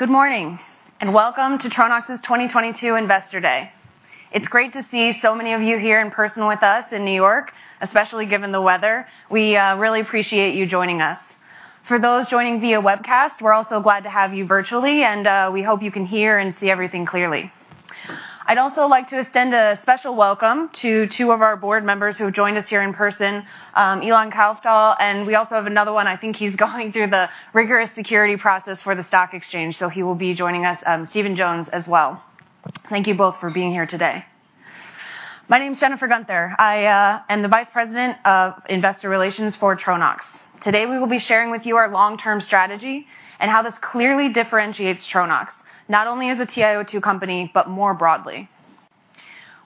Good morning, and welcome to Tronox's 2022 Investor Day. It's great to see so many of you here in person with us in New York, especially given the weather. We really appreciate you joining us. For those joining via webcast, we're also glad to have you virtually, and we hope you can hear and see everything clearly. I'd also like to extend a special welcome to two of our board members who have joined us here in person, Ilan Kaufthal, and we also have another one. I think he's going through the rigorous security process for the stock exchange, so he will be joining us, Stephen Jones as well. Thank you both for being here today. My name's Jennifer Guenther. I am the Vice President of Investor Relations for Tronox. Today, we will be sharing with you our long-term strategy and how this clearly differentiates Tronox, not only as a TiO2 company, but more broadly.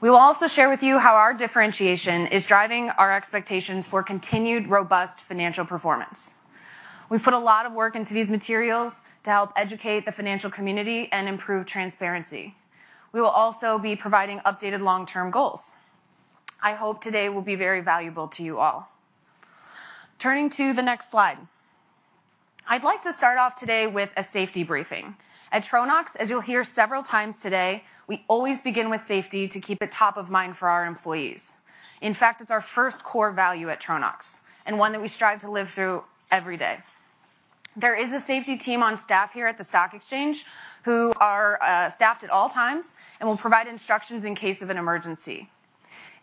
We will also share with you how our differentiation is driving our expectations for continued robust financial performance. We've put a lot of work into these materials to help educate the financial community and improve transparency. We will also be providing updated long-term goals. I hope today will be very valuable to you all. Turning to the next slide. I'd like to start off today with a safety briefing. At Tronox, as you'll hear several times today, we always begin with safety to keep it top of mind for our employees. In fact, it's our first core value at Tronox, and one that we strive to live through every day. There is a safety team on staff here at the stock exchange who are staffed at all times and will provide instructions in case of an emergency.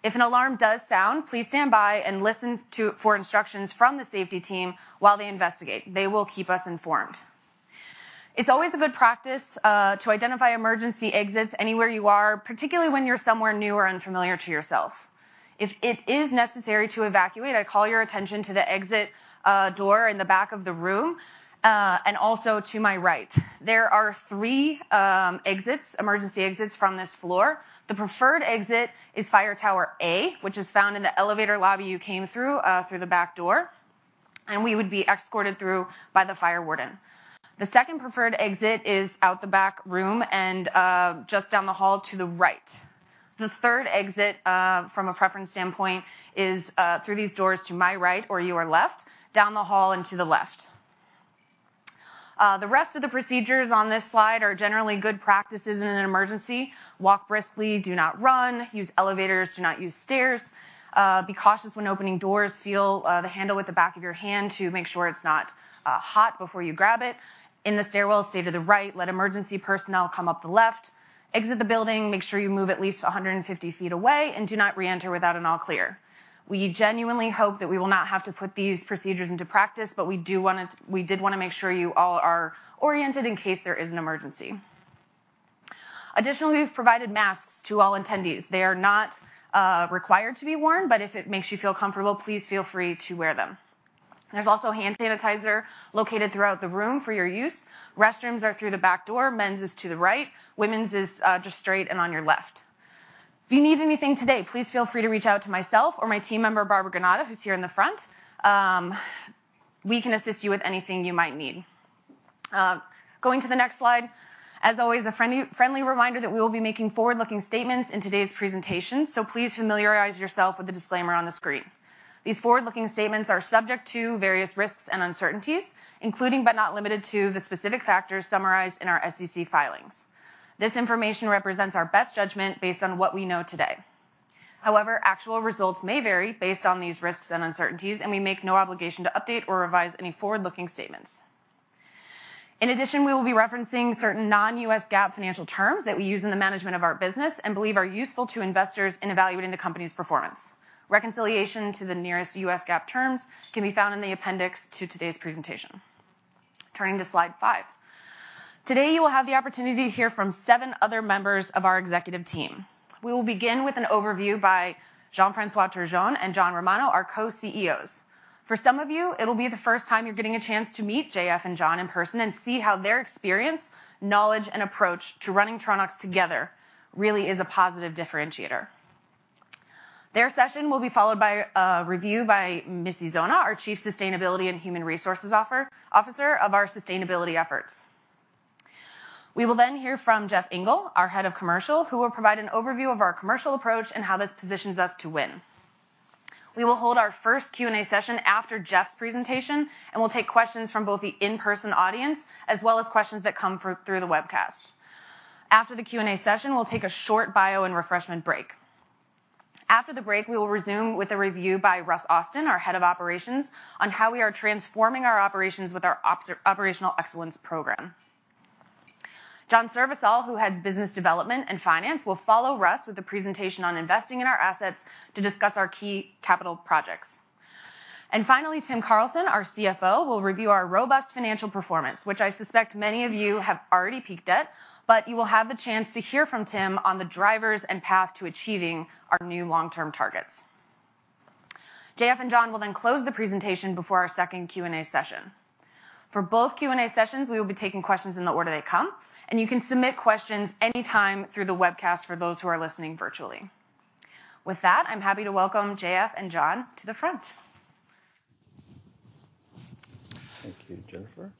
If an alarm does sound, please stand by and listen for instructions from the safety team while they investigate. They will keep us informed. It's always a good practice to identify emergency exits anywhere you are, particularly when you're somewhere new or unfamiliar to yourself. If it is necessary to evacuate, I call your attention to the exit door in the back of the room and also to my right. There are three exits, emergency exits from this floor. The preferred exit is Fire Tower A, which is found in the elevator lobby you came through the back door, and we would be escorted through by the fire warden. The second preferred exit is out the back room and just down the hall to the right. The third exit from a preference standpoint is through these doors to my right or your left, down the hall and to the left. The rest of the procedures on this slide are generally good practices in an emergency. Walk briskly, do not run. Use elevators, do not use stairs. Be cautious when opening doors. Feel the handle with the back of your hand to make sure it's not hot before you grab it. In the stairwell, stay to the right. Let emergency personnel come up the left. Exit the building, make sure you move at least 150 feet away, and do not reenter without an all clear. We genuinely hope that we will not have to put these procedures into practice, but we did wanna make sure you all are oriented in case there is an emergency. Additionally, we've provided masks to all attendees. They are not required to be worn, but if it makes you feel comfortable, please feel free to wear them. There's also hand sanitizer located throughout the room for your use. Restrooms are through the back door. Men's is to the right. Women's is just straight and on your left. If you need anything today, please feel free to reach out to myself or my team member, Barbara Granata, who's here in the front. We can assist you with anything you might need. Going to the next slide. As always, a friendly reminder that we will be making forward-looking statements in today's presentation, so please familiarize yourself with the disclaimer on the screen. These forward-looking statements are subject to various risks and uncertainties, including but not limited to the specific factors summarized in our SEC filings. This information represents our best judgment based on what we know today. However, actual results may vary based on these risks and uncertainties, and we make no obligation to update or revise any forward-looking statements. In addition, we will be referencing certain non-U.S. GAAP financial terms that we use in the management of our business and believe are useful to investors in evaluating the company's performance. Reconciliation to the nearest U.S. GAAP terms can be found in the appendix to today's presentation. Turning to slide five. Today, you will have the opportunity to hear from seven other members of our executive team. We will begin with an overview by Jean-François Turgeon and John Romano, our co-CEOs. For some of you, it'll be the first time you're getting a chance to meet JF and John in person and see how their experience, knowledge, and approach to running Tronox together really is a positive differentiator. Their session will be followed by a review by Missy Zona, our Chief Sustainability and Human Resources Officer of our sustainability efforts. We will then hear from Jeff Engle, our Head of Commercial, who will provide an overview of our commercial approach and how this positions us to win. We will hold our first Q&A session after Jeff's presentation, and we'll take questions from both the in-person audience as well as questions that come through the webcast. After the Q&A session, we'll take a short bio and refreshment break. After the break, we will resume with a review by Russ Austin, our Head of Operations, on how we are transforming our operations with our Operational Excellence Program. John Srivisal, who heads Business Development and Finance, will follow Russ with a presentation on investing in our assets to discuss our key capital projects. Finally, Tim Carlson, our CFO, will review our robust financial performance, which I suspect many of you have already peeked at, but you will have the chance to hear from Tim on the drivers and path to achieving our new long-term targets. JF and John will then close the presentation before our second Q&A session. For both Q&A sessions, we will be taking questions in the order they come, and you can submit questions any time through the webcast for those who are listening virtually. With that, I'm happy to welcome JF and John to the front. Thank you, Jennifer.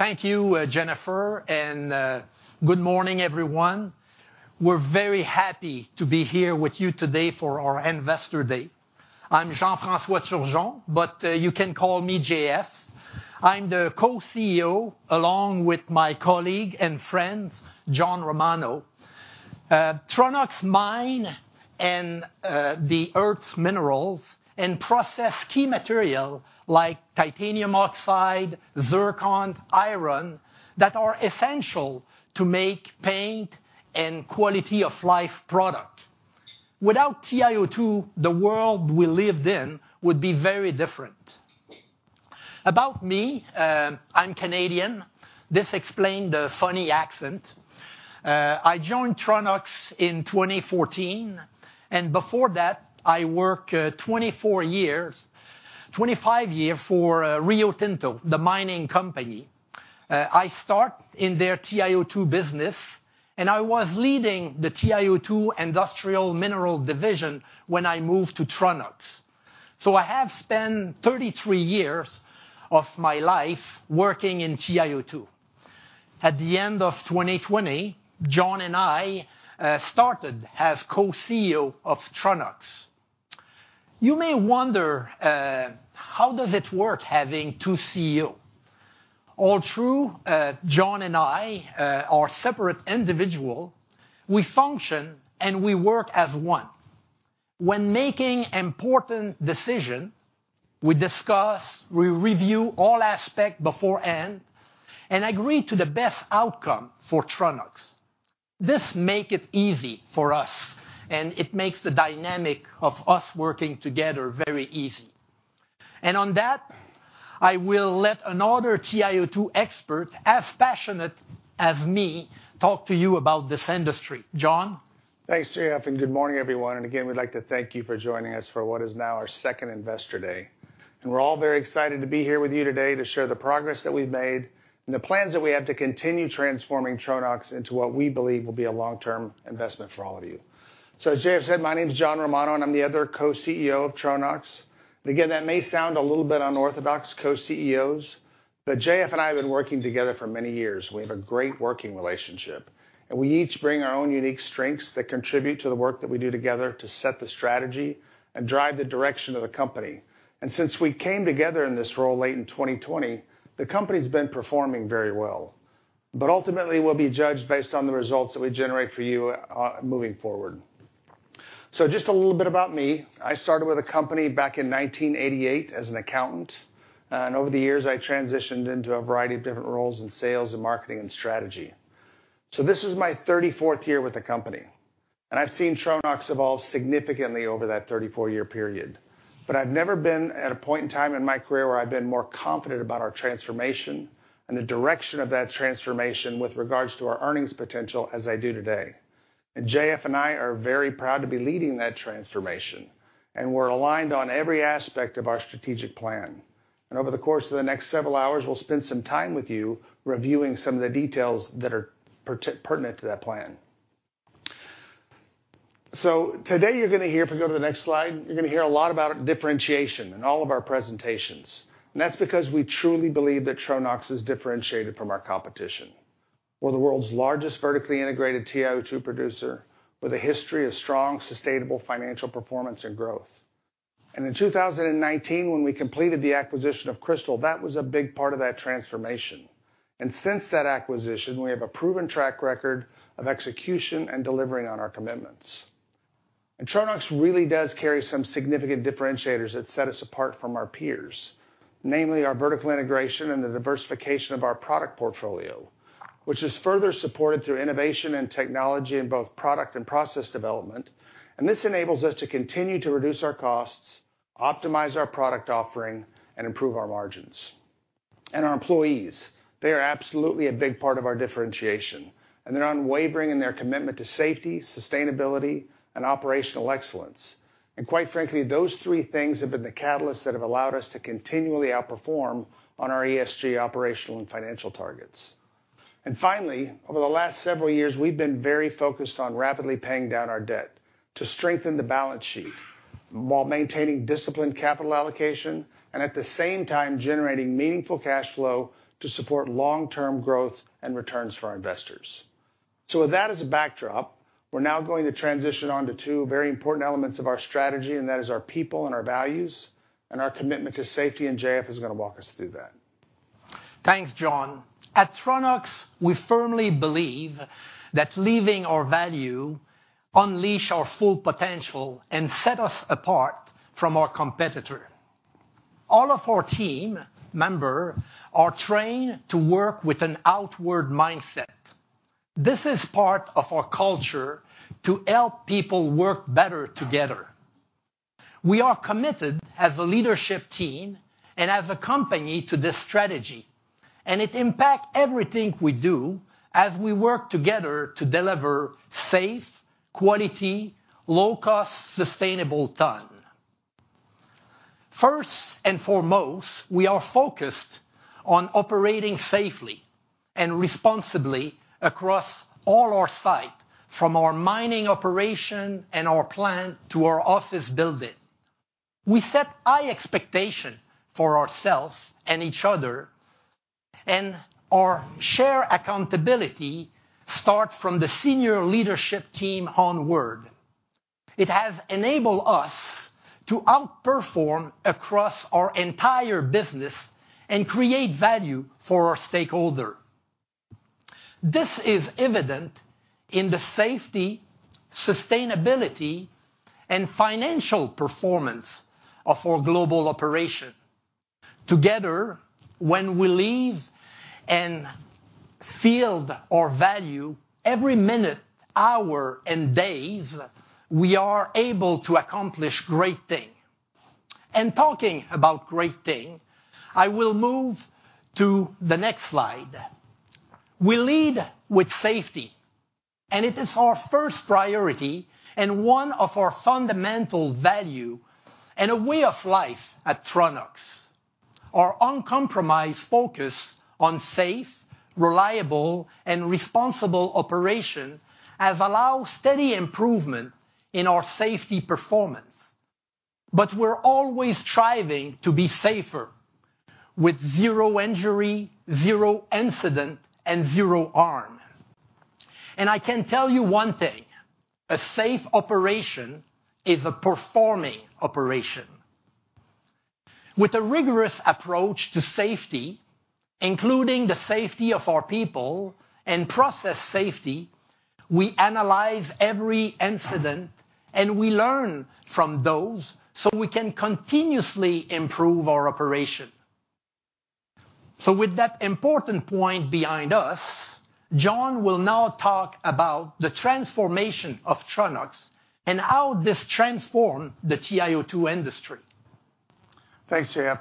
Thank you, Jennifer, and good morning, everyone. We're very happy to be here with you today for our Investor Day. I'm Jean-François Turgeon, but you can call me JF. I'm the co-CEO along with my colleague and friend, John Romano. Tronox mines and processes the Earth's minerals and key materials like titanium dioxide, zircon, iron, that are essential to make paint and quality of life products. Without TiO2, the world we lived in would be very different. About me, I'm Canadian. This explains the funny accent. I joined Tronox in 2014, and before that, I worked 25 years for Rio Tinto, the mining company. I started in their TiO2 business, and I was leading the TiO2 industrial mineral division when I moved to Tronox. I have spent 33 years of my life working in TiO2. At the end of 2020, John and I started as co-CEO of Tronox. You may wonder, how does it work having two CEOs. Although John and I are separate individuals. We function, and we work as one. When making important decisions, we discuss, we review all aspects beforehand and agree to the best outcome for Tronox. This makes it easy for us, and it makes the dynamic of us working together very easy. On that, I will let another TiO2 expert, as passionate as me, talk to you about this industry. John? Thanks, JF, and good morning, everyone. Again, we'd like to thank you for joining us for what is now our second Investor Day. We're all very excited to be here with you today to share the progress that we've made and the plans that we have to continue transforming Tronox into what we believe will be a long-term investment for all of you. As JF said, my name's John Romano, and I'm the other co-CEO of Tronox. Again, that may sound a little bit unorthodox, co-CEOs, but JF and I have been working together for many years. We have a great working relationship, and we each bring our own unique strengths that contribute to the work that we do together to set the strategy and drive the direction of the company. Since we came together in this role late in 2020, the company's been performing very well. Ultimately, we'll be judged based on the results that we generate for you, moving forward. Just a little bit about me. I started with the company back in 1988 as an accountant, and over the years, I transitioned into a variety of different roles in sales and marketing and strategy. This is my 34th year with the company, and I've seen Tronox evolve significantly over that 34-year period. I've never been at a point in time in my career where I've been more confident about our transformation and the direction of that transformation with regards to our earnings potential as I do today. JF and I are very proud to be leading that transformation, and we're aligned on every aspect of our strategic plan. Over the course of the next several hours, we'll spend some time with you reviewing some of the details that are pertinent to that plan. Today you're gonna hear, if we go to the next slide, you're gonna hear a lot about differentiation in all of our presentations. That's because we truly believe that Tronox is differentiated from our competition. We're the world's largest vertically integrated TiO2 producer with a history of strong, sustainable financial performance and growth. In 2019, when we completed the acquisition of Cristal, that was a big part of that transformation. Since that acquisition, we have a proven track record of execution and delivering on our commitments. Tronox really does carry some significant differentiators that set us apart from our peers, namely our vertical integration and the diversification of our product portfolio, which is further supported through innovation and technology in both product and process development. This enables us to continue to reduce our costs, optimize our product offering, and improve our margins. Our employees, they are absolutely a big part of our differentiation, and they're unwavering in their commitment to safety, sustainability, and operational excellence. Quite frankly, those three things have been the catalyst that have allowed us to continually outperform on our ESG operational and financial targets. Finally, over the last several years, we've been very focused on rapidly paying down our debt to strengthen the balance sheet while maintaining disciplined capital allocation and, at the same time, generating meaningful cash flow to support long-term growth and returns for our investors. With that as a backdrop, we're now going to transition on to two very important elements of our strategy, and that is our people and our values and our commitment to safety, and JF is gonna walk us through that. Thanks, John. At Tronox, we firmly believe that living our values unleashes our full potential and sets us apart from our competitors. All of our team members are trained to work with an outward mindset. This is part of our culture to help people work better together. We are committed as a leadership team and as a company to this strategy, and it impacts everything we do as we work together to deliver safe, quality, low cost, sustainable tons. First and foremost, we are focused on operating safely and responsibly across all our sites, from our mining operations and our plants to our office buildings. We set high expectations for ourselves and each other, and our shared accountability starts from the senior leadership team onward. It has enabled us to outperform across our entire business and create value for our stakeholders. This is evident in the safety, sustainability, and financial performance of our global operation. Together, when we live and feel our value every minute, hour, and days, we are able to accomplish great thing. Talking about great thing, I will move to the next slide. We lead with safety, and it is our first priority and one of our fundamental value, and a way of life at Tronox. Our uncompromised focus on safe, reliable, and responsible operation has allowed steady improvement in our safety performance. We're always striving to be safer with zero injury, zero incident, and zero harm. I can tell you one thing, a safe operation is a performing operation. With a rigorous approach to safety, including the safety of our people and process safety, we analyze every incident, and we learn from those so we can continuously improve our operation. With that important point behind us, John will now talk about the transformation of Tronox and how this transformed the TiO2 industry. Thanks, JF.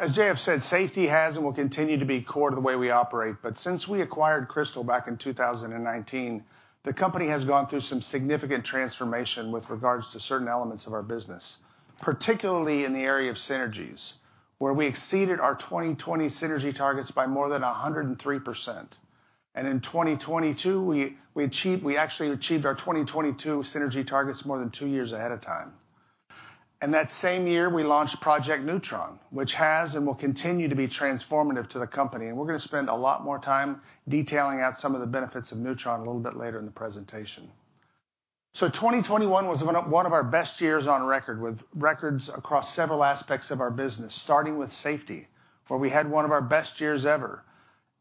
As JF said, safety has and will continue to be core to the way we operate. Since we acquired Cristal back in 2019, the company has gone through some significant transformation with regards to certain elements of our business, particularly in the area of synergies, where we exceeded our 2020 synergy targets by more than 103%. In 2022, we actually achieved our 2022 synergy targets more than two years ahead of time. In that same year, we launched Project Neutron, which has and will continue to be transformative to the company. We're gonna spend a lot more time detailing out some of the benefits of Neutron a little bit later in the presentation. 2021 was one of our best years on record, with records across several aspects of our business, starting with safety, where we had one of our best years ever.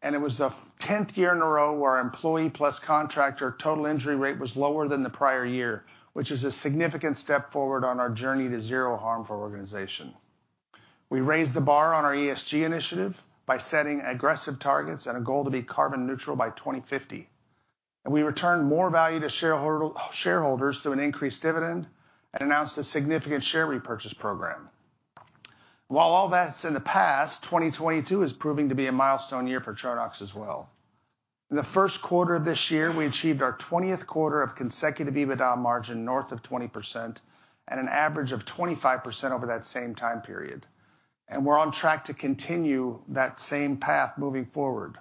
It was the 10th year in a row where our employee plus contractor total injury rate was lower than the prior year, which is a significant step forward on our journey to zero harm for our organization. We raised the bar on our ESG initiative by setting aggressive targets and a goal to be carbon neutral by 2050. We returned more value to shareholders through an increased dividend and announced a significant share repurchase program. While all that's in the past, 2022 is proving to be a milestone year for Tronox as well. In the Q1 of this year, we achieved our 20th quarter of consecutive EBITDA margin north of 20% and an average of 25% over that same time period, and we're on track to continue that same path moving forward.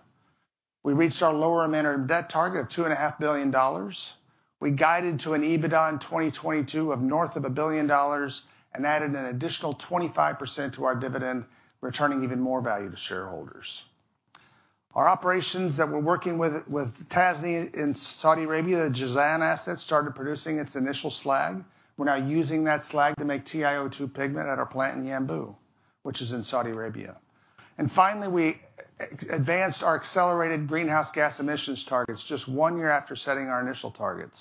We reached our net debt target of $2.5 billion. We guided to an EBITDA in 2022 of north of $1 billion and added an additional 25% to our dividend, returning even more value to shareholders. Our operations that we're working with Tasnee in Saudi Arabia, the Jazan asset, started producing its initial slag. We're now using that slag to make TiO2 pigment at our plant in Yanbu, which is in Saudi Arabia. Finally, we advanced our accelerated greenhouse gas emissions targets just one year after setting our initial targets,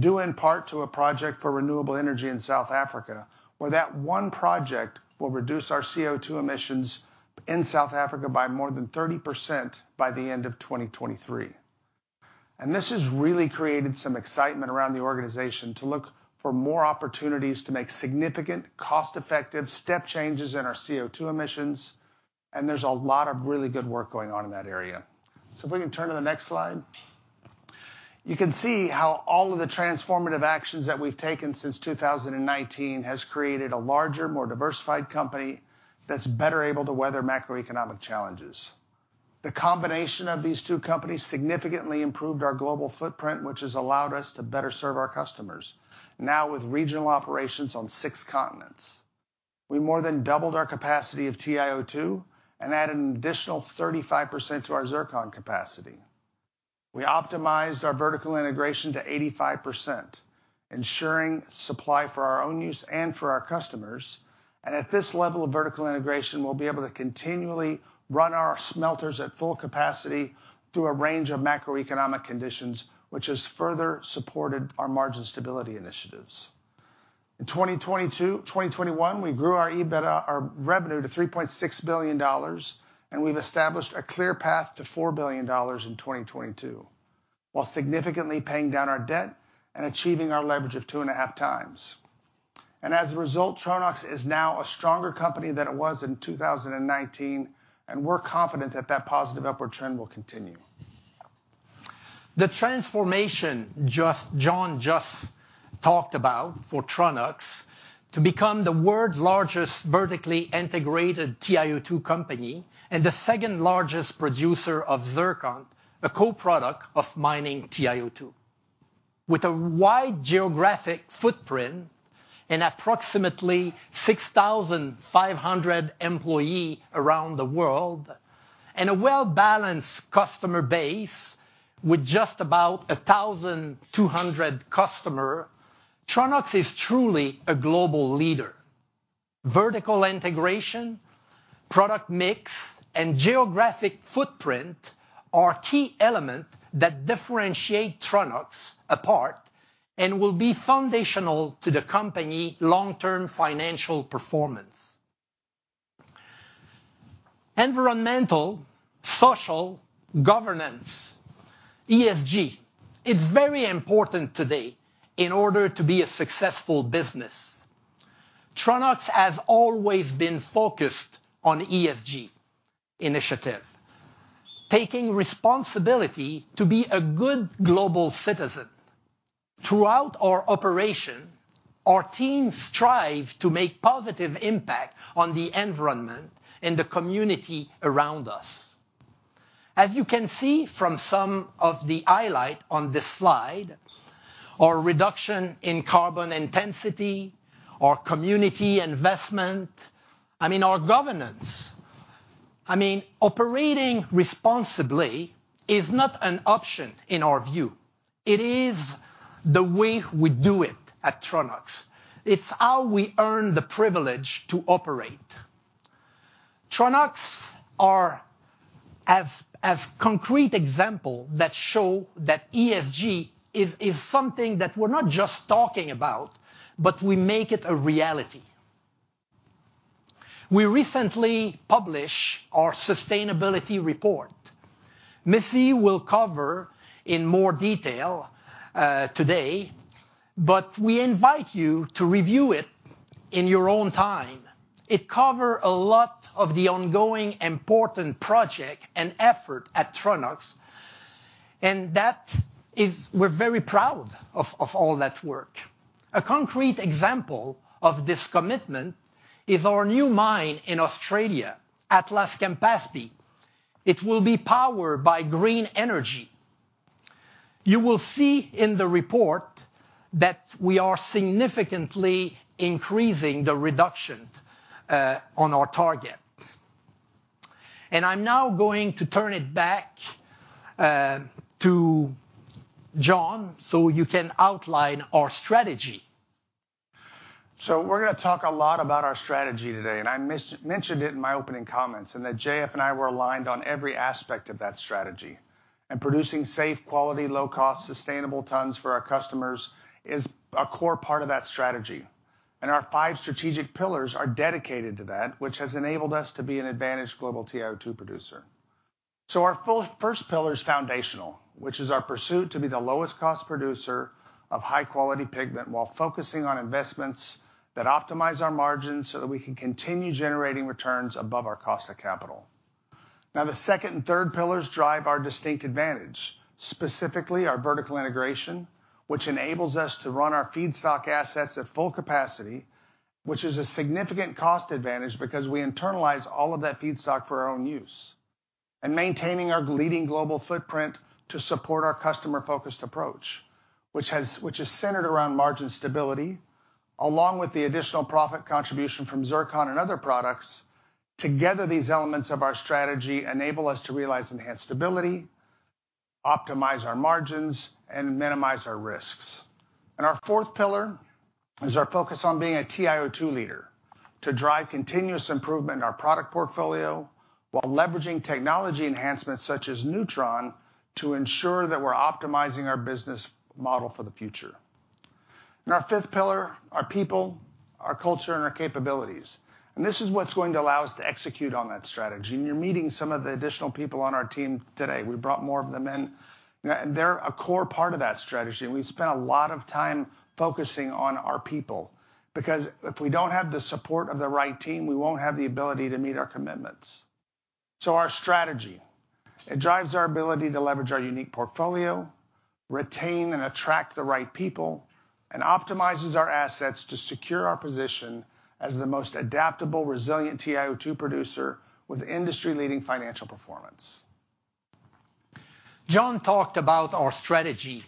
due in part to a project for renewable energy in South Africa, where that one project will reduce our CO2 emissions in South Africa by more than 30% by the end of 2023. This has really created some excitement around the organization to look for more opportunities to make significant cost-effective step changes in our CO2 emissions, and there's a lot of really good work going on in that area. If we can turn to the next slide. You can see how all of the transformative actions that we've taken since 2019 has created a larger, more diversified company that's better able to weather macroeconomic challenges. The combination of these two companies significantly improved our global footprint, which has allowed us to better serve our customers, now with regional operations on six continents. We more than doubled our capacity of TiO2 and added an additional 35% to our zircon capacity. We optimized our vertical integration to 85%, ensuring supply for our own use and for our customers. At this level of vertical integration, we'll be able to continually run our smelters at full capacity through a range of macroeconomic conditions, which has further supported our margin stability initiatives. In 2021, we grew our EBITDA, our revenue to $3.6 billion, and we've established a clear path to $4 billion in 2022, while significantly paying down our debt and achieving our leverage of 2.5 times. As a result, Tronox is now a stronger company than it was in 2019, and we're confident that that positive upward trend will continue. The transformation John just talked about for Tronox to become the world's largest vertically integrated TiO2 company and the second-largest producer of zircon, a co-product of mining TiO2. With a wide geographic footprint and approximately 6,500 employees around the world, and a well-balanced customer base with just about 1,200 customers, Tronox is truly a global leader. Vertical integration, product mix, and geographic footprint are key elements that differentiate Tronox apart and will be foundational to the company long-term financial performance. Environmental, social, governance, ESG, is very important today in order to be a successful business. Tronox has always been focused on ESG initiative, taking responsibility to be a good global citizen. Throughout our operation, our teams strive to make positive impact on the environment and the community around us. As you can see from some of the highlights on this slide, our reduction in carbon intensity, our community investment, I mean our governance. I mean, operating responsibly is not an option in our view. It is the way we do it at Tronox. It's how we earn the privilege to operate. Tronox has concrete examples that show that ESG is something that we're not just talking about, but we make it a reality. We recently publish our sustainability report. Missy will cover in more detail today, but we invite you to review it in your own time. It cover a lot of the ongoing important projects and efforts at Tronox, and that is what we're very proud of all that work. A concrete example of this commitment is our new mine in Australia, Atlas-Campaspe. It will be powered by green energy. You will see in the report that we are significantly increasing the reduction on our targets. I'm now going to turn it back to John so you can outline our strategy. We're gonna talk a lot about our strategy today, and I mis-mentioned it in my opening comments, and that JF and I were aligned on every aspect of that strategy. Producing safe, quality, low cost, sustainable tons for our customers is a core part of that strategy. Our five strategic pillars are dedicated to that, which has enabled us to be an advantaged global TiO2 producer. Our first pillar is foundational, which is our pursuit to be the lowest cost producer of high-quality pigment while focusing on investments that optimize our margins so that we can continue generating returns above our cost of capital. Now, the second and third pillars drive our distinct advantage, specifically our vertical integration, which enables us to run our feedstock assets at full capacity, which is a significant cost advantage because we internalize all of that feedstock for our own use. Maintaining our leading global footprint to support our customer-focused approach, which is centered around margin stability, along with the additional profit contribution from Zircon and other products. Together, these elements of our strategy enable us to realize enhanced stability, optimize our margins, and minimize our risks. Our fourth pillar is our focus on being a TiO2 leader, to drive continuous improvement in our product portfolio while leveraging technology enhancements such as Neutron to ensure that we're optimizing our business model for the future. Our fifth pillar, our people, our culture, and our capabilities. This is what's going to allow us to execute on that strategy. You're meeting some of the additional people on our team today. We brought more of them in, and they're a core part of that strategy. We've spent a lot of time focusing on our people, because if we don't have the support of the right team, we won't have the ability to meet our commitments. Our strategy, it drives our ability to leverage our unique portfolio, retain and attract the right people, and optimizes our assets to secure our position as the most adaptable, resilient TiO2 producer with industry-leading financial performance. John talked about our strategy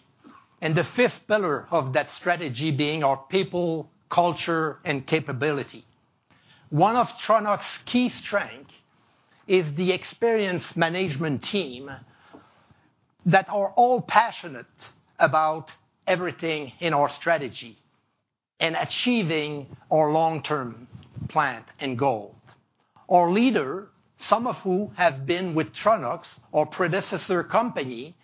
and the fifth pillar of that strategy being our people, culture, and capability. One of Tronox key strength is the experienced management team that are all passionate about everything in our strategy and achieving our long-term plan and goal. Our leader, some of who have been with Tronox or predecessor company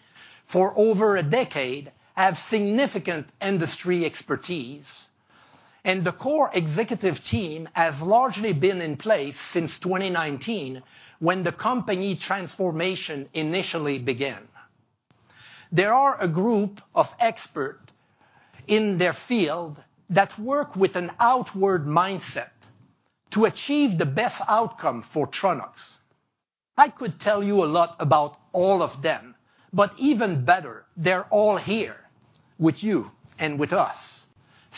for over a decade, have significant industry expertise, and the core executive team has largely been in place since 2019, when the company transformation initially began. There are a group of expert in their field that work with an outward mindset to achieve the best outcome for Tronox. I could tell you a lot about all of them, but even better, they're all here with you and with us.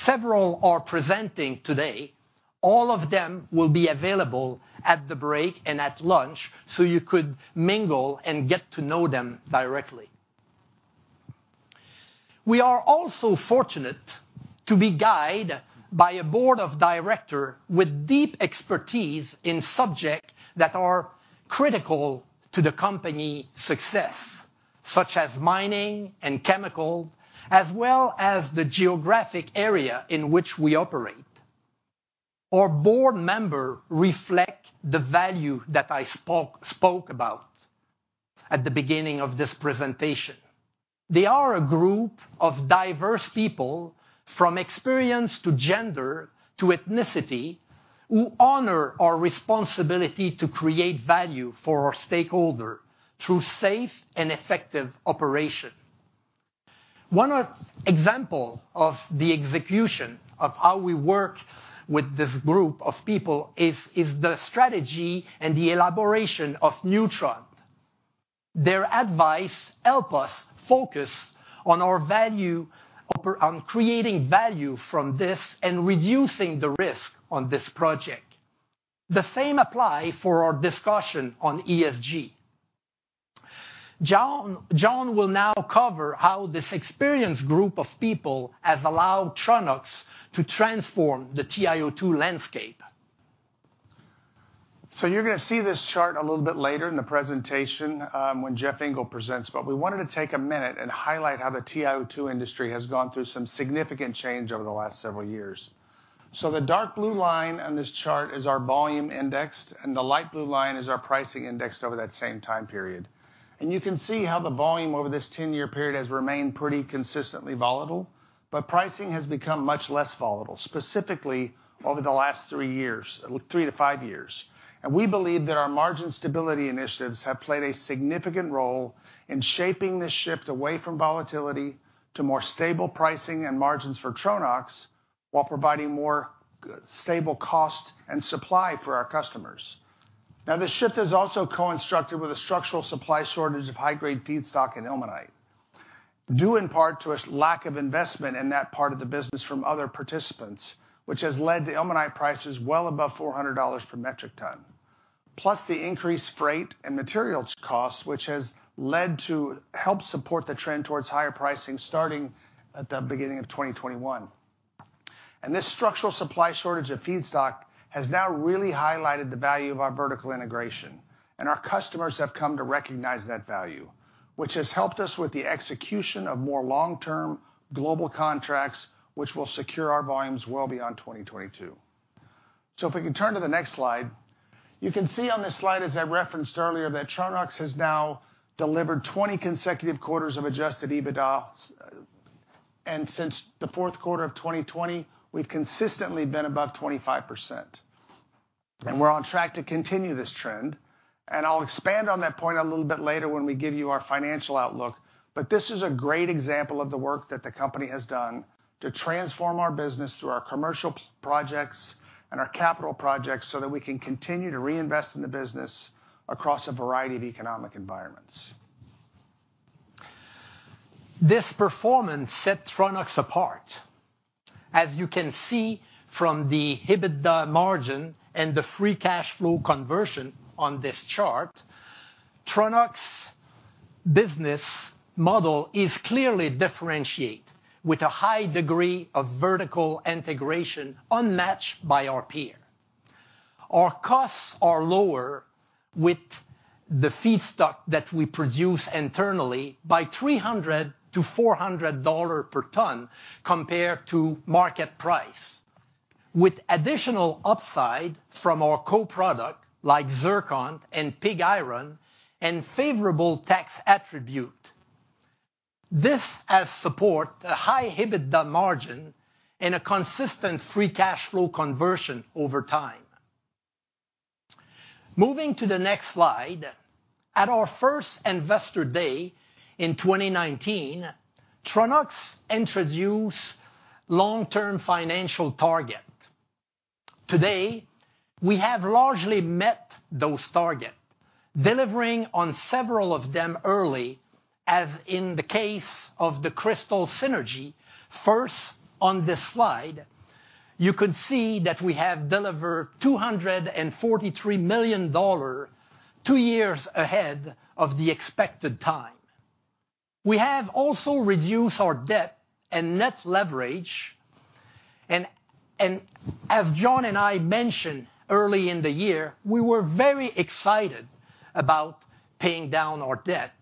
Several are presenting today. All of them will be available at the break and at lunch, so you could mingle and get to know them directly. We are also fortunate to be guided by a board of directors with deep expertise in subjects that are critical to the company's success, such as mining and chemicals, as well as the geographic areas in which we operate. Our board members reflect the values that I spoke about at the beginning of this presentation. They are a group of diverse people from experience to gender to ethnicity who honor our responsibility to create value for our stakeholders through safe and effective operations. One example of the execution of how we work with this group of people is the strategy and the elaboration of Neutron. Their advice helps us focus on our value of on creating value from this and reducing the risk on this project. The same applies for our discussion on ESG. John Srivisal will now cover how this experienced group of people have allowed Tronox to transform the TiO2 landscape. You're gonna see this chart a little bit later in the presentation, when Jeff Engle presents, but we wanted to take a minute and highlight how the TiO2 industry has gone through some significant change over the last several years. The dark blue line on this chart is our volume indexed, and the light blue line is our pricing indexed over that same time period. You can see how the volume over this 10-year period has remained pretty consistently volatile, but pricing has become much less volatile, specifically over the last three years, three to five years. We believe that our margin stability initiatives have played a significant role in shaping this shift away from volatility to more stable pricing and margins for Tronox while providing more stable cost and supply for our customers. This shift is also coupled with a structural supply shortage of high-grade feedstock and ilmenite, due in part to a lack of investment in that part of the business from other participants, which has led to ilmenite prices well above $400 per metric ton, plus the increased freight and material costs, which has helped support the trend towards higher pricing starting at the beginning of 2021. This structural supply shortage of feedstock has now really highlighted the value of our vertical integration, and our customers have come to recognize that value, which has helped us with the execution of more long-term global contracts, which will secure our volumes well beyond 2022. If we could turn to the next slide. You can see on this slide, as I referenced earlier, that Tronox has now delivered 20 consecutive quarters of adjusted EBITDA, and since the Q4 of 2020, we've consistently been above 25%. We're on track to continue this trend, and I'll expand on that point a little bit later when we give you our financial outlook. This is a great example of the work that the company has done to transform our business through our commercial projects and our capital projects so that we can continue to reinvest in the business across a variety of economic environments. This performance set Tronox apart. As you can see from the EBITDA margin and the free cash flow conversion on this chart, Tronox business model is clearly differentiate with a high degree of vertical integration unmatched by our peer. Our costs are lower with the feedstock that we produce internally by $300-$400 per ton compared to market price. With additional upside from our co-product like zircon and pig iron and favorable tax attribute, this has support a high EBITDA margin and a consistent free cash flow conversion over time. Moving to the next slide. At our first Investor Day in 2019, Tronox introduce long-term financial target. Today, we have largely met those target, delivering on several of them early, as in the case of the Cristal Synergy. First, on this slide, you could see that we have delivered $243 million two years ahead of the expected time. We have also reduced our debt and net leverage. As John and I mentioned early in the year, we were very excited about paying down our debt,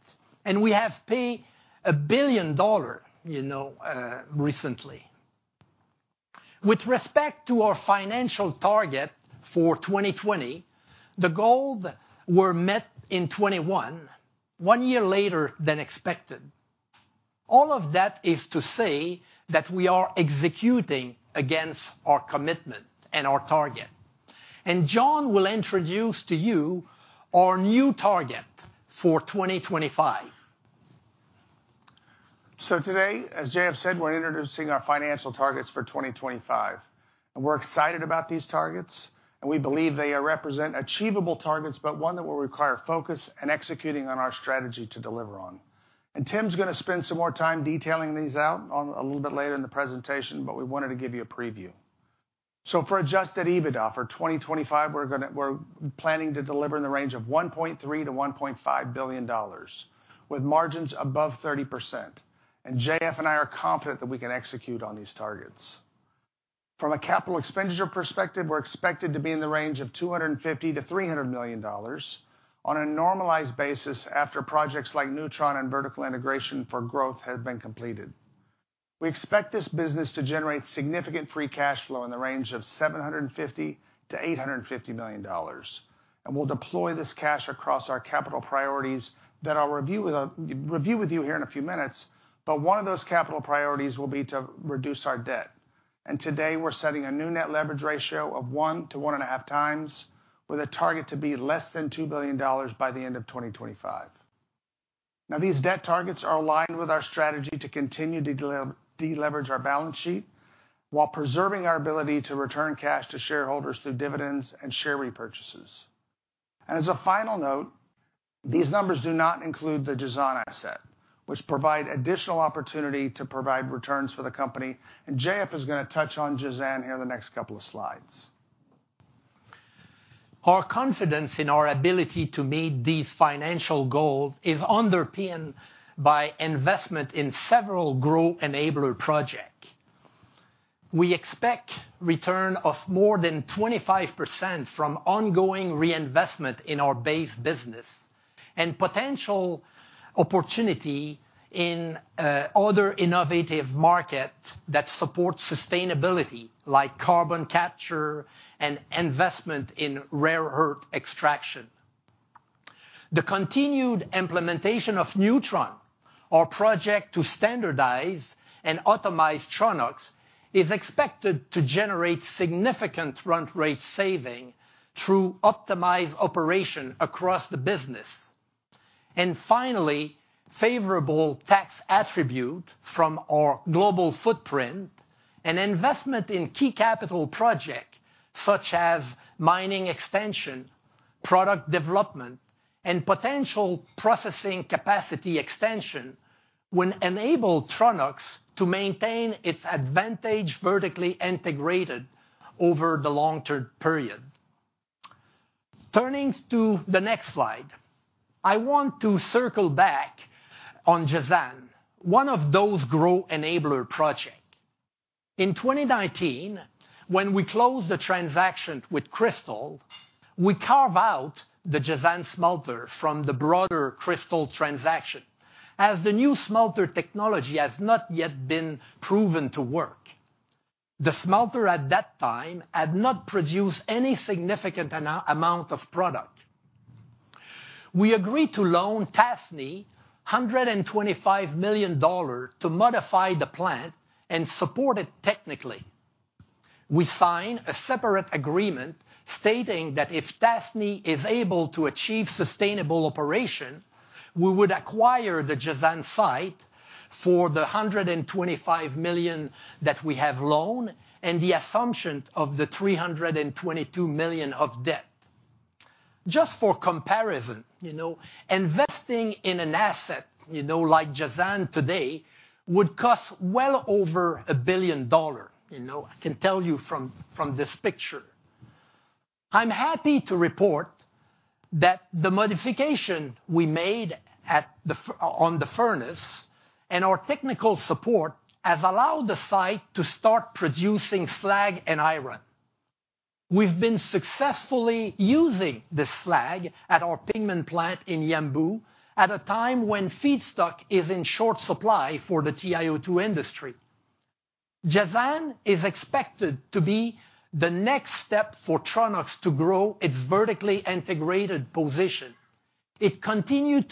and we have paid $1 billion, you know, recently. With respect to our financial target for 2020, the goal were met in 2021, one year later than expected. All of that is to say that we are executing against our commitment and our target. John will introduce to you our new target for 2025. Today, as J.F. said, we're introducing our financial targets for 2025. We're excited about these targets, and we believe they represent achievable targets, but one that will require focus and executing on our strategy to deliver on. Tim's gonna spend some more time detailing these out a little bit later in the presentation, but we wanted to give you a preview. For adjusted EBITDA for 2025, we're planning to deliver in the range of $1.3 billion-$1.5 billion, with margins above 30%. J.F. and I are confident that we can execute on these targets. From a capital expenditure perspective, we're expected to be in the range of $250 million-$300 million on a normalized basis after projects like Neutron and vertical integration for growth have been completed. We expect this business to generate significant free cash flow in the range of $750 million-$850 million, and we'll deploy this cash across our capital priorities that I'll review with you here in a few minutes, but one of those capital priorities will be to reduce our debt. Today, we're setting a new net leverage ratio of 1-1.5x, with a target to be less than $2 billion by the end of 2025. Now, these debt targets are aligned with our strategy to continue to deleverage our balance sheet while preserving our ability to return cash to shareholders through dividends and share repurchases. As a final note, these numbers do not include the Jazan asset, which provide additional opportunity to provide returns for the company. J.F. is gonna touch on Jazan here in the next couple of slides. Our confidence in our ability to meet these financial goals is underpinned by investment in several growth enabler projects. We expect returns of more than 25% from ongoing reinvestment in our base business and potential opportunities in other innovative markets that support sustainability, like carbon capture and investment in rare earth extraction. The continued implementation of Neutron, our project to standardize and optimize Tronox, is expected to generate significant run rate savings through optimized operations across the business. Finally, favorable tax attributes from our global footprint and investment in key capital projects, such as mining extension, product development, and potential processing capacity extension, will enable Tronox to maintain its vertically integrated advantage over the long-term period. Turning to the next slide, I want to circle back on Jazan, one of those growth enabler projects. In 2019, when we closed the transaction with Cristal, we carve out the Jazan smelter from the broader Cristal transaction. As the new smelter technology has not yet been proven to work, the smelter at that time had not produced any significant amount of product. We agreed to loan Tasnee $125 million to modify the plant and support it technically. We signed a separate agreement stating that if Tasnee is able to achieve sustainable operation, we would acquire the Jazan site for the $125 million that we have loaned and the assumption of the $322 million of debt. Just for comparison, you know, investing in an asset, you know, like Jazan today would cost well over $1 billion, you know, I can tell you from this picture. I'm happy to report that the modification we made on the furnace and our technical support have allowed the site to start producing slag and iron. We've been successfully using this slag at our pigment plant in Yanbu at a time when feedstock is in short supply for the TiO2 industry. Jazan is expected to be the next step for Tronox to grow its vertically integrated position. If it continued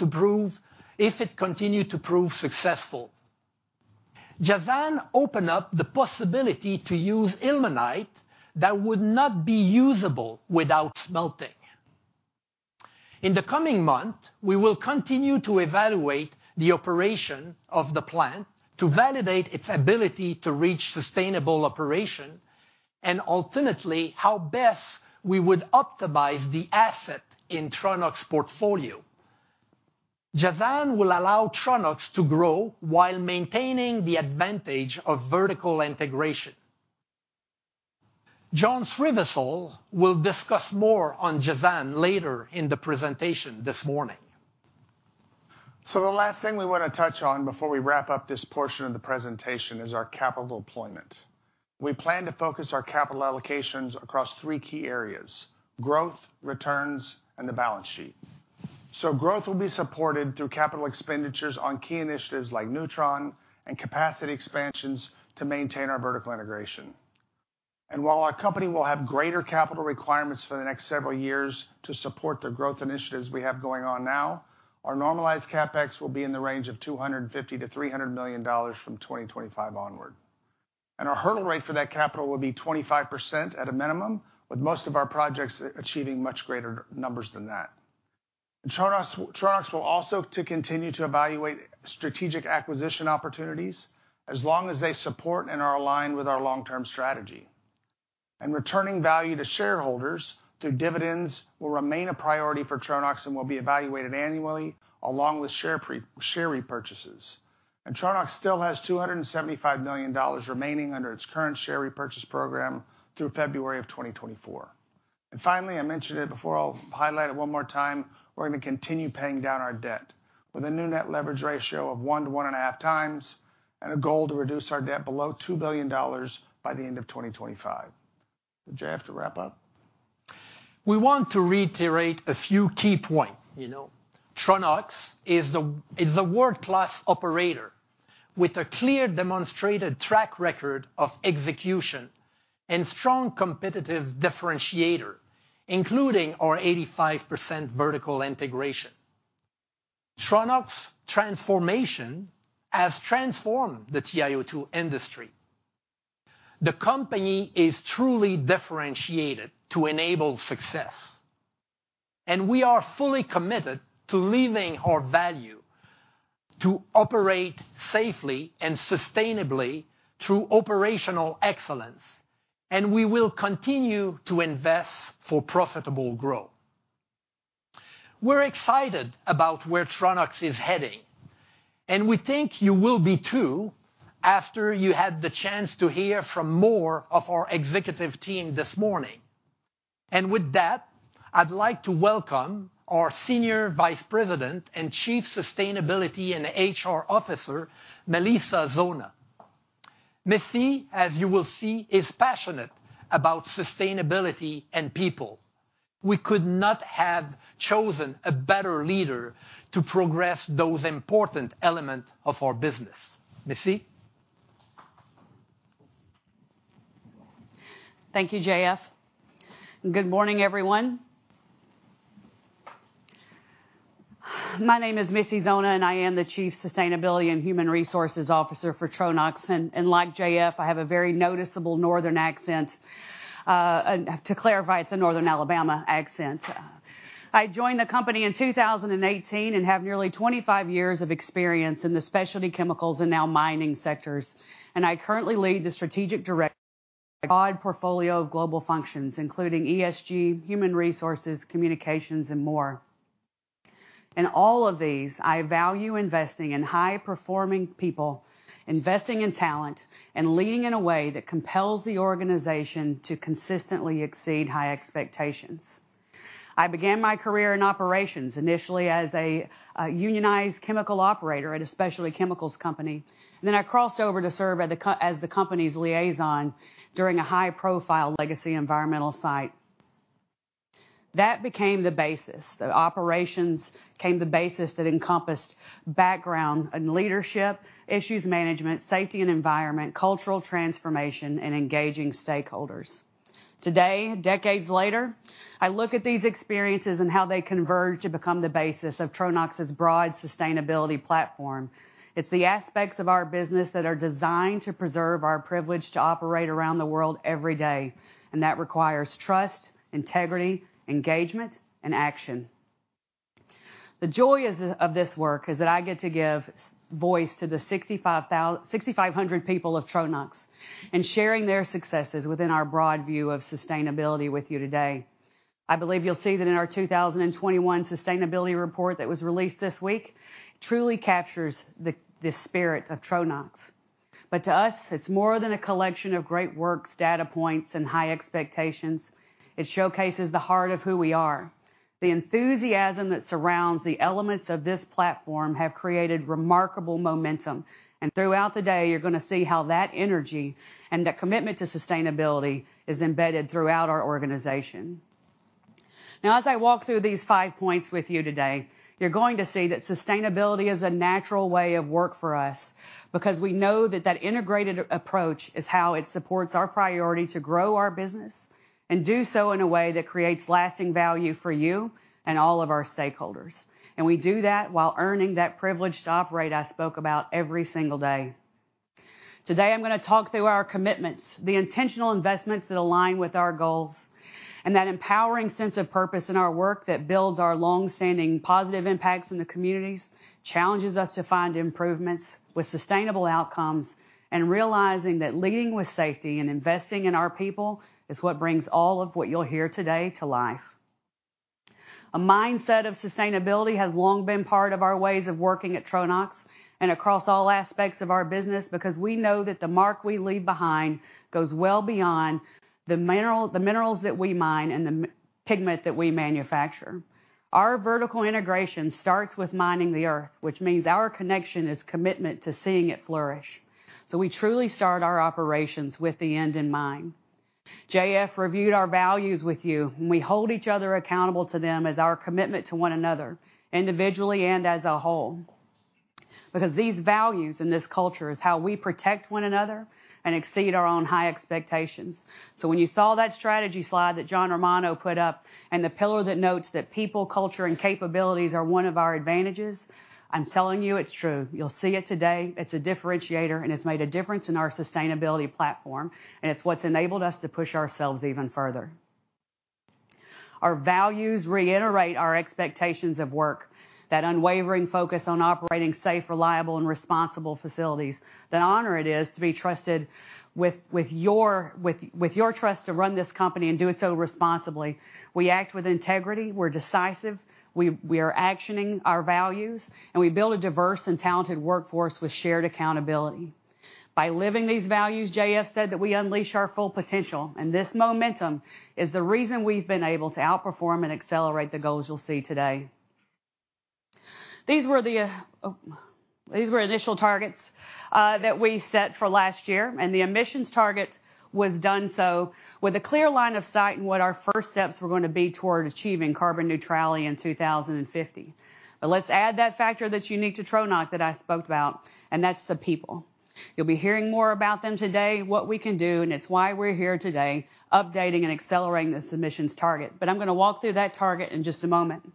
to prove successful. Jazan opens up the possibility to use ilmenite that would not be usable without smelting. In the coming month, we will continue to evaluate the operation of the plant to validate its ability to reach sustainable operation and ultimately how best we would optimize the asset in Tronox portfolio. Jazan will allow Tronox to grow while maintaining the advantage of vertical integration. John Srivisal will discuss more on Jazan later in the presentation this morning. The last thing we wanna touch on before we wrap up this portion of the presentation is our capital deployment. We plan to focus our capital allocations across three key areas, growth, returns, and the balance sheet. Growth will be supported through capital expenditures on key initiatives like Neutron and capacity expansions to maintain our vertical integration. While our company will have greater capital requirements for the next several years to support the growth initiatives we have going on now, our normalized CapEx will be in the range of $250 million-$300 million from 2025 onward. Our hurdle rate for that capital will be 25% at a minimum, with most of our projects achieving much greater numbers than that. Tronox will also continue to evaluate strategic acquisition opportunities as long as they support and are aligned with our long-term strategy. Returning value to shareholders through dividends will remain a priority for Tronox and will be evaluated annually along with share repurchases. Tronox still has $275 million remaining under its current share repurchase program through February of 2024. Finally, I mentioned it before, I'll highlight it one more time. We're gonna continue paying down our debt with a new net leverage ratio of one to one and a half times and a goal to reduce our debt below $2 billion by the end of 2025. J.F. to wrap up. We want to reiterate a few key points. You know, Tronox is a world-class operator with a clear demonstrated track record of execution and strong competitive differentiator, including our 85% vertical integration. Tronox transformation has transformed the TiO2 industry. The company is truly differentiated to enable success, and we are fully committed to living our value to operate safely and sustainably through operational excellence, and we will continue to invest for profitable growth. We're excited about where Tronox is heading, and we think you will be too after you had the chance to hear from more of our executive team this morning. With that, I'd like to welcome our Senior Vice President and Chief Sustainability and HR Officer, Melissa Zona. Missy, as you will see, is passionate about sustainability and people. We could not have chosen a better leader to progress those important elements of our business. Missy. Thank you, J.F. and good morning, everyone. My name is Melissa Zona, and I am the Chief Sustainability & Human Resources Officer for Tronox. Like J.F. I have a very noticeable Northern accent. To clarify, it's a Northern Alabama accent. I joined the company in 2018 and have nearly 25 years of experience in the specialty chemicals and now mining sectors, and I currently lead the strategic direction of a broad portfolio of global functions, including ESG, human resources, communications, and more. In all of these, I value investing in high-performing people, investing in talent, and leading in a way that compels the organization to consistently exceed high expectations. I began my career in operations, initially as a unionized chemical operator at a specialty chemicals company. I crossed over to serve as the company's liaison during a high-profile legacy environmental site. That became the basis. The operations became the basis that encompassed background and leadership, issues management, safety and environment, cultural transformation, and engaging stakeholders. Today, decades later, I look at these experiences and how they converge to become the basis of Tronox's broad sustainability platform. It's the aspects of our business that are designed to preserve our privilege to operate around the world every day, and that requires trust, integrity, engagement, and action. The joy of this work is that I get to give voice to the 6,500 people of Tronox in sharing their successes within our broad view of sustainability with you today. I believe you'll see that in our 2021 sustainability report that was released this week truly captures the spirit of Tronox. To us, it's more than a collection of great works, data points, and high expectations. It showcases the heart of who we are. The enthusiasm that surrounds the elements of this platform have created remarkable momentum, and throughout the day you're gonna see how that energy and the commitment to sustainability is embedded throughout our organization. Now, as I walk through these five points with you today, you're going to see that sustainability is a natural way of work for us because we know that that integrated approach is how it supports our priority to grow our business and do so in a way that creates lasting value for you and all of our stakeholders, and we do that while earning that privilege to operate I spoke about every single day. Today, I'm gonna talk through our commitments, the intentional investments that align with our goals, and that empowering sense of purpose in our work that builds our long-standing positive impacts in the communities, challenges us to find improvements with sustainable outcomes, and realizing that leading with safety and investing in our people is what brings all of what you'll hear today to life. A mindset of sustainability has long been part of our ways of working at Tronox and across all aspects of our business because we know that the mark we leave behind goes well beyond the mineral, the minerals that we mine and the pigment that we manufacture. Our vertical integration starts with mining the earth, which means our connection is commitment to seeing it flourish. We truly start our operations with the end in mind. J.F. reviewed our values with you, and we hold each other accountable to them as our commitment to one another, individually and as a whole. Because these values and this culture is how we protect one another and exceed our own high expectations. When you saw that strategy slide that John Romano put up and the pillar that notes that people, culture, and capabilities are one of our advantages, I'm telling you it's true. You'll see it today. It's a differentiator, and it's made a difference in our sustainability platform, and it's what's enabled us to push ourselves even further. Our values reiterate our expectations of work, that unwavering focus on operating safe, reliable, and responsible facilities. The honor it is to be trusted with your trust to run this company and do it so responsibly. We act with integrity. We're decisive. We are actioning our values, and we build a diverse and talented workforce with shared accountability. By living these values, JS said that we unleash our full potential, and this momentum is the reason we've been able to outperform and accelerate the goals you'll see today. These were initial targets that we set for last year, and the emissions target was done so with a clear line of sight in what our first steps were gonna be toward achieving carbon neutrality in 2050. Let's add that factor that's unique to Tronox that I spoke about, and that's the people. You'll be hearing more about them today, what we can do, and it's why we're here today updating and accelerating this emissions target. I'm gonna walk through that target in just a moment.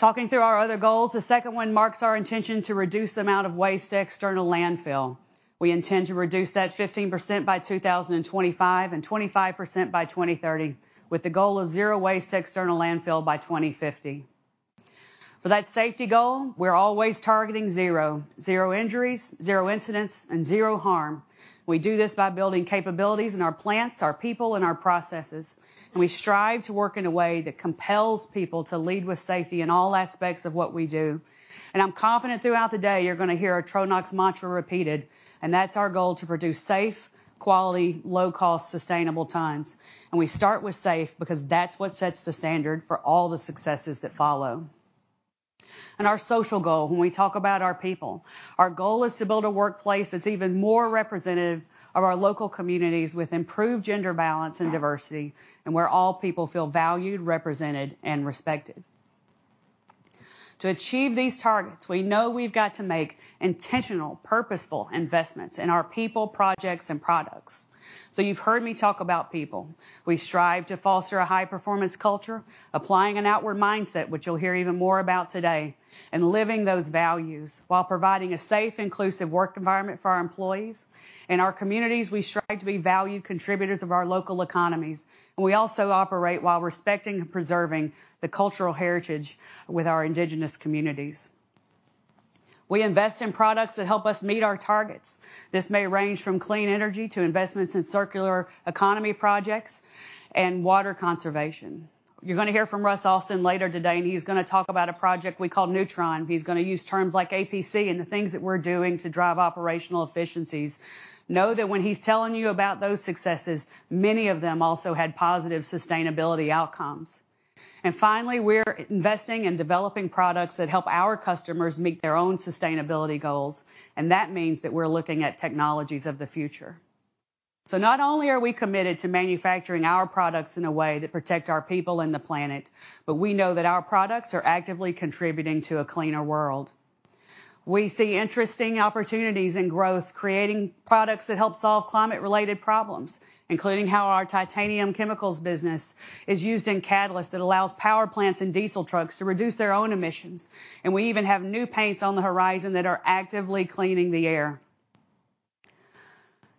Talking through our other goals, the second one marks our intention to reduce the amount of waste to external landfill. We intend to reduce that 15% by 2025 and 25% by 2030, with the goal of zero waste to external landfill by 2050. For that safety goal, we're always targeting zero injuries, zero incidents, and zero harm. We do this by building capabilities in our plants, our people, and our processes, and we strive to work in a way that compels people to lead with safety in all aspects of what we do. I'm confident throughout the day you're gonna hear our Tronox mantra repeated, and that's our goal to produce safe, quality, low-cost, sustainable TiO2. We start with safe because that's what sets the standard for all the successes that follow. Our social goal, when we talk about our people, our goal is to build a workplace that's even more representative of our local communities with improved gender balance and diversity, and where all people feel valued, represented, and respected. To achieve these targets, we know we've got to make intentional, purposeful investments in our people, projects, and products. You've heard me talk about people. We strive to foster a high-performance culture, applying an outward mindset, which you'll hear even more about today, and living those values while providing a safe, inclusive work environment for our employees. In our communities, we strive to be valued contributors of our local economies, and we also operate while respecting and preserving the cultural heritage with our indigenous communities. We invest in products that help us meet our targets. This may range from clean energy to investments in circular economy projects and water conservation. You're gonna hear from Russ Austin later today, and he's gonna talk about a project we call Neutron. He's gonna use terms like APC and the things that we're doing to drive operational efficiencies. Know that when he's telling you about those successes, many of them also had positive sustainability outcomes. Finally, we're investing in developing products that help our customers meet their own sustainability goals, and that means that we're looking at technologies of the future. Not only are we committed to manufacturing our products in a way that protect our people and the planet, but we know that our products are actively contributing to a cleaner world. We see interesting opportunities and growth creating products that help solve climate-related problems, including how our titanium chemicals business is used in catalysts that allows power plants and diesel trucks to reduce their own emissions. We even have new paints on the horizon that are actively cleaning the air.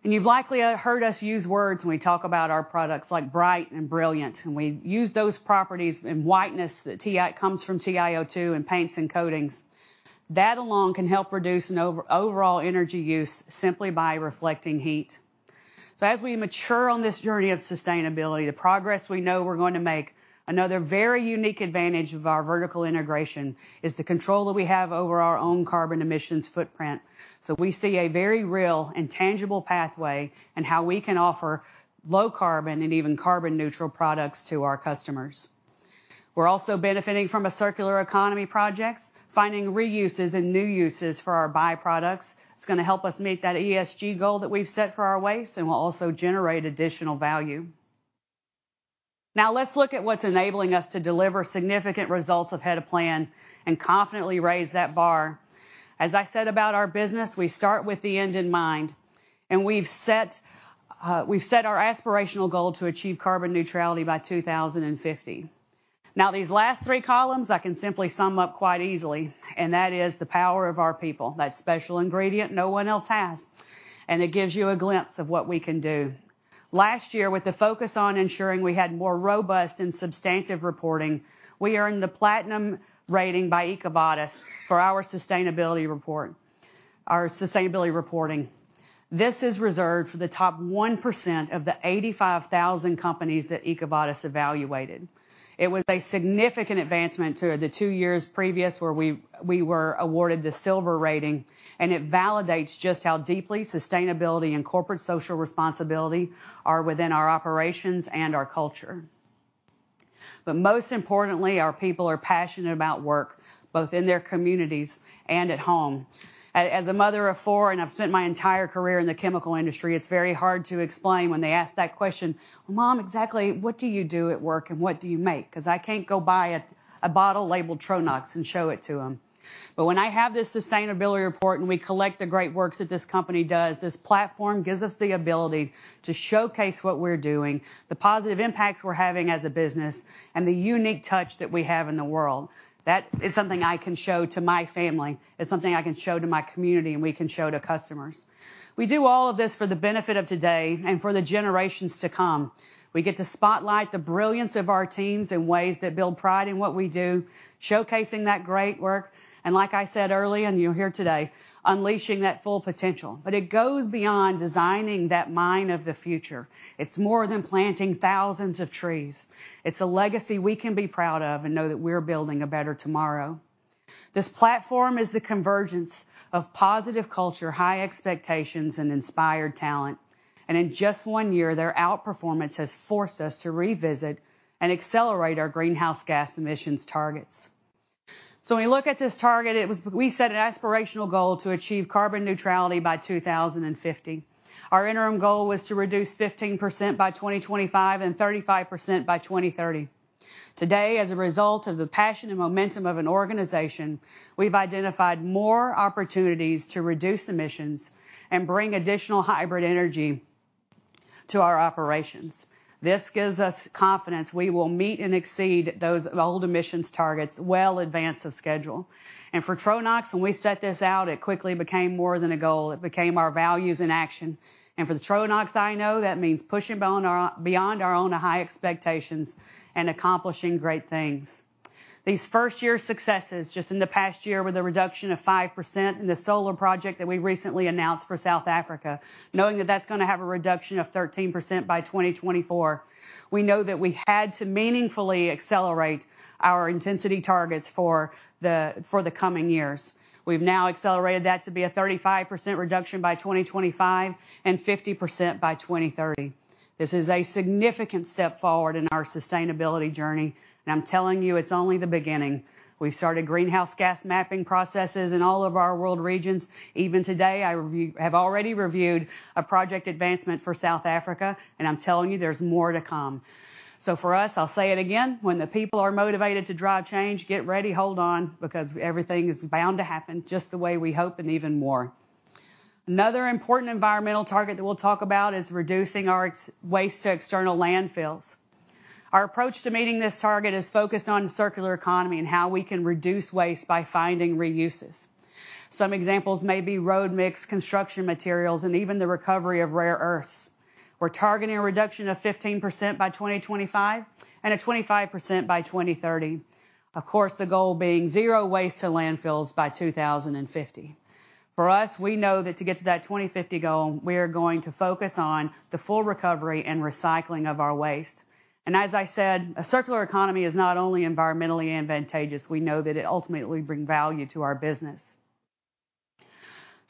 You've likely heard us use words when we talk about our products like bright and brilliant, and we use those properties and whiteness, the TiO₂ comes from in paints and coatings. That alone can help reduce an overall energy use simply by reflecting heat. As we mature on this journey of sustainability, the progress we know we're going to make, another very unique advantage of our vertical integration is the control that we have over our own carbon emissions footprint. We see a very real and tangible pathway in how we can offer low carbon and even carbon neutral products to our customers. We're also benefiting from a circular economy projects, finding reuses and new uses for our by-products. It's gonna help us meet that ESG goal that we've set for our waste and will also generate additional value. Now let's look at what's enabling us to deliver significant results ahead of plan and confidently raise that bar. As I said about our business, we start with the end in mind, and we've set our aspirational goal to achieve carbon neutrality by 2050. Now, these last three columns, I can simply sum up quite easily, and that is the power of our people, that special ingredient no one else has, and it gives you a glimpse of what we can do. Last year, with the focus on ensuring we had more robust and substantive reporting, we earned the platinum rating by EcoVadis for our sustainability report, our sustainability reporting. This is reserved for the top 1% of the 85,000 companies that EcoVadis evaluated. It was a significant advancement to the two years previous, where we were awarded the silver rating, and it validates just how deeply sustainability and corporate social responsibility are within our operations and our culture. Most importantly, our people are passionate about work, both in their communities and at home. As a mother of four, and I've spent my entire career in the chemical industry, it's very hard to explain when they ask that question, "Well, Mom, exactly what do you do at work and what do you make?" 'Cause I can't go buy a bottle labeled Tronox and show it to them. When I have this sustainability report, and we collect the great works that this company does, this platform gives us the ability to showcase what we're doing, the positive impacts we're having as a business, and the unique touch that we have in the world. That is something I can show to my family. It's something I can show to my community, and we can show to customers. We do all of this for the benefit of today and for the generations to come. We get to spotlight the brilliance of our teams in ways that build pride in what we do, showcasing that great work, and like I said earlier, and you'll hear today, unleashing that full potential. It goes beyond designing that mine of the future. It's more than planting thousands of trees. It's a legacy we can be proud of and know that we're building a better tomorrow. This platform is the convergence of positive culture, high expectations, and inspired talent. In just one year, their outperformance has forced us to revisit and accelerate our greenhouse gas emissions targets. When we look at this target, we set an aspirational goal to achieve carbon neutrality by 2050. Our interim goal was to reduce 15% by 2025 and 35% by 2030. Today, as a result of the passion and momentum of an organization, we've identified more opportunities to reduce emissions and bring additional hybrid energy to our operations. This gives us confidence we will meet and exceed those bold emissions targets well in advance of schedule. For Tronox, when we set this out, it quickly became more than a goal. It became our values in action. For the Tronox I know, that means pushing beyond our own high expectations and accomplishing great things. These 1st year successes, just in the past year, with a reduction of 5% in the solar project that we recently announced for South Africa, knowing that that's gonna have a reduction of 13% by 2024, we know that we had to meaningfully accelerate our intensity targets for the coming years. We've now accelerated that to be a 35% reduction by 2025 and 50% by 2030. This is a significant step forward in our sustainability journey, and I'm telling you, it's only the beginning. We've started greenhouse gas mapping processes in all of our world regions. Even today, I have already reviewed a project advancement for South Africa, and I'm telling you, there's more to come. For us, I'll say it again, when the people are motivated to drive change, get ready, hold on, because everything is bound to happen just the way we hope and even more. Another important environmental target that we'll talk about is reducing our waste to external landfills. Our approach to meeting this target is focused on circular economy and how we can reduce waste by finding reuses. Some examples may be road mix construction materials, and even the recovery of rare earths. We're targeting a reduction of 15% by 2025, and a 25% by 2030. Of course, the goal being zero waste to landfills by 2050. For us, we know that to get to that 2050 goal, we are going to focus on the full recovery and recycling of our waste. As I said, a circular economy is not only environmentally advantageous, we know that it ultimately bring value to our business.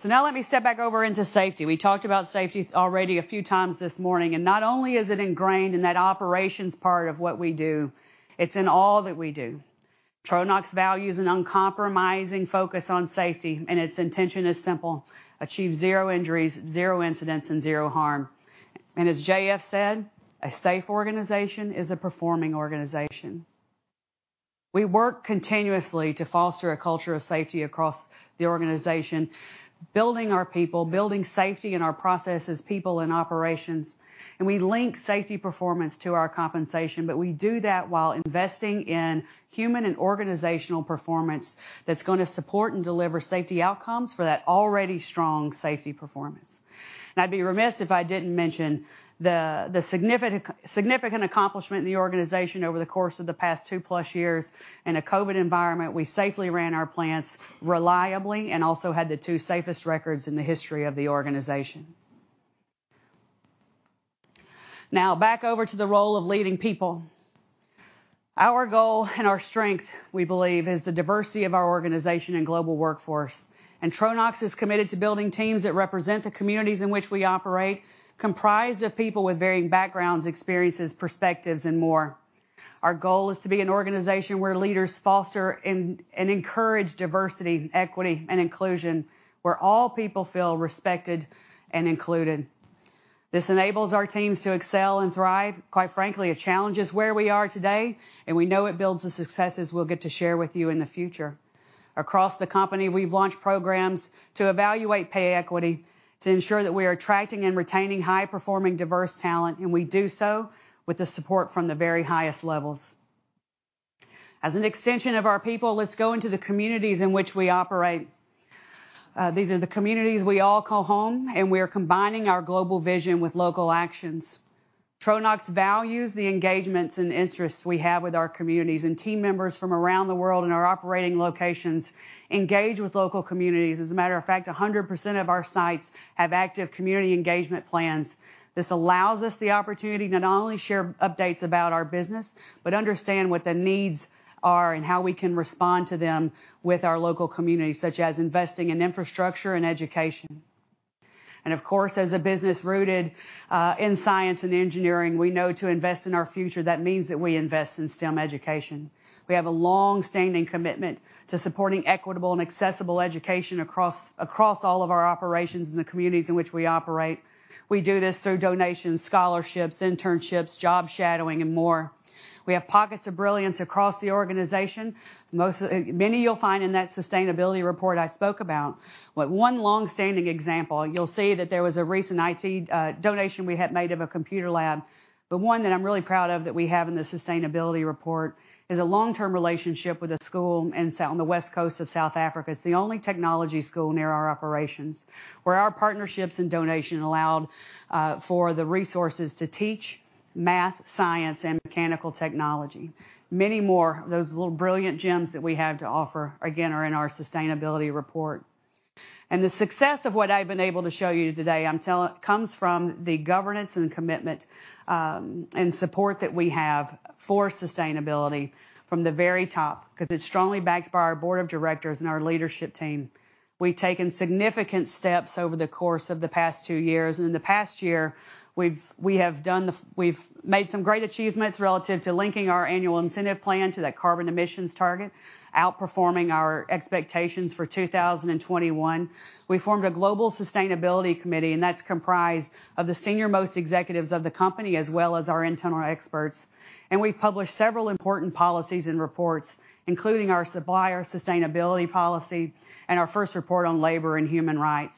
Now let me step back over into safety. We talked about safety already a few times this morning, and not only is it ingrained in that operations part of what we do, it's in all that we do. Tronox values an uncompromising focus on safety, and its intention is simple, achieve zero injuries, zero incidents, and zero harm. As JF said, "A safe organization is a performing organization." We work continuously to foster a culture of safety across the organization, building our people, building safety in our processes, people, and operations, and we link safety performance to our compensation, but we do that while investing in human and organizational performance that's gonna support and deliver safety outcomes for that already strong safety performance. I'd be remiss if I didn't mention the significant accomplishment in the organization over the course of the past two-plus years. In a COVID environment, we safely ran our plants reliably and also had the two safest records in the history of the organization. Now back over to the role of leading people. Our goal and our strength, we believe, is the diversity of our organization and global workforce. Tronox is committed to building teams that represent the communities in which we operate, comprised of people with varying backgrounds, experiences, perspectives, and more. Our goal is to be an organization where leaders foster and encourage diversity, equity, and inclusion, where all people feel respected and included. This enables our teams to excel and thrive. Quite frankly, a challenge is where we are today, and we know it builds the successes we'll get to share with you in the future. Across the company, we've launched programs to evaluate pay equity to ensure that we are attracting and retaining high-performing diverse talent, and we do so with the support from the very highest levels. As an extension of our people, let's go into the communities in which we operate. These are the communities we all call home, and we are combining our global vision with local actions. Tronox values the engagements and interests we have with our communities, and team members from around the world in our operating locations engage with local communities. As a matter of fact, 100% of our sites have active community engagement plans. This allows us the opportunity to not only share updates about our business, but understand what the needs are and how we can respond to them with our local communities, such as investing in infrastructure and education. Of course, as a business rooted in science and engineering, we know to invest in our future, that means that we invest in STEM education. We have a long-standing commitment to supporting equitable and accessible education across all of our operations in the communities in which we operate. We do this through donations, scholarships, internships, job shadowing, and more. We have pockets of brilliance across the organization, many you'll find in that sustainability report I spoke about. One long-standing example, you'll see that there was a recent IT donation we had made of a computer lab, but one that I'm really proud of that we have in the sustainability report is a long-term relationship with a school on the west coast of South Africa. It's the only technology school near our operations, where our partnerships and donation allowed for the resources to teach math, science, and mechanical technology. Many more of those little brilliant gems that we have to offer, again, are in our sustainability report. The success of what I've been able to show you today comes from the governance and commitment, and support that we have for sustainability from the very top, 'cause it's strongly backed by our board of directors and our leadership team. We've taken significant steps over the course of the past two years, and in the past year, we've made some great achievements relative to linking our annual incentive plan to that carbon emissions target, outperforming our expectations for 2021. We formed a global sustainability committee, and that's comprised of the senior-most executives of the company, as well as our internal experts. We've published several important policies and reports, including our supplier sustainability policy and our first report on labor and human rights.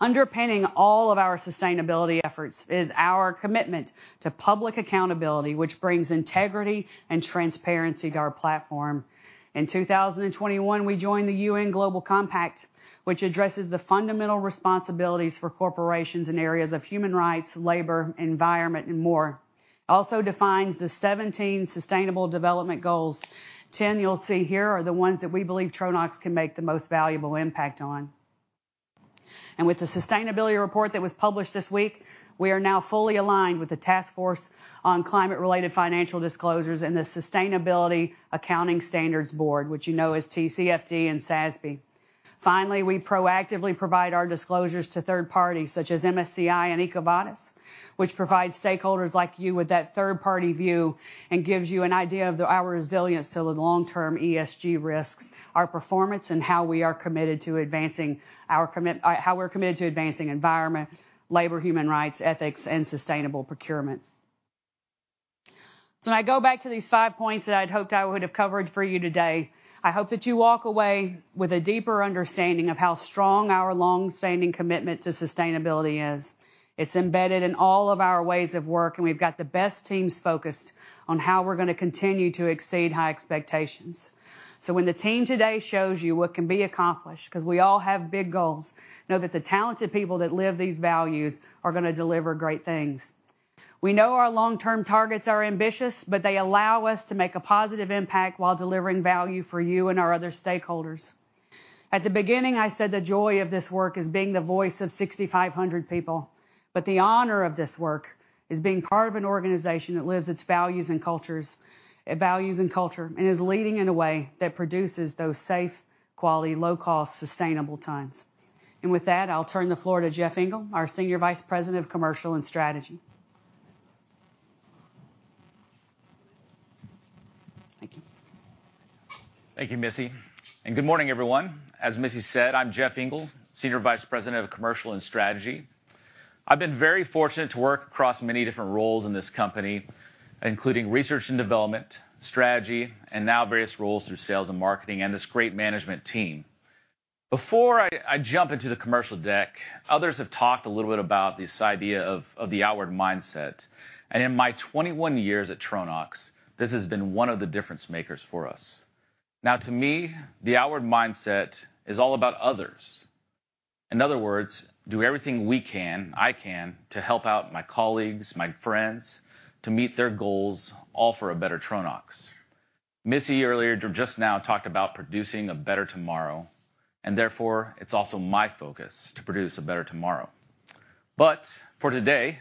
Underpinning all of our sustainability efforts is our commitment to public accountability, which brings integrity and transparency to our platform. In 2021, we joined the UN Global Compact, which addresses the fundamental responsibilities for corporations in areas of human rights, labor, environment and more. It also defines the 17 sustainable development goals. 10 you'll see here are the ones that we believe Tronox can make the most valuable impact on. With the sustainability report that was published this week, we are now fully aligned with the Task Force on Climate-related Financial Disclosures and the Sustainability Accounting Standards Board, which you know as TCFD and SASB. Finally, we proactively provide our disclosures to third parties such as MSCI and EcoVadis, which provide stakeholders like you with that third-party view and gives you an idea of our resilience to the long-term ESG risks, our performance and how we're committed to advancing environment, labor, human rights, ethics, and sustainable procurement. When I go back to these five points that I'd hoped I would have covered for you today, I hope that you walk away with a deeper understanding of how strong our long-standing commitment to sustainability is. It's embedded in all of our ways of work, and we've got the best teams focused on how we're gonna continue to exceed high expectations. When the team today shows you what can be accomplished, 'cause we all have big goals, know that the talented people that live these values are gonna deliver great things. We know our long-term targets are ambitious, but they allow us to make a positive impact while delivering value for you and our other stakeholders. At the beginning, I said the joy of this work is being the voice of 6,500 people, but the honor of this work is being part of an organization that lives its values and culture, and is leading in a way that produces those safe, quality, low cost, sustainable times. With that, I'll turn the floor to Jeff Engle, our Senior Vice President of Commercial and Strategy. Thank you. Thank you, Missy. Good morning, everyone. As Missy said, I'm Jeff Engle, Senior Vice President of Commercial and Strategy. I've been very fortunate to work across many different roles in this company, including research and development, strategy, and now various roles through sales and marketing and this great management team. Before I jump into the commercial deck, others have talked a little bit about this idea of the outward mindset. In my 21 years at Tronox, this has been one of the difference makers for us. Now to me, the outward mindset is all about others. In other words, do everything we can, I can, to help out my colleagues, my friends, to meet their goals, all for a better Tronox. Missy earlier just now talked about producing a better tomorrow, and therefore, it's also my focus to produce a better tomorrow. For today,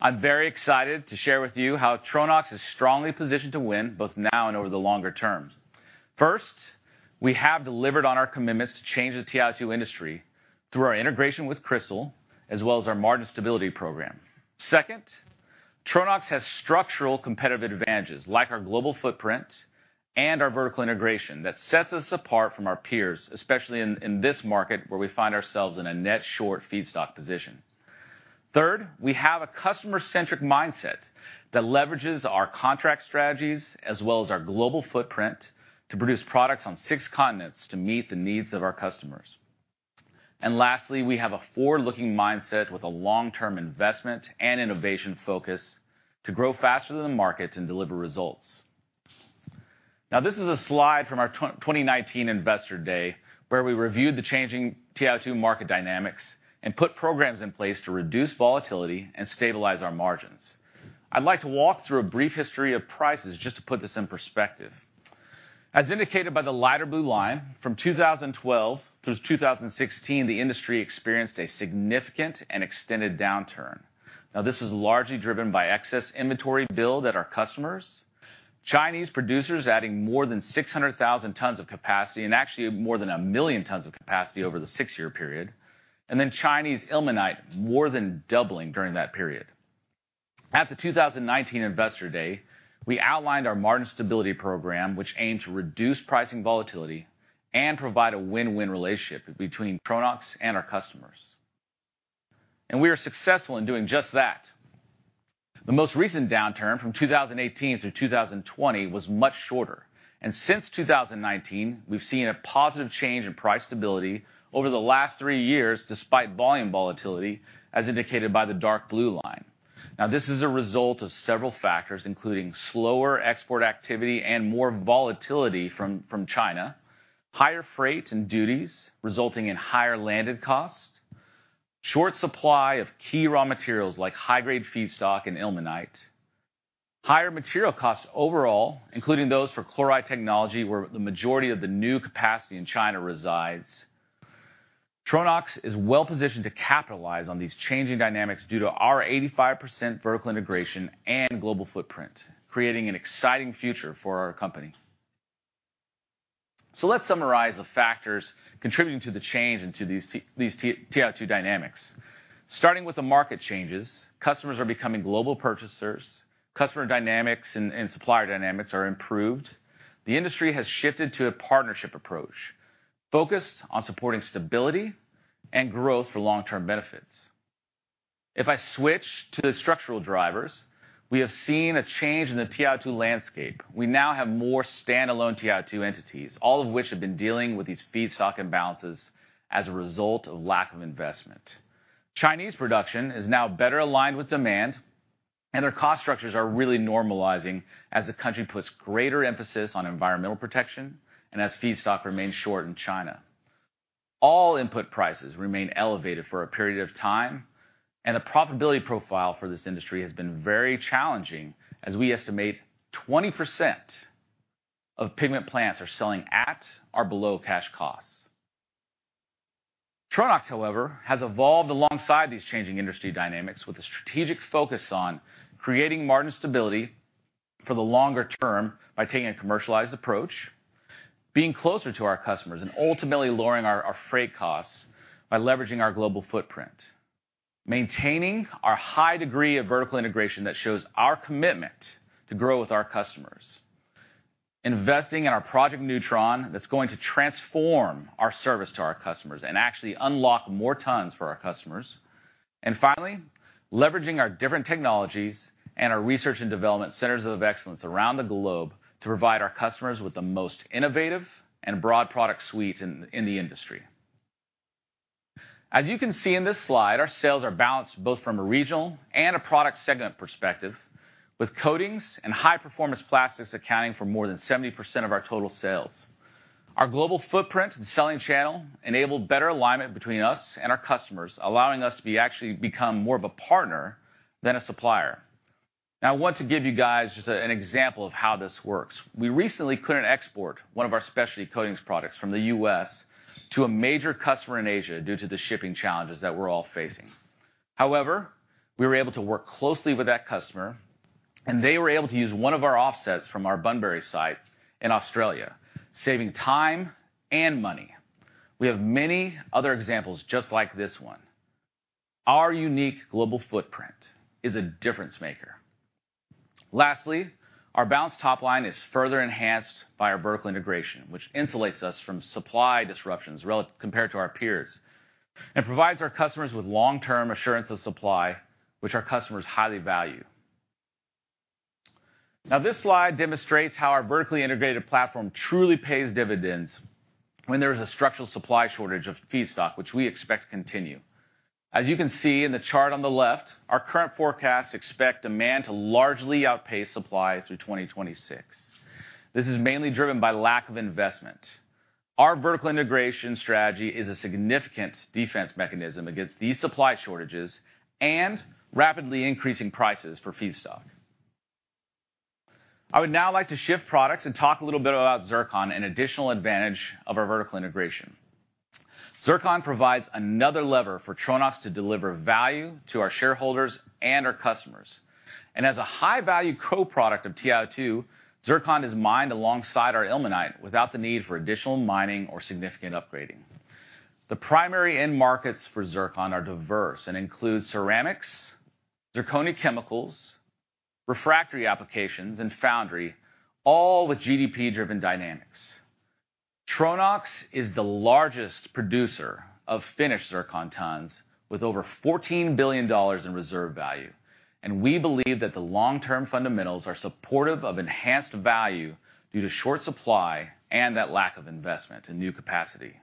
I'm very excited to share with you how Tronox is strongly positioned to win both now and over the longer term. First, we have delivered on our commitments to change the TiO2 industry through our integration with Cristal, as well as our margin stability program. Second, Tronox has structural competitive advantages like our global footprint and our vertical integration that sets us apart from our peers, especially in this market where we find ourselves in a net short feedstock position. Third, we have a customer-centric mindset that leverages our contract strategies as well as our global footprint to produce products on six continents to meet the needs of our customers. Lastly, we have a forward-looking mindset with a long-term investment and innovation focus to grow faster than markets and deliver results. Now, this is a slide from our 2019 Investor Day, where we reviewed the changing TiO2 market dynamics and put programs in place to reduce volatility and stabilize our margins. I'd like to walk through a brief history of prices just to put this in perspective. As indicated by the lighter blue line, from 2012 through 2016, the industry experienced a significant and extended downturn. Now, this is largely driven by excess inventory build at our customers. Chinese producers adding more than 600,000 tons of capacity, and actually more than 1 million tons of capacity over the six-year period. Chinese ilmenite more than doubling during that period. At the 2019 Investor Day, we outlined our margin stability program, which aimed to reduce pricing volatility and provide a win-win relationship between Tronox and our customers. We are successful in doing just that. The most recent downturn from 2018 through 2020 was much shorter. Since 2019, we've seen a positive change in price stability over the last three years, despite volume volatility, as indicated by the dark blue line. Now, this is a result of several factors, including slower export activity and more volatility from China, higher freight and duties resulting in higher landed costs. Short supply of key raw materials like high-grade feedstock and ilmenite. Higher material costs overall, including those for chloride technology, where the majority of the new capacity in China resides. Tronox is well-positioned to capitalize on these changing dynamics due to our 85% vertical integration and global footprint, creating an exciting future for our company. Let's summarize the factors contributing to the change into these TiO2 dynamics. Starting with the market changes, customers are becoming global purchasers. Customer dynamics and supplier dynamics are improved. The industry has shifted to a partnership approach, focused on supporting stability and growth for long-term benefits. If I switch to the structural drivers, we have seen a change in the TiO2 landscape. We now have more standalone TiO2 entities, all of which have been dealing with these feedstock imbalances as a result of lack of investment. Chinese production is now better aligned with demand, and their cost structures are really normalizing as the country puts greater emphasis on environmental protection, and as feedstock remains short in China. All input prices remain elevated for a period of time, and the profitability profile for this industry has been very challenging as we estimate 20% of pigment plants are selling at or below cash costs. Tronox, however, has evolved alongside these changing industry dynamics with a strategic focus on creating margin stability for the longer term by taking a commercialized approach, being closer to our customers, and ultimately lowering our freight costs by leveraging our global footprint. Maintaining our high degree of vertical integration that shows our commitment to grow with our customers. Investing in our Project Neutron that's going to transform our service to our customers and actually unlock more tons for our customers. Finally, leveraging our different technologies and our research and development centers of excellence around the globe to provide our customers with the most innovative and broad product suite in the industry. As you can see in this slide, our sales are balanced both from a regional and a product segment perspective, with coatings and high-performance plastics accounting for more than 70% of our total sales. Our global footprint and selling channel enable better alignment between us and our customers, allowing us to actually become more of a partner than a supplier. I want to give you guys just an example of how this works. We recently couldn't export one of our specialty coatings products from the U.S. to a major customer in Asia due to the shipping challenges that we're all facing. However, we were able to work closely with that customer, and they were able to use one of our offsets from our Bunbury site in Australia, saving time and money. We have many other examples just like this one. Our unique global footprint is a difference-maker. Lastly, our balanced top line is further enhanced by our vertical integration, which insulates us from supply disruptions compared to our peers, and provides our customers with long-term assurance of supply, which our customers highly value. Now, this slide demonstrates how our vertically integrated platform truly pays dividends when there is a structural supply shortage of feedstock, which we expect to continue. As you can see in the chart on the left, our current forecasts expect demand to largely outpace supply through 2026. This is mainly driven by lack of investment. Our vertical integration strategy is a significant defense mechanism against these supply shortages and rapidly increasing prices for feedstock. I would now like to shift to products and talk a little bit about Zircon, an additional advantage of our vertical integration. Zircon provides another lever for Tronox to deliver value to our shareholders and our customers. As a high-value co-product of TiO2, zircon is mined alongside our ilmenite without the need for additional mining or significant upgrading. The primary end markets for zircon are diverse and include ceramics, zirconia chemicals, refractory applications, and foundry, all with GDP-driven dynamics. Tronox is the largest producer of finished zircon tons with over $14 billion in reserve value, and we believe that the long-term fundamentals are supportive of enhanced value due to short supply and that lack of investment in new capacity.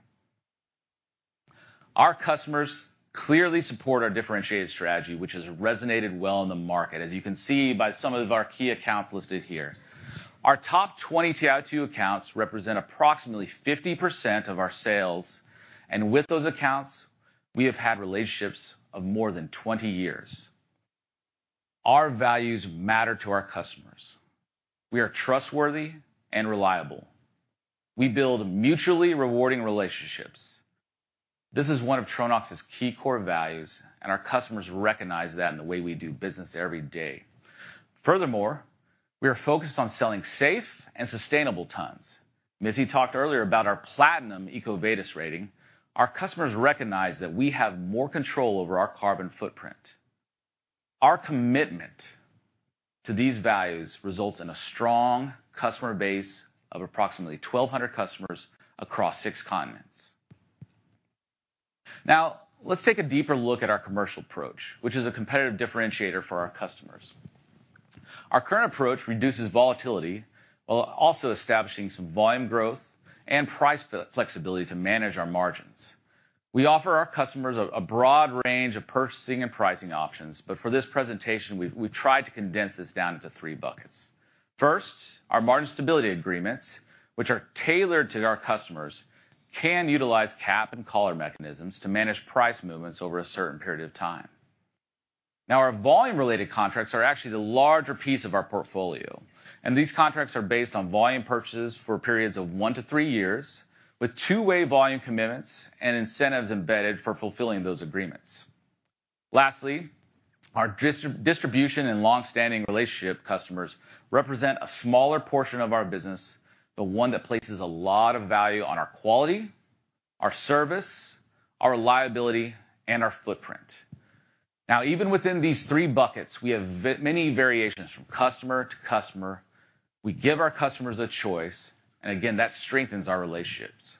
Our customers clearly support our differentiated strategy, which has resonated well in the market, as you can see by some of our key accounts listed here. Our top 20 TiO2 accounts represent approximately 50% of our sales, and with those accounts, we have had relationships of more than 20 years. Our values matter to our customers. We are trustworthy and reliable. We build mutually rewarding relationships. This is one of Tronox's key core values, and our customers recognize that in the way we do business every day. Furthermore, we are focused on selling safe and sustainable tons. Missy talked earlier about our platinum EcoVadis rating. Our customers recognize that we have more control over our carbon footprint. Our commitment to these values results in a strong customer base of approximately 1,200 customers across six continents. Now, let's take a deeper look at our commercial approach, which is a competitive differentiator for our customers. Our current approach reduces volatility while also establishing some volume growth and price flexibility to manage our margins. We offer our customers a broad range of purchasing and pricing options, but for this presentation, we've tried to condense this down into three buckets. First, our margin stability agreements, which are tailored to our customers, can utilize cap and collar mechanisms to manage price movements over a certain period of time. Now our volume-related contracts are actually the larger piece of our portfolio, and these contracts are based on volume purchases for periods of one to three years, with two-way volume commitments and incentives embedded for fulfilling those agreements. Lastly, our distribution and long-standing relationship customers represent a smaller portion of our business, but one that places a lot of value on our quality, our service, our reliability, and our footprint. Now even within these three buckets, we have many variations from customer to customer. We give our customers a choice, and again, that strengthens our relationships.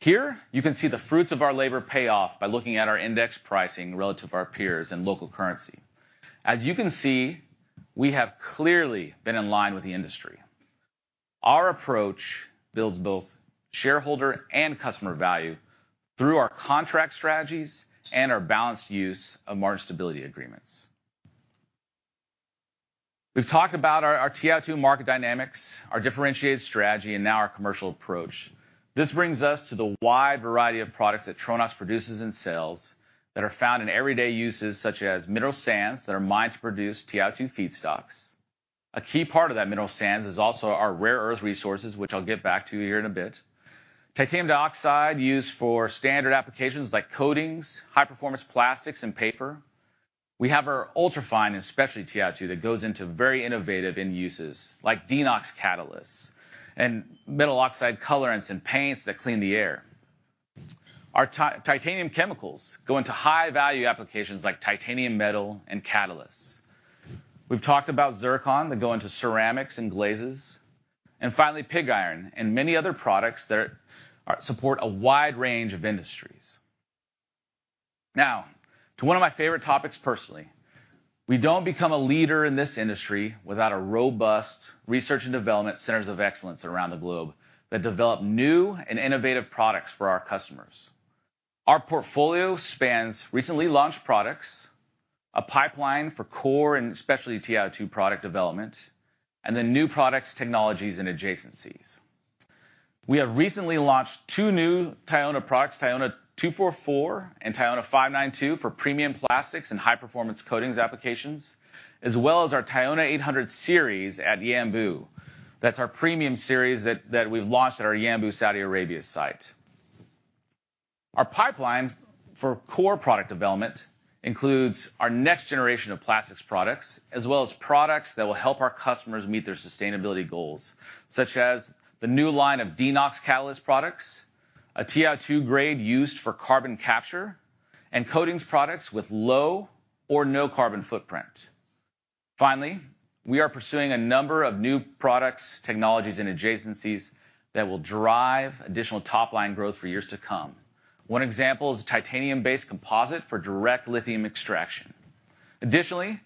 Here, you can see the fruits of our labor pay off by looking at our index pricing relative to our peers in local currency. As you can see, we have clearly been in line with the industry. Our approach builds both shareholder and customer value through our contract strategies and our balanced use of margin stability agreements. We've talked about our TiO2 market dynamics, our differentiated strategy, and now our commercial approach. This brings us to the wide variety of products that Tronox produces and sells that are found in everyday uses such as mineral sands that are mined to produce TiO2 feedstocks. A key part of that mineral sands is also our rare earth resources, which I'll get back to here in a bit. Titanium dioxide used for standard applications like coatings, high-performance plastics and paper. We have our ultra-fine and specialty TiO2 that goes into very innovative end uses like DeNOx catalysts and metal oxide colorants and paints that clean the air. Our titanium chemicals go into high-value applications like titanium metal and catalysts. We've talked about zircon that go into ceramics and glazes. Finally, pig iron and many other products that support a wide range of industries. Now, to one of my favorite topics personally, we don't become a leader in this industry without a robust research and development centers of excellence around the globe that develop new and innovative products for our customers. Our portfolio spans recently launched products, a pipeline for core and specialty TiO2 product development, and then new products, technologies, and adjacencies. We have recently launched two new TiONA products, TiONA 244 and TiONA 592 for premium plastics and high-performance coatings applications, as well as our TiONA 800 series at Yanbu. That's our premium series that we've launched at our Yanbu, Saudi Arabia site. Our pipeline for core product development includes our next generation of plastics products, as well as products that will help our customers meet their sustainability goals, such as the new line of DeNOx catalyst products, a TiO2 grade used for carbon capture, and coatings products with low or no carbon footprint. Finally, we are pursuing a number of new products, technologies, and adjacencies that will drive additional top-line growth for years to come. One example is a titanium-based composite for direct lithium extraction. Additionally,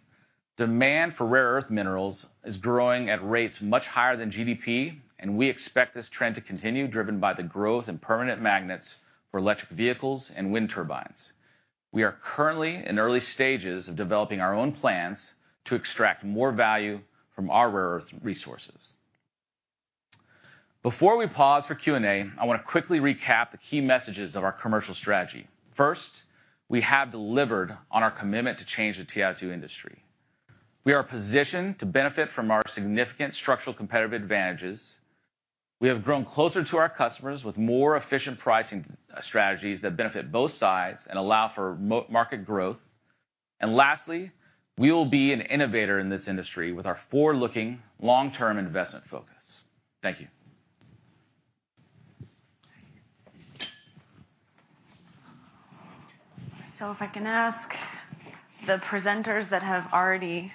demand for rare earth minerals is growing at rates much higher than GDP, and we expect this trend to continue, driven by the growth in permanent magnets for electric vehicles and wind turbines. We are currently in early stages of developing our own plans to extract more value from our rare earth resources. Before we pause for Q&A, I wanna quickly recap the key messages of our commercial strategy. First, we have delivered on our commitment to change the TiO2 industry. We are positioned to benefit from our significant structural competitive advantages. We have grown closer to our customers with more efficient pricing strategies that benefit both sides and allow for market growth. Lastly, we will be an innovator in this industry with our forward-looking long-term investment focus. Thank you. If I can ask the presenters that have already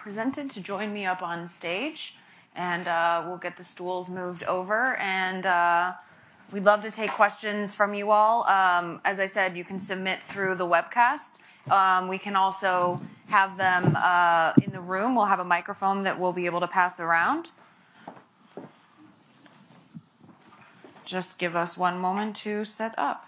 presented to join me up on stageand we'll get the stools moved over and we'd love to take questions from you all. As I said, you can submit through the webcast. We can also have them in the room. We'll have a microphone that we'll be able to pass around. Just give us one moment to set up.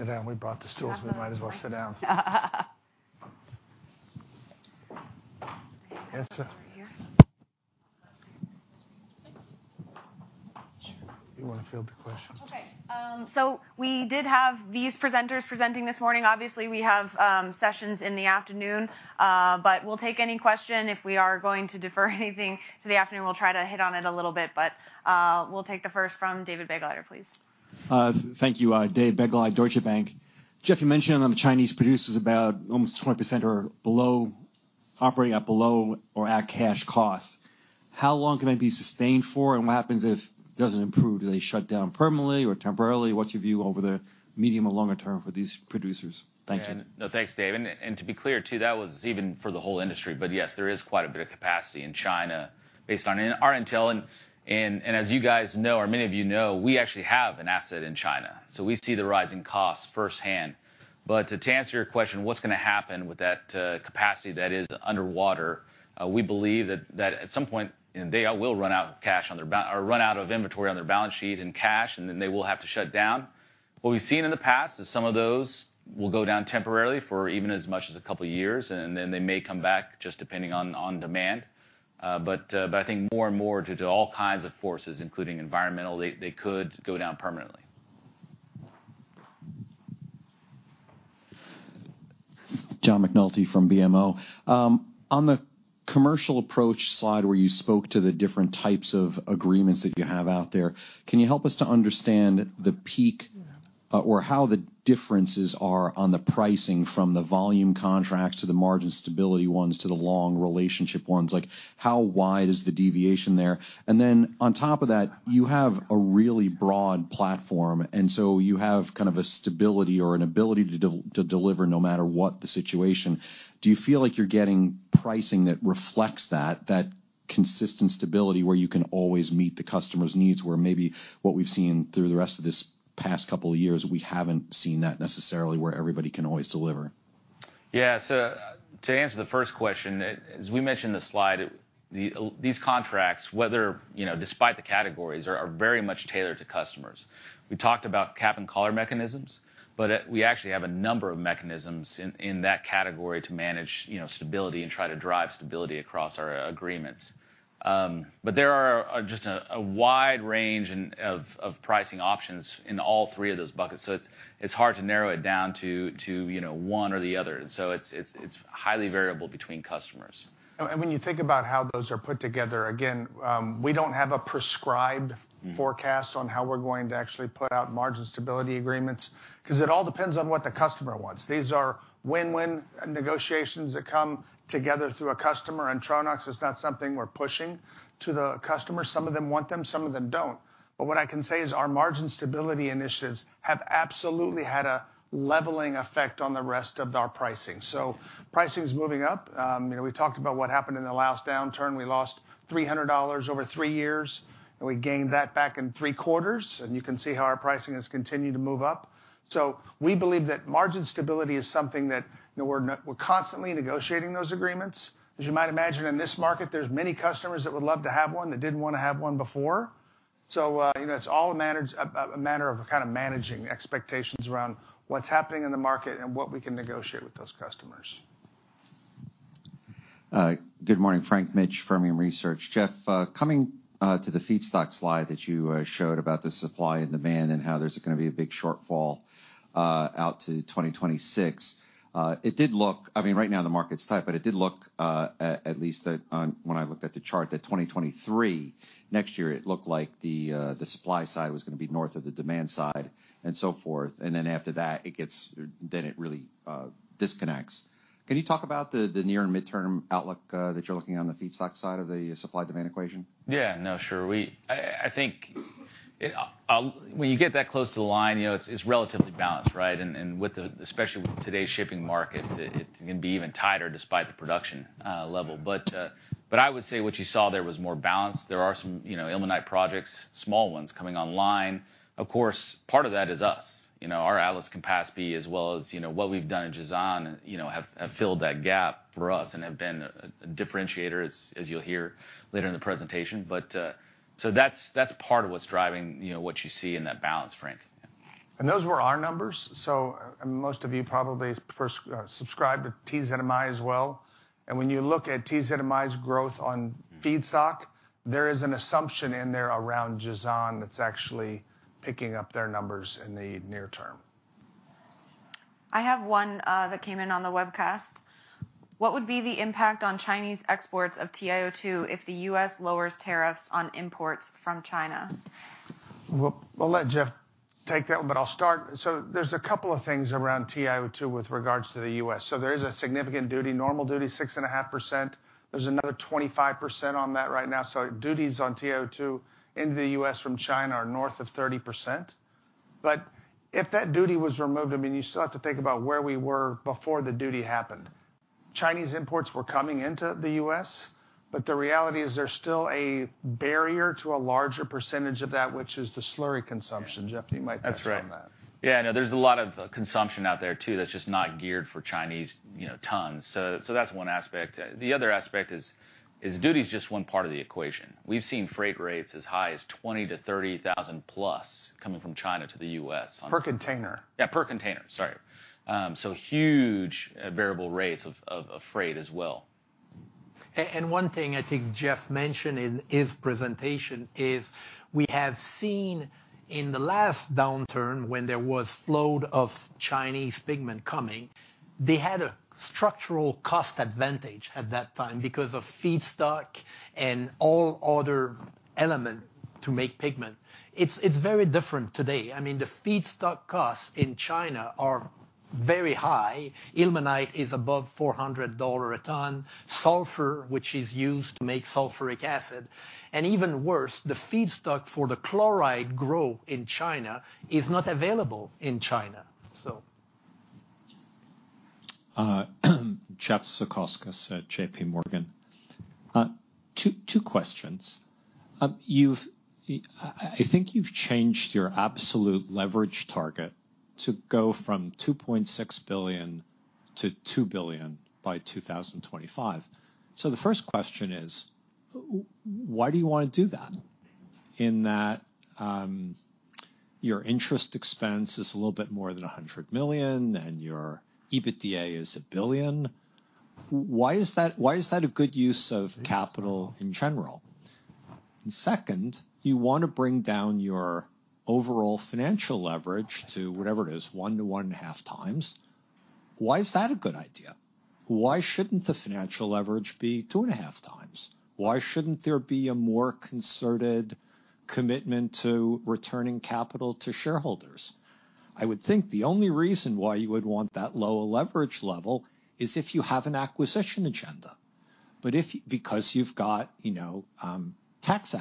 Sit down. We brought the stools. Yeah. We might as well sit down. Yes, sir. Over here. You wanna field the questions? Okay. We did have these presenters presenting this morning. Obviously, we have sessions in the afternoon, but we'll take any question. If we are going to defer anything to the afternoon, we'll try to hit on it a little bit. We'll take the first from David Begleiter, please. Thank you. David Begleiter, Deutsche Bank. Jeff, you mentioned on the Chinese producers about almost 20% are operating at below or at cash cost. How long can that be sustained for, and what happens if it doesn't improve? Do they shut down permanently or temporarily? What's your view over the medium or longer term for these producers? Thank you. No, thanks, Dave. To be clear too, that was even for the whole industry. Yes, there is quite a bit of capacity in China based on our intel. As you guys know, or many of you know, we actually have an asset in China, so we see the rise in costs firsthand. To answer your question, what's gonna happen with that capacity that is underwater, we believe that at some point they will run out of cash or run out of inventory on their balance sheet and cash, and then they will have to shut down. What we've seen in the past is some of those will go down temporarily for even as much as a couple years, and then they may come back just depending on demand. I think more and more due to all kinds of forces, including environmental, they could go down permanently. John McNulty from BMO. On the commercial approach slide where you spoke to the different types of agreements that you have out there, can you help us to understand the mix or how the differences are on the pricing from the volume contracts to the margin stability ones to the long relationship ones? Like, how wide is the deviation there? And then on top of that, you have a really broad platform, and so you have kind of a stability or an ability to deliver no matter what the situation. Do you feel like you're getting pricing that reflects that consistent stability where you can always meet the customer's needs, where maybe what we've seen through the rest of this past couple of years, we haven't seen that necessarily where everybody can always deliver? Yeah. To answer the first question, as we mentioned in the slide, these contracts, whether, you know, despite the categories, are very much tailored to customers. We talked about cap and collar mechanisms, but we actually have a number of mechanisms in that category to manage, you know, stability and try to drive stability across our agreements. But there are just a wide range of pricing options in all three of those buckets, so it's hard to narrow it down to, you know, one or the other. It's highly variable between customers. When you think about how those are put together, again, we don't have a prescribed- Mm. No forecast on how we're going to actually put out margin stability agreements 'cause it all depends on what the customer wants. These are win-win negotiations that come together through a customer, and Tronox is not something we're pushing to the customer. Some of them want them, some of them don't. What I can say is our margin stability initiatives have absolutely had a leveling effect on the rest of our pricing. Pricing is moving up. You know, we talked about what happened in the last downturn. We lost $300 over three years, and we gained that back in three quarters. You can see how our pricing has continued to move up. We believe that margin stability is something that, you know, we're constantly negotiating those agreements. As you might imagine in this market, there's many customers that would love to have one that didn't wanna have one before. You know, it's all a matter of kind of managing expectations around what's happening in the market and what we can negotiate with those customers. Good morning, Frank Mitsch from Research. Jeff, coming to the feedstock slide that you showed about the supply and demand and how there's gonna be a big shortfall out to 2026, it did look—I mean, right now the market's tight, but it did look, at least when I looked at the chart, that 2023, next year, it looked like the supply side was gonna be north of the demand side and so forth. Then after that, it really disconnects. Can you talk about the near and midterm outlook that you're looking on the feedstock side of the supply-demand equation? Yeah. No, sure. I think when you get that close to the line, you know, it's relatively balanced, right? Especially with today's shipping market, it can be even tighter despite the production level. But I would say what you saw there was more balance. There are some, you know, ilmenite projects, small ones coming online. Of course, part of that is us. You know, our Atlas capacity as well as, you know, what we've done in Jazan, you know, have filled that gap for us and have been a differentiator as you'll hear later in the presentation. But so that's part of what's driving, you know, what you see in that balance, Frank. Those were our numbers. Most of you probably first subscribe to TZMI as well. When you look at TZMI's growth on feedstock, there is an assumption in there around Jazan that's actually picking up their numbers in the near term. I have one, that came in on the webcast. What would be the impact on Chinese exports of TiO2 if the U.S. lowers tariffs on imports from China? We'll let Jeff take that one, but I'll start. There's a couple of things around TiO2 with regards to the U.S. There is a significant duty. Normal duty, 6.5%. There's another 25% on that right now. Duties on TiO2 into the U.S. from China are north of 30%. If that duty was removed, I mean, you still have to think about where we were before the duty happened. Chinese imports were coming into the U.S., but the reality is there's still a barrier to a larger percentage of that, which is the slurry consumption. Jeff, you might touch on that. That's right. Yeah, I know there's a lot of consumption out there, too, that's just not geared for Chinese, you know, tons. That's one aspect. The other aspect is duty is just one part of the equation. We've seen freight rates as high as $20,000-$30,000+ coming from China to the U.S. Per container. Yeah, per container. Sorry. Huge variable rates of freight as well. One thing I think Jeff mentioned in his presentation is we have seen in the last downturn when there was load of Chinese pigment coming, they had a structural cost advantage at that time because of feedstock and all other elements to make pigment. It's very different today. I mean, the feedstock costs in China are very high. Ilmenite is above $400 a ton. Sulfur, which is used to make sulfuric acid, and even worse, the feedstock for the chloride growth in China is not available in China, so. Jeff J. Zekauskas, JPMorgan. Two questions. I think you've changed your absolute leverage target to go from $2.6 billion-$2 billion by 2025. The first question is, why do you wanna do that? Your interest expense is a little bit more than $100 million, and your EBITDA is $1 billion. Why is that a good use of capital in general? Second, you wanna bring down your overall financial leverage to whatever it is, 1-1.5 times. Why is that a good idea? Why shouldn't the financial leverage be 2.5 times? Why shouldn't there be a more concerted commitment to returning capital to shareholders? I would think the only reason why you would want that lower leverage level is if you have an acquisition agenda. Because you've got, you know, tax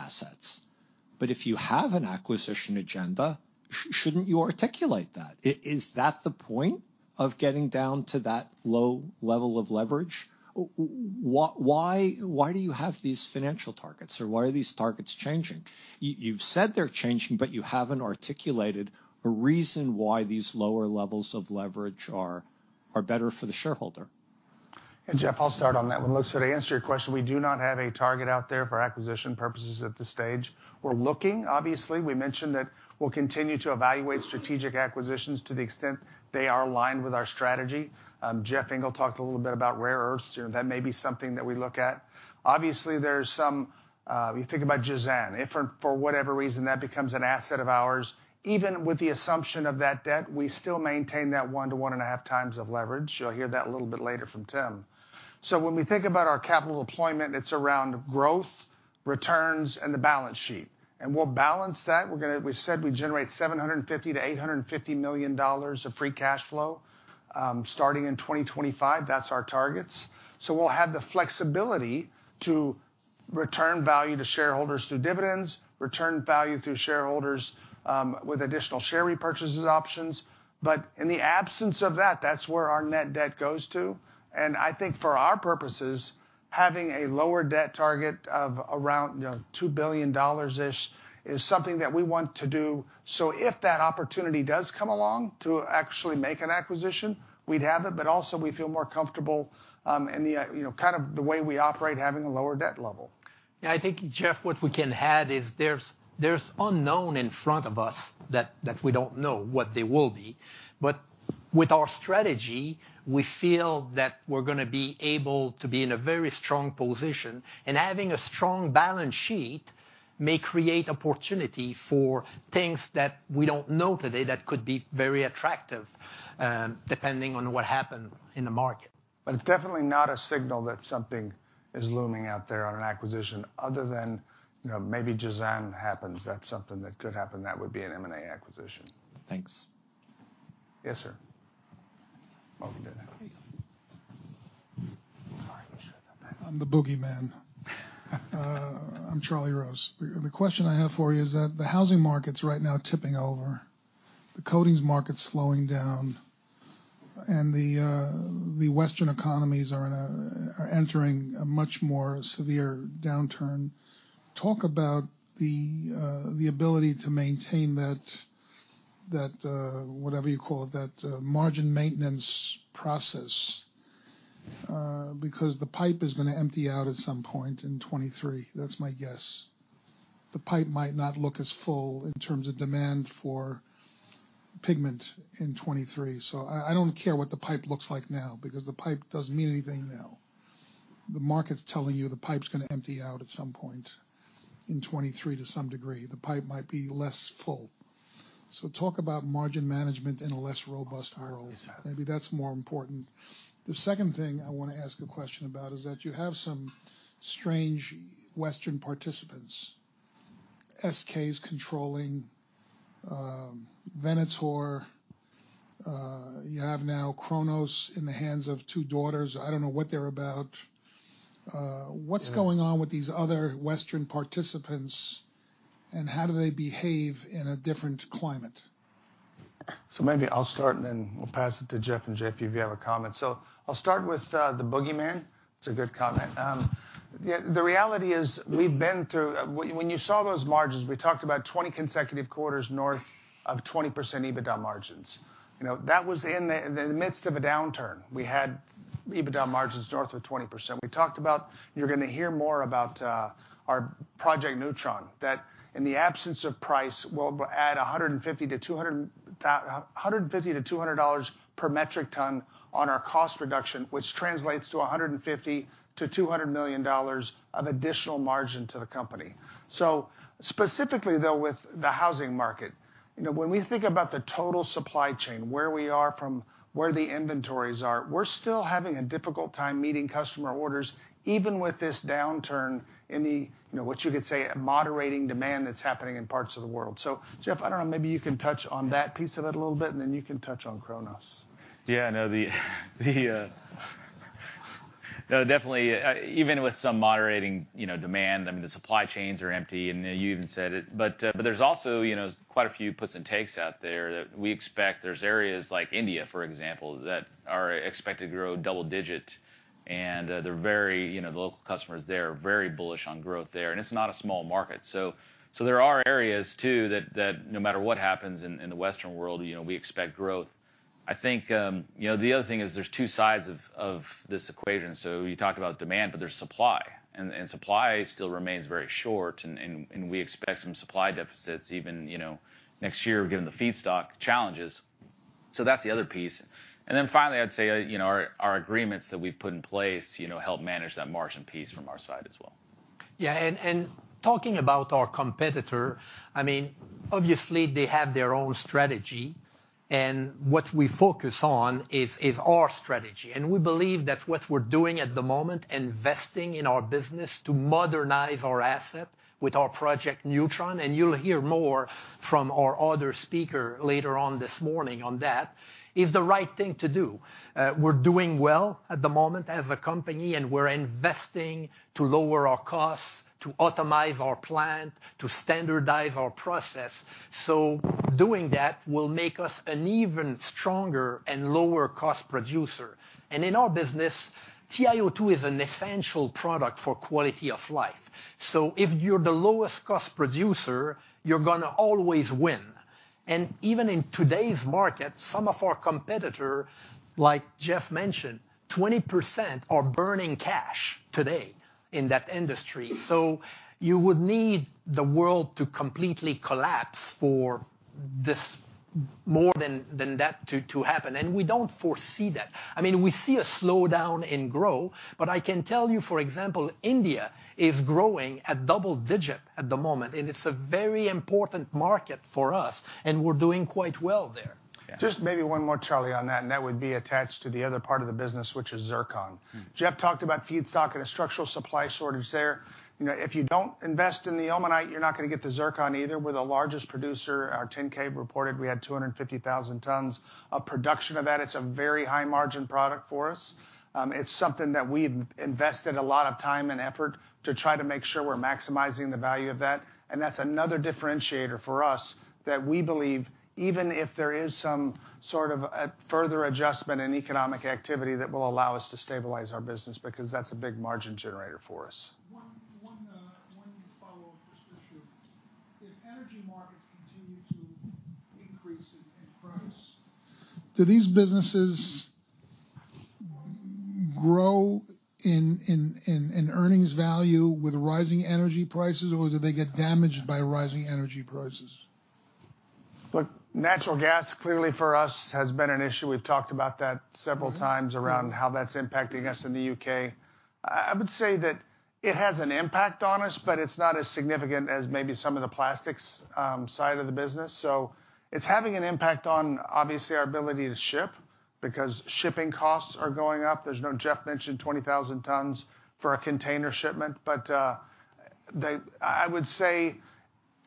assets. If you have an acquisition agenda, shouldn't you articulate that? Is that the point of getting down to that low level of leverage? Why do you have these financial targets, or why are these targets changing? You've said they're changing, but you haven't articulated a reason why these lower levels of leverage are better for the shareholder. Jeff, I'll start on that one. Look, so to answer your question, we do not have a target out there for acquisition purposes at this stage. We're looking, obviously. We mentioned that we'll continue to evaluate strategic acquisitions to the extent they are aligned with our strategy. Jeff Engle talked a little bit about rare earths. You know, that may be something that we look at. Obviously, there's some. You think about Jazan. If for whatever reason that becomes an asset of ours, even with the assumption of that debt, we still maintain that 1-1.5 times of leverage. You'll hear that a little bit later from Tim. When we think about our capital deployment, it's around growth, returns, and the balance sheet. We'll balance that. We said we'd generate $750 million-$850 million of free cash flow, starting in 2025. That's our targets. We'll have the flexibility to return value to shareholders through dividends, return value through shareholders, with additional share repurchases options. In the absence of that's where our net debt goes to. I think for our purposes, having a lower debt target of around, you know, $2 billion-ish is something that we want to do. If that opportunity does come along to actually make an acquisition, we'd have it, but also we feel more comfortable, in the, you know, kind of the way we operate, having a lower debt level. Yeah, I think, Jeff, what we can add is there's unknown in front of us that we don't know what they will be. But with our strategy, we feel that we're gonna be able to be in a very strong position, and having a strong balance sheet may create opportunity for things that we don't know today that could be very attractive, depending on what happens in the market. It's definitely not a signal that something is looming out there on an acquisition other than, you know, maybe Jazan happens. That's something that could happen. That would be an M&A acquisition. Thanks. Yes, sir. Oh, he did. I'm the boogeyman. I'm Charlie Rose. The question I have for you is that the housing market's right now tipping over, the coatings market's slowing down, and the Western economies are entering a much more severe downturn. Talk about the ability to maintain that whatever you call it, that margin maintenance process. Because the pipe is gonna empty out at some point in 2023. That's my guess. The pipe might not look as full in terms of demand for pigment in 2023. I don't care what the pipe looks like now, because the pipe doesn't mean anything now. The market's telling you the pipe's gonna empty out at some point in 2023 to some degree. The pipe might be less full. Talk about margin management in a less robust world. Maybe that's more important. The second thing I wanna ask a question about is that you have some strange Western participants. SK is controlling Venator. You have now Kronos in the hands of two daughters. I don't know what they're about. What's going on with these other Western participants, and how do they behave in a different climate? Maybe I'll start, and then we'll pass it to Jeff and JP if you have a comment. I'll start with the boogeyman. It's a good comment. Yeah, the reality is we've been through. When you saw those margins, we talked about 20 consecutive quarters north of 20% EBITDA margins. You know, that was in the midst of a downturn. We had EBITDA margins north of 20%. We talked about, you're gonna hear more about our Project Neutron, that in the absence of price, we'll add $150-$200 per metric ton on our cost reduction, which translates to $150 million-$200 million of additional margin to the company. Specifically, though, with the housing market, you know, when we think about the total supply chain, where we are from, where the inventories are, we're still having a difficult time meeting customer orders, even with this downturn in the, you know, what you could say, a moderating demand that's happening in parts of the world. Jeff, I don't know, maybe you can touch on that piece of it a little bit, and then you can touch on Kronos. No, definitely even with some moderating, you know, demand. I mean, the supply chains are empty, and you even said it. There's also, you know, quite a few puts and takes out there that we expect. There are areas like India, for example, that are expected to grow double-digit, and the local customers there are very bullish on growth there, and it's not a small market. There are areas, too, that no matter what happens in the Western world, you know, we expect growth. I think, you know, the other thing is there's two sides of this equation. You talk about demand, but there's supply. Supply still remains very short, and we expect some supply deficits even, you know, next year given the feedstock challenges. That's the other piece. Finally, I'd say, you know, our agreements that we've put in place, you know, help manage that margin piece from our side as well. Yeah, talking about our competitor, I mean, obviously, they have their own strategy. What we focus on is our strategy. We believe that what we're doing at the moment, investing in our business to modernize our asset with our Project Neutron, and you'll hear more from our other speaker later on this morning on that, is the right thing to do. We're doing well at the moment as a company, and we're investing to lower our costs, to automate our plant, to standardize our process. Doing that will make us an even stronger and lower cost producer. In our business, TiO2 is an essential product for quality of life. If you're the lowest cost producer, you're gonna always win. Even in today's market, some of our competitor, like Jeff mentioned, 20% are burning cash today in that industry. You would need the world to completely collapse for this more than that to happen. We don't foresee that. I mean, we see a slowdown in growth, but I can tell you, for example, India is growing at double-digit at the moment, and it's a very important market for us, and we're doing quite well there. Yeah. Just maybe one more, Charlie, on that, and that would be attached to the other part of the business, which is Zircon. Mm. Geoff talked about feedstock and a structural supply shortage there. You know, if you don't invest in the ilmenite, you're not gonna get the zircon either. We're the largest producer. Our 10-K reported we had 250,000 tons of production of that. It's a very high margin product for us. It's something that we've invested a lot of time and effort to try to make sure we're maximizing the value of that. That's another differentiator for us that we believe, even if there is some sort of a further adjustment in economic activity that will allow us to stabilize our business because that's a big margin generator for us. One follow-up, just for sure. If energy markets continue to increase in earnings value with rising energy prices or do they get damaged by rising energy prices? Look, natural gas clearly for us has been an issue. We've talked about that several times. Mm-hmm Around how that's impacting us in the UK. I would say that it has an impact on us, but it's not as significant as maybe some of the plastics side of the business. It's having an impact on, obviously, our ability to ship because shipping costs are going up. As you know, Jeff mentioned 20,000 tons for a container shipment. I would say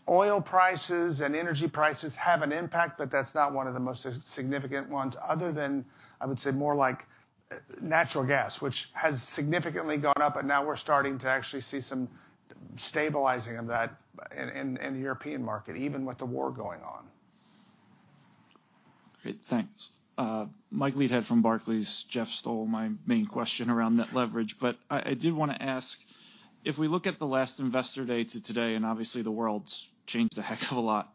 oil prices and energy prices have an impact, but that's not one of the most significant ones other than I would say more like natural gas, which has significantly gone up, and now we're starting to actually see some stabilizing of that in the European market, even with the war going on. Great. Thanks. Michael Leithead from Barclays. Geoff stole my main question around net leverage. I do wanna ask, if we look at the last Investor Day to today, and obviously the world's changed a heck of a lot.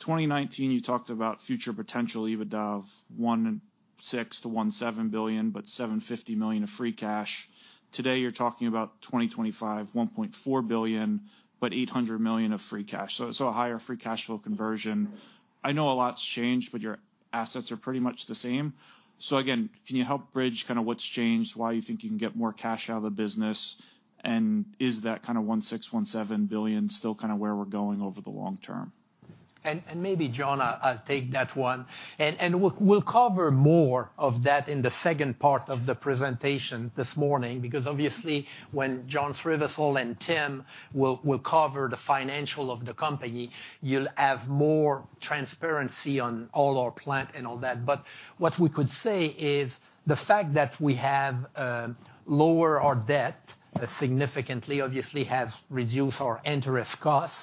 2019, you talked about future potential EBITDA of $1.6 billion-$1.7 billion, but $750 million of free cash. Today, you're talking about 2025, $1.4 billion, but $800 million of free cash. A higher free cash flow conversion. I know a lot's changed, but your assets are pretty much the same. Again, can you help bridge kinda what's changed, why you think you can get more cash out of the business, and is that kinda one six, one seven billion still kinda where we're going over the long term? Maybe John, I'll take that one. We'll cover more of that in the second part of the presentation this morning because obviously when John Srivisal and Tim will cover the financial of the company, you'll have more transparency on all our plant and all that. What we could say is the fact that we have lower our debt significantly obviously has reduced our interest costs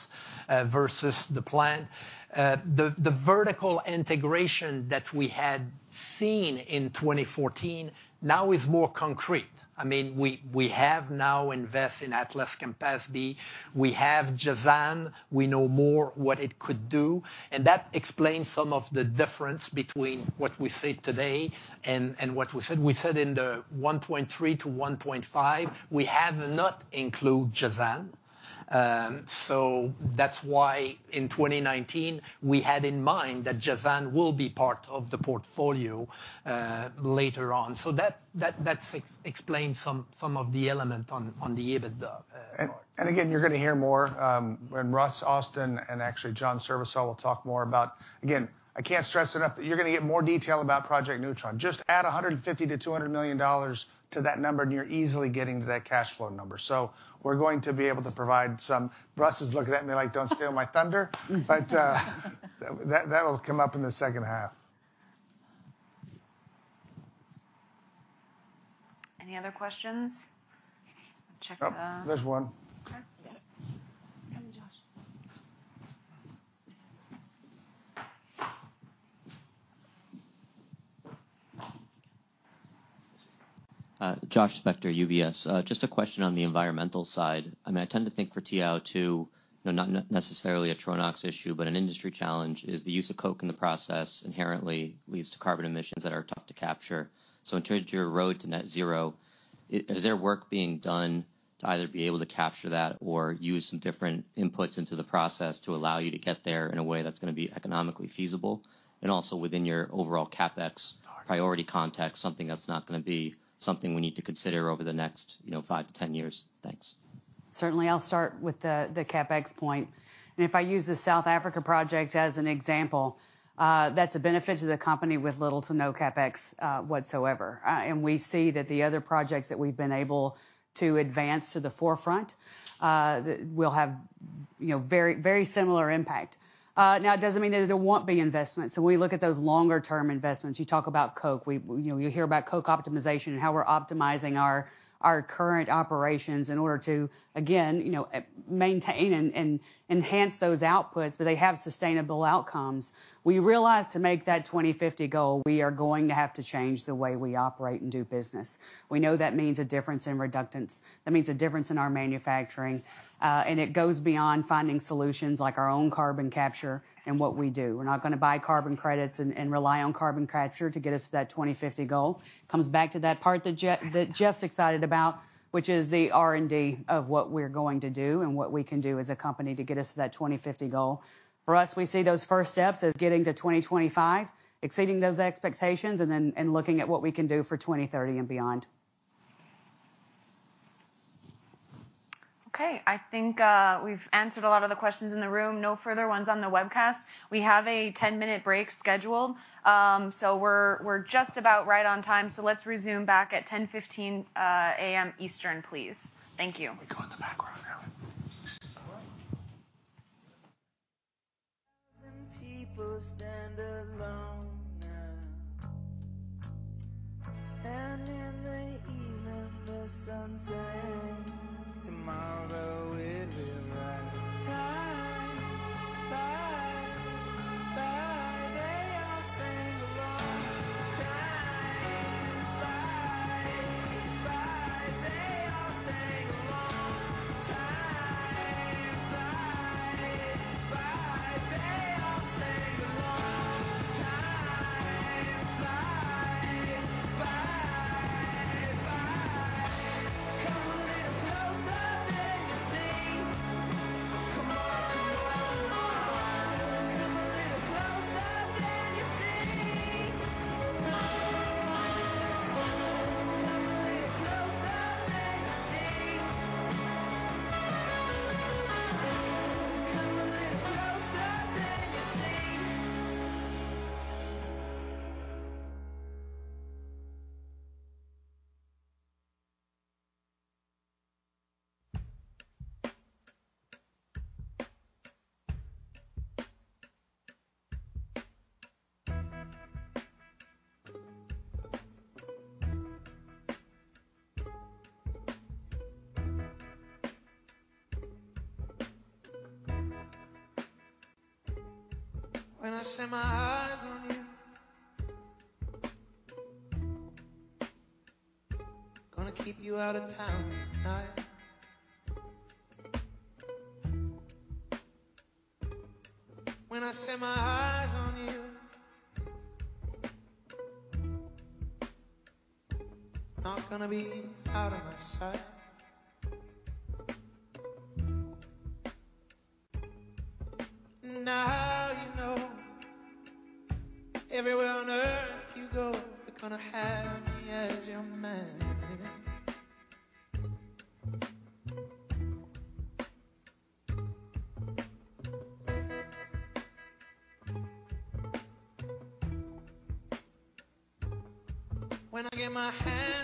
versus the plan. The vertical integration that we had seen in 2014 now is more concrete. I mean, we have now invest in Atlas Copco. We have Jazan. We know more what it could do. That explains some of the difference between what we say today and what we said. We said in the 1.3-1.5, we have not include Jazan. That's why in 2019, we had in mind that Jazan will be part of the portfolio later on. That explains some of the element on the EBITDA part. Again, you're gonna hear more when Russ Austin and actually John Srivisal will talk more about. Again, I can't stress enough that you're gonna get more detail about Project Neutron. Just add $150-$200 million to that number, and you're easily getting to that cash flow number. We're going to be able to provide some. Russ is looking at me like, "Don't steal my thunder." That'll come up in the H2. Any other questions? Oh, there's one. Okay. Yeah. Come, Josh. Joshua Spector, UBS. Just a question on the environmental side. I mean, I tend to think for TiO2, you know, not necessarily a Tronox issue, but an industry challenge is the use of coke in the process inherently leads to carbon emissions that are tough to capture. In terms of your road to net zero, is there work being done to either be able to capture that or use some different inputs into the process to allow you to get there in a way that's gonna be economically feasible, and also within your overall CapEx priority context, something that's not gonna be something we need to consider over the next, you know, five-10 years. Thanks. Certainly. I'll start with the CapEx point. If I use the South Africa project as an example, that's a benefit to the company with little to no CapEx whatsoever. We see that the other projects that we've been able to advance to the forefront will have, you know, very, very similar impact. Now, it doesn't mean that there won't be investments. We look at those longer term investments. You talk about coke. You know, you hear about coke optimization and how we're optimizing our current operations in order to, again, you know, maintain and enhance those outputs so they have sustainable outcomes. We realized to make that 2050 goal, we are going to have to change the way we operate and do business. We know that means a difference in reductants. That means a difference in our manufacturing. It goes beyond finding solutions like our own carbon capture and what we do. We're not gonna buy carbon credits and rely on carbon capture to get us to that 2050 goal. Comes back to that part that Jeff's excited about, which is the R&D of what we're going to do and what we can do as a company to get us to that 2050 goal. For us, we see those first steps as getting to 2025, exceeding those expectations, and then looking at what we can do for 2030 and beyond. Okay. I think we've answered a lot of the questions in the room. No further ones on the webcast. We have a 10-minute break scheduled, so we're just about right on time, so let's resume back at 10:15 A.M. Eastern, please. Thank you. We go in the back room now. Shall I click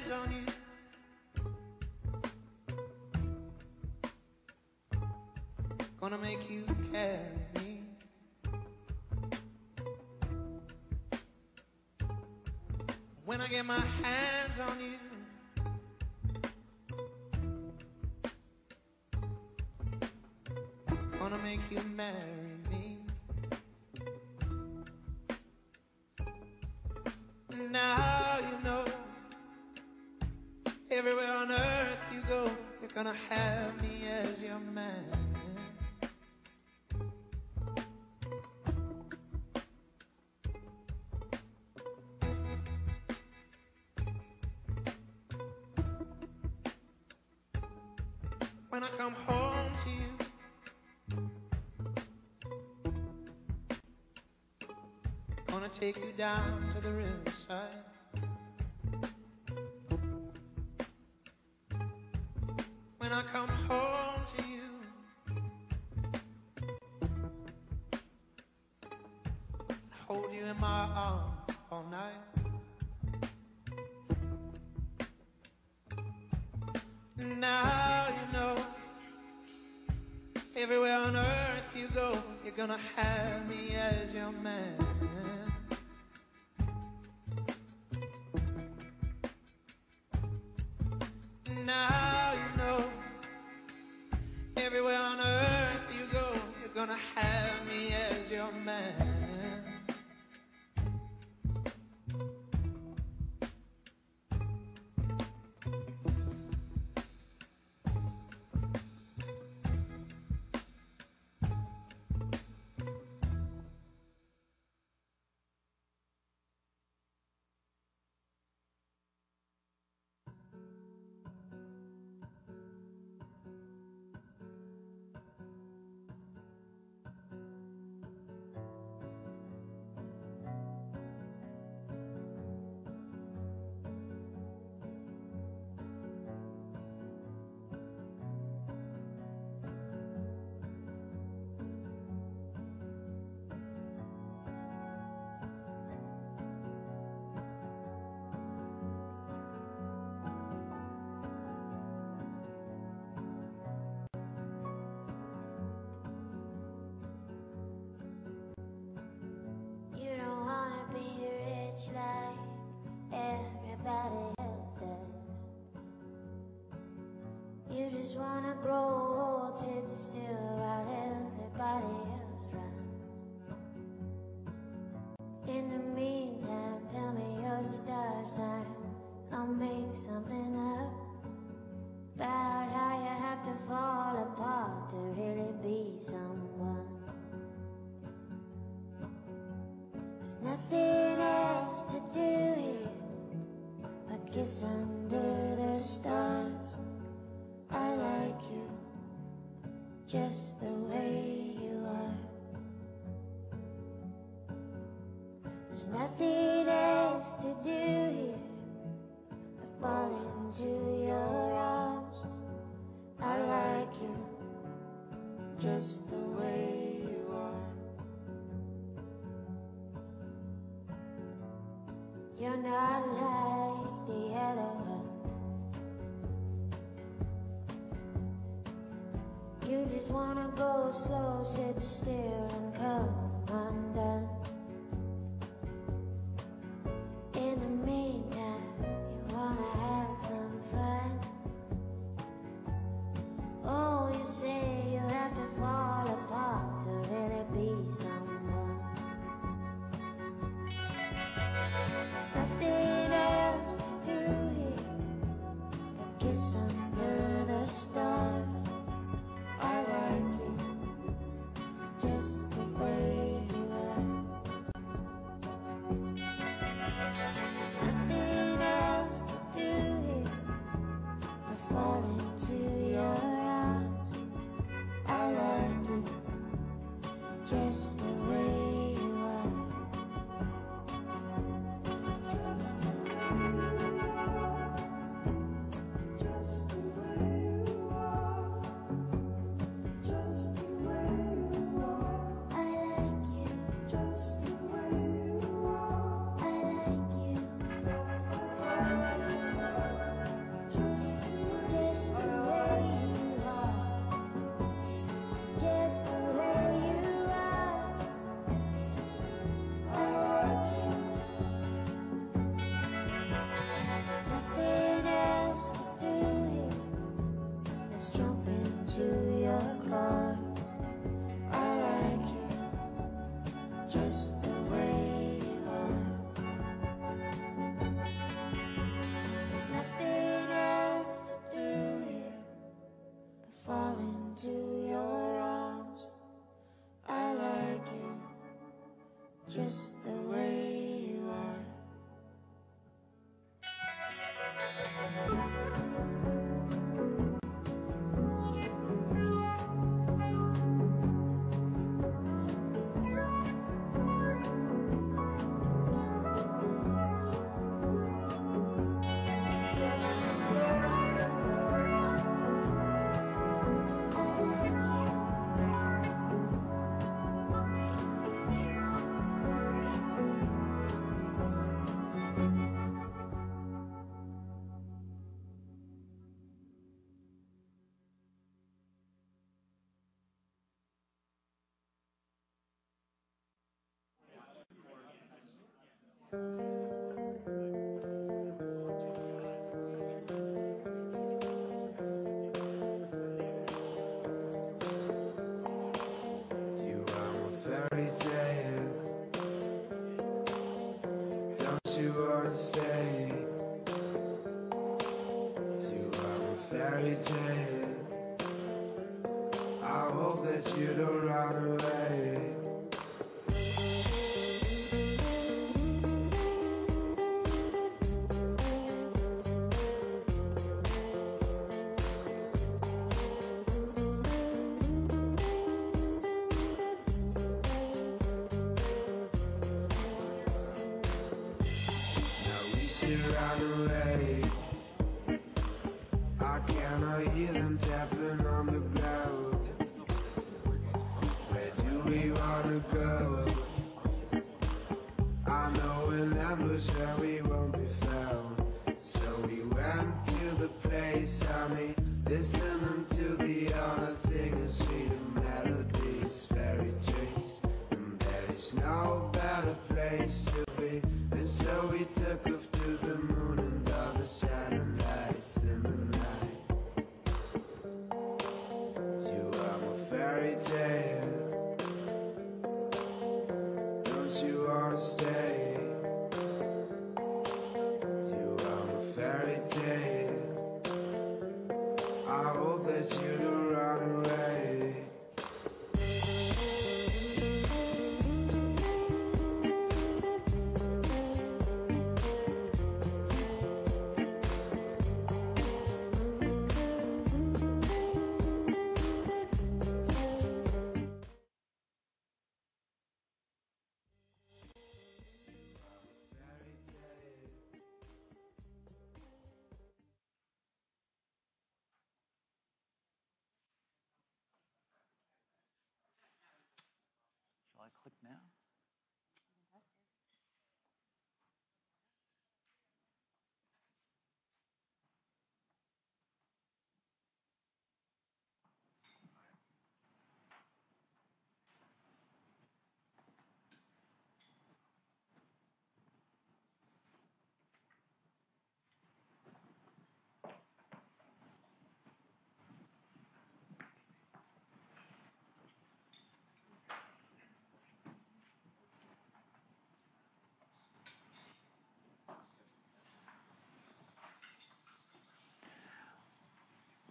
now? Okay.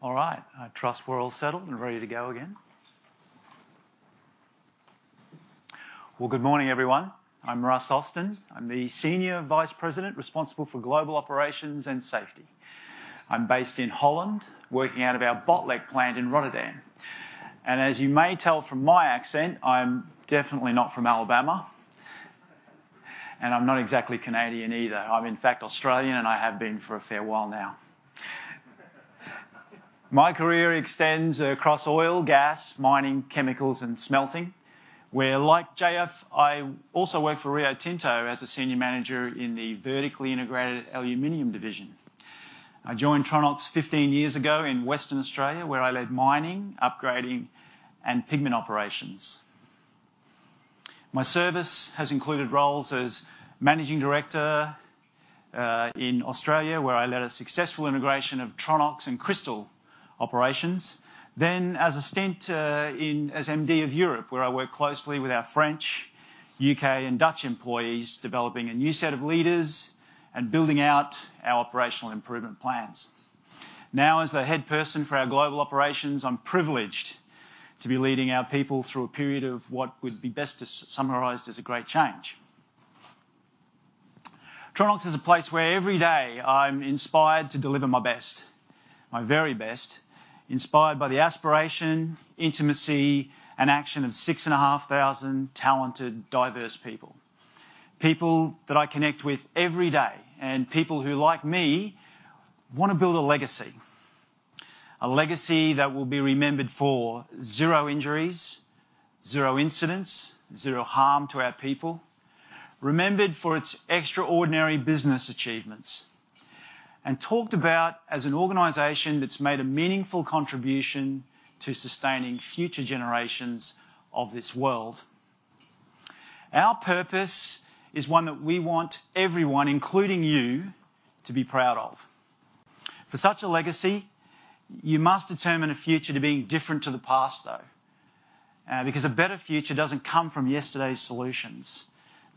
All right. I trust we're all settled and ready to go again. Well, good morning, everyone. I'm Russ Austin. I'm the Senior Vice President responsible for Global Operations and Safety. I'm based in Holland, working out of our Botlek plant in Rotterdam. As you may tell from my accent, I'm definitely not from Alabama, and I'm not exactly Canadian either. I'm in fact Australian, and I have been for a fair while now. My career extends across oil, gas, mining, chemicals, and smelting, where like JF, I also worked for Rio Tinto as a Senior Manager in the vertically integrated aluminum division. I joined Tronox 15 years ago in Western Australia, where I led mining, upgrading, and pigment operations. My service has included roles as Managing Director in Australia, where I led a successful integration of Tronox and Cristal operations. As in a stint as MD of Europe, where I worked closely with our French, U.K., and Dutch employees, developing a new set of leaders and building out our operational improvement plans. Now, as the head person for our global operations, I'm privileged to be leading our people through a period of what would be best to summarized as a great change. Tronox is a place where every day I'm inspired to deliver my best, my very best. Inspired by the aspiration, intimacy, and action of 6,500 talented, diverse people. People that I connect with every day, and people who, like me, wanna build a legacy. A legacy that will be remembered for 0 injuries, 0 incidents, 0 harm to our people. Remembered for its extraordinary business achievements, and talked about as an organization that's made a meaningful contribution to sustaining future generations of this world. Our purpose is one that we want everyone, including you, to be proud of. For such a legacy, you must determine a future to being different to the past, though. Because a better future doesn't come from yesterday's solutions.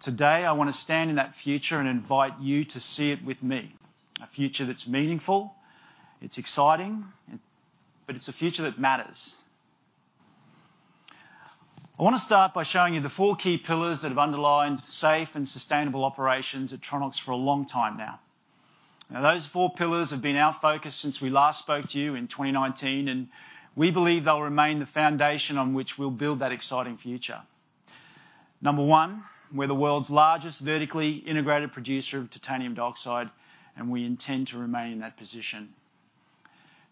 Today, I wanna stand in that future and invite you to see it with me. A future that's meaningful, it's exciting, but it's a future that matters. I wanna start by showing you the four key pillars that have underlined safe and sustainable operations at Tronox for a long time now. Now, those four pillars have been our focus since we last spoke to you in 2019, and we believe they'll remain the foundation on which we'll build that exciting future. Number one, we're the world's largest vertically integrated producer of titanium dioxide, and we intend to remain in that position.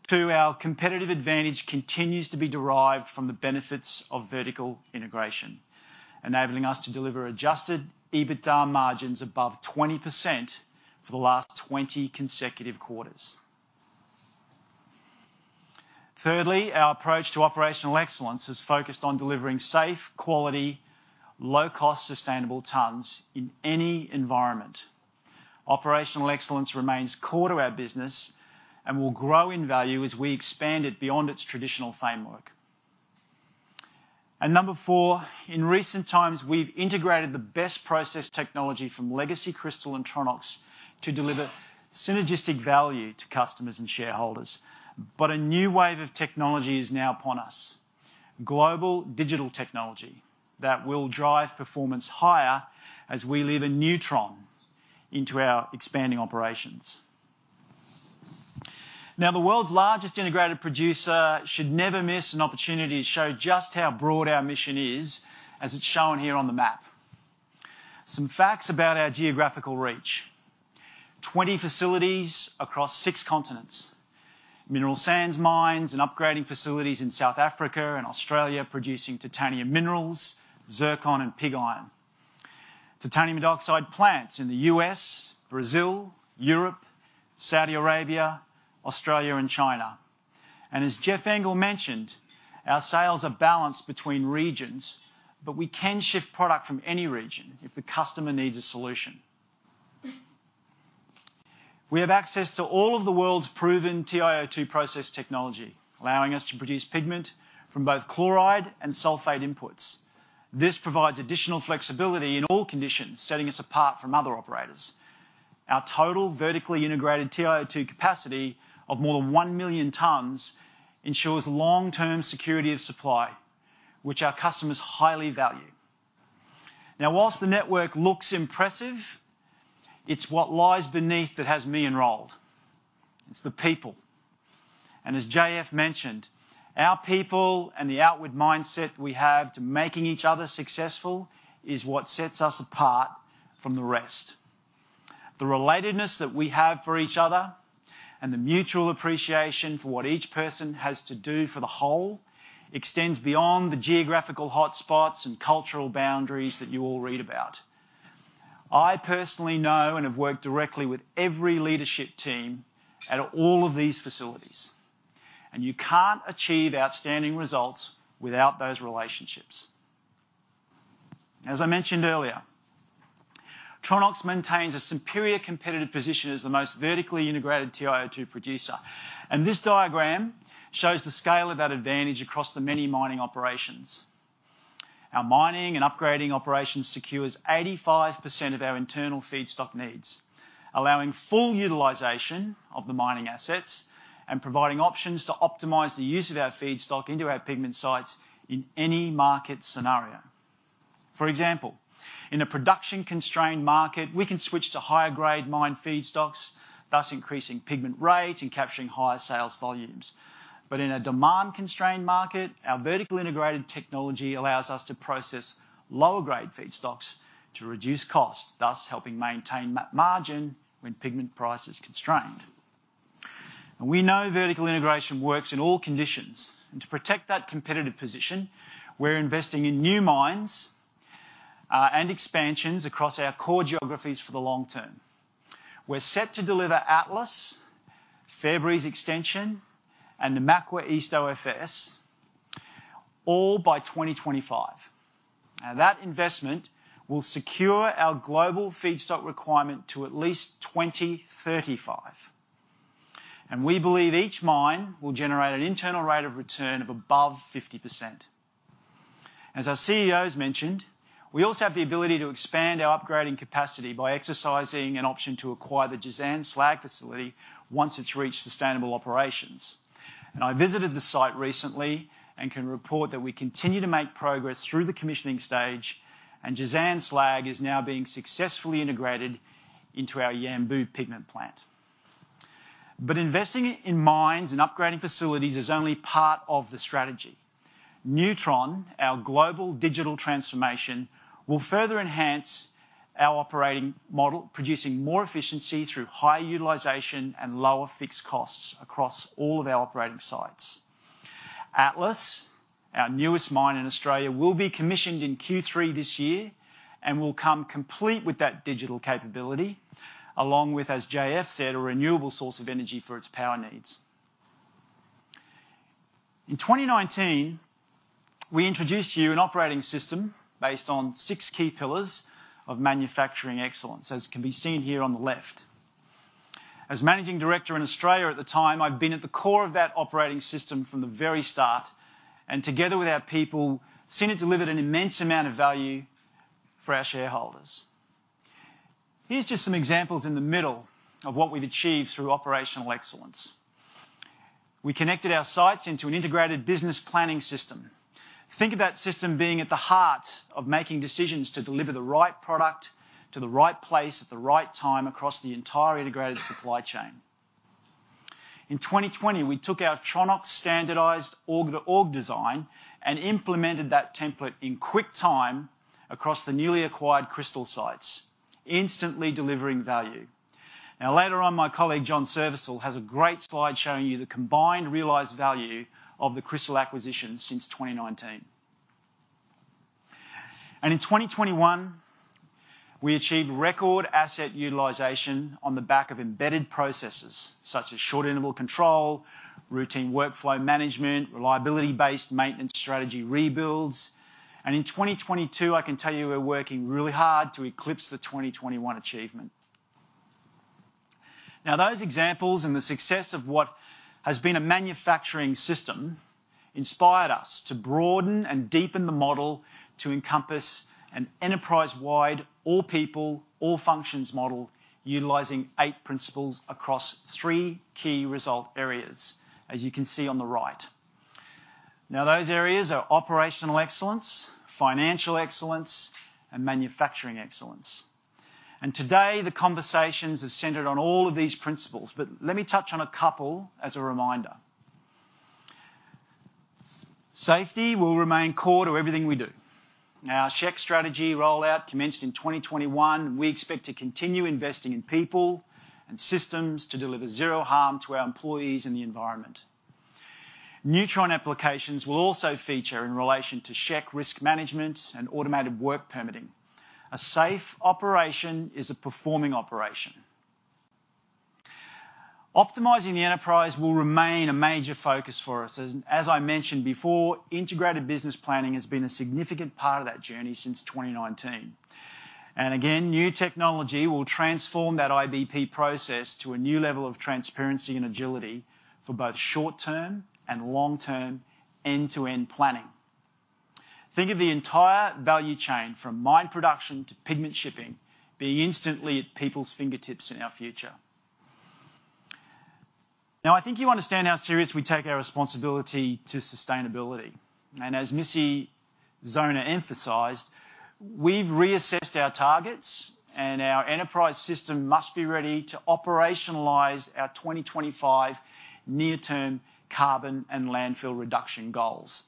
two, our competitive advantage continues to be derived from the benefits of vertical integration, enabling us to deliver adjusted EBITDA margins above 20% for the last 20 consecutive quarters. Thirdly, our approach to operational excellence is focused on delivering safe, quality, low cost, sustainable tons in any environment. Operational excellence remains core to our business and will grow in value as we expand it beyond its traditional framework. Number four, in recent times, we've integrated the best process technology from Legacy Cristal and Tronox to deliver synergistic value to customers and shareholders. A new wave of technology is now upon us. Global digital technology that will drive performance higher as we weave a new Tronox into our expanding operations. Now, the world's largest integrated producer should never miss an opportunity to show just how broad our mission is as it's shown here on the map. Some facts about our geographical reach. 20 facilities across six continents. Mineral sands mines and upgrading facilities in South Africa and Australia producing titanium minerals, Zircon, and Pig Iron. Titanium dioxide plants in the U.S., Brazil, Europe, Saudi Arabia, Australia, and China. As Jeff Engle mentioned, our sales are balanced between regions, but we can ship product from any region if the customer needs a solution. We have access to all of the world's proven TiO2 process technology, allowing us to produce pigment from both chloride and sulfate inputs. This provides additional flexibility in all conditions, setting us apart from other operators. Our total vertically integrated TiO2 capacity of more than one million tons ensures long-term security of supply, which our customers highly value. Now, while the network looks impressive, it's what lies beneath that has me engaged. It's the people. As JF mentioned, our people and the outward mindset we have to making each other successful is what sets us apart from the rest. The relatedness that we have for each other and the mutual appreciation for what each person has to do for the whole extends beyond the geographical hotspots and cultural boundaries that you all read about. I personally know and have worked directly with every leadership team at all of these facilities, and you can't achieve outstanding results without those relationships. As I mentioned earlier, Tronox maintains a superior competitive position as the most vertically integrated TiO2 producer, and this diagram shows the scale of that advantage across the many mining operations. Our mining and upgrading operations secures 85% of our internal feedstock needs, allowing full utilization of the mining assets and providing options to optimize the use of our feedstock into our pigment sites in any market scenario. For example, in a production-constrained market, we can switch to higher grade mine feedstocks, thus increasing pigment rate and capturing higher sales volumes. In a demand-constrained market, our vertically integrated technology allows us to process lower grade feedstocks to reduce cost, thus helping maintain margin when pigment price is constrained. We know vertical integration works in all conditions. To protect that competitive position, we're investing in new mines and expansions across our core geographies for the long term. We're set to deliver Atlas-Campaspe, Fairbreeze extension, and the Namakwa East OFS all by 2025. Now, that investment will secure our global feedstock requirement to at least 2035, and we believe each mine will generate an internal rate of return of above 50%. As our CEOs mentioned, we also have the ability to expand our upgrading capacity by exercising an option to acquire the Jazan slag facility once it's reached sustainable operations. I visited the site recently and can report that we continue to make progress through the commissioning stage, and Jazan slag is now being successfully integrated into our Yanbu pigment plant. Investing in mines and upgrading facilities is only part of the strategy. Neutron, our global digital transformation, will further enhance our operating model, producing more efficiency through high utilization and lower fixed costs across all of our operating sites. Atlas, our newest mine in Australia, will be commissioned in Q3 this year and will come complete with that digital capability along with, as JF said, a renewable source of energy for its power needs. In 2019, we introduced you an operating system based on six key pillars of manufacturing excellence, as can be seen here on the left. As managing director in Australia at the time, I've been at the core of that operating system from the very start, and together with our people, seen it deliver an immense amount of value for our shareholders. Here's just some examples in the middle of what we've achieved through operational excellence. We connected our sites into an integrated business planning system. Think of that system being at the heart of making decisions to deliver the right product to the right place at the right time across the entire integrated supply chain. In 2020, we took our Tronox standardized org design and implemented that template in quick time across the newly acquired Cristal sites, instantly delivering value. Now, later on, my colleague, John Srivisal, has a great slide showing you the combined realized value of the Cristal acquisition since 2019. In 2021, we achieved record asset utilization on the back of embedded processes such as short interval control, routine workflow management, reliability-based maintenance strategy rebuilds. In 2022, I can tell you we're working really hard to eclipse the 2021 achievement. Now, those examples and the success of what has been a manufacturing system inspired us to broaden and deepen the model to encompass an enterprise-wide all people, all functions model utilizing eight principles across three key result areas, as you can see on the right. Now, those areas are operational excellence, financial excellence, and manufacturing excellence. Today, the conversations are centered on all of these principles. Let me touch on a couple as a reminder. Safety will remain core to everything we do. Now, our SHE strategy rollout commenced in 2021. We expect to continue investing in people and systems to deliver zero harm to our employees and the environment. Neutron applications will also feature in relation to SHE risk management and automated work permitting. A safe operation is a performing operation. Optimizing the enterprise will remain a major focus for us. As I mentioned before, integrated business planning has been a significant part of that journey since 2019. Again, new technology will transform that IBP process to a new level of transparency and agility for both short-term and long-term end-to-end planning. Think of the entire value chain from mine production to pigment shipping being instantly at people's fingertips in our future. Now, I think you understand how serious we take our responsibility to sustainability. As Melissa Zona emphasized, we've reassessed our targets and our enterprise system must be ready to operationalize our 2025 near-term carbon and landfill reduction goals.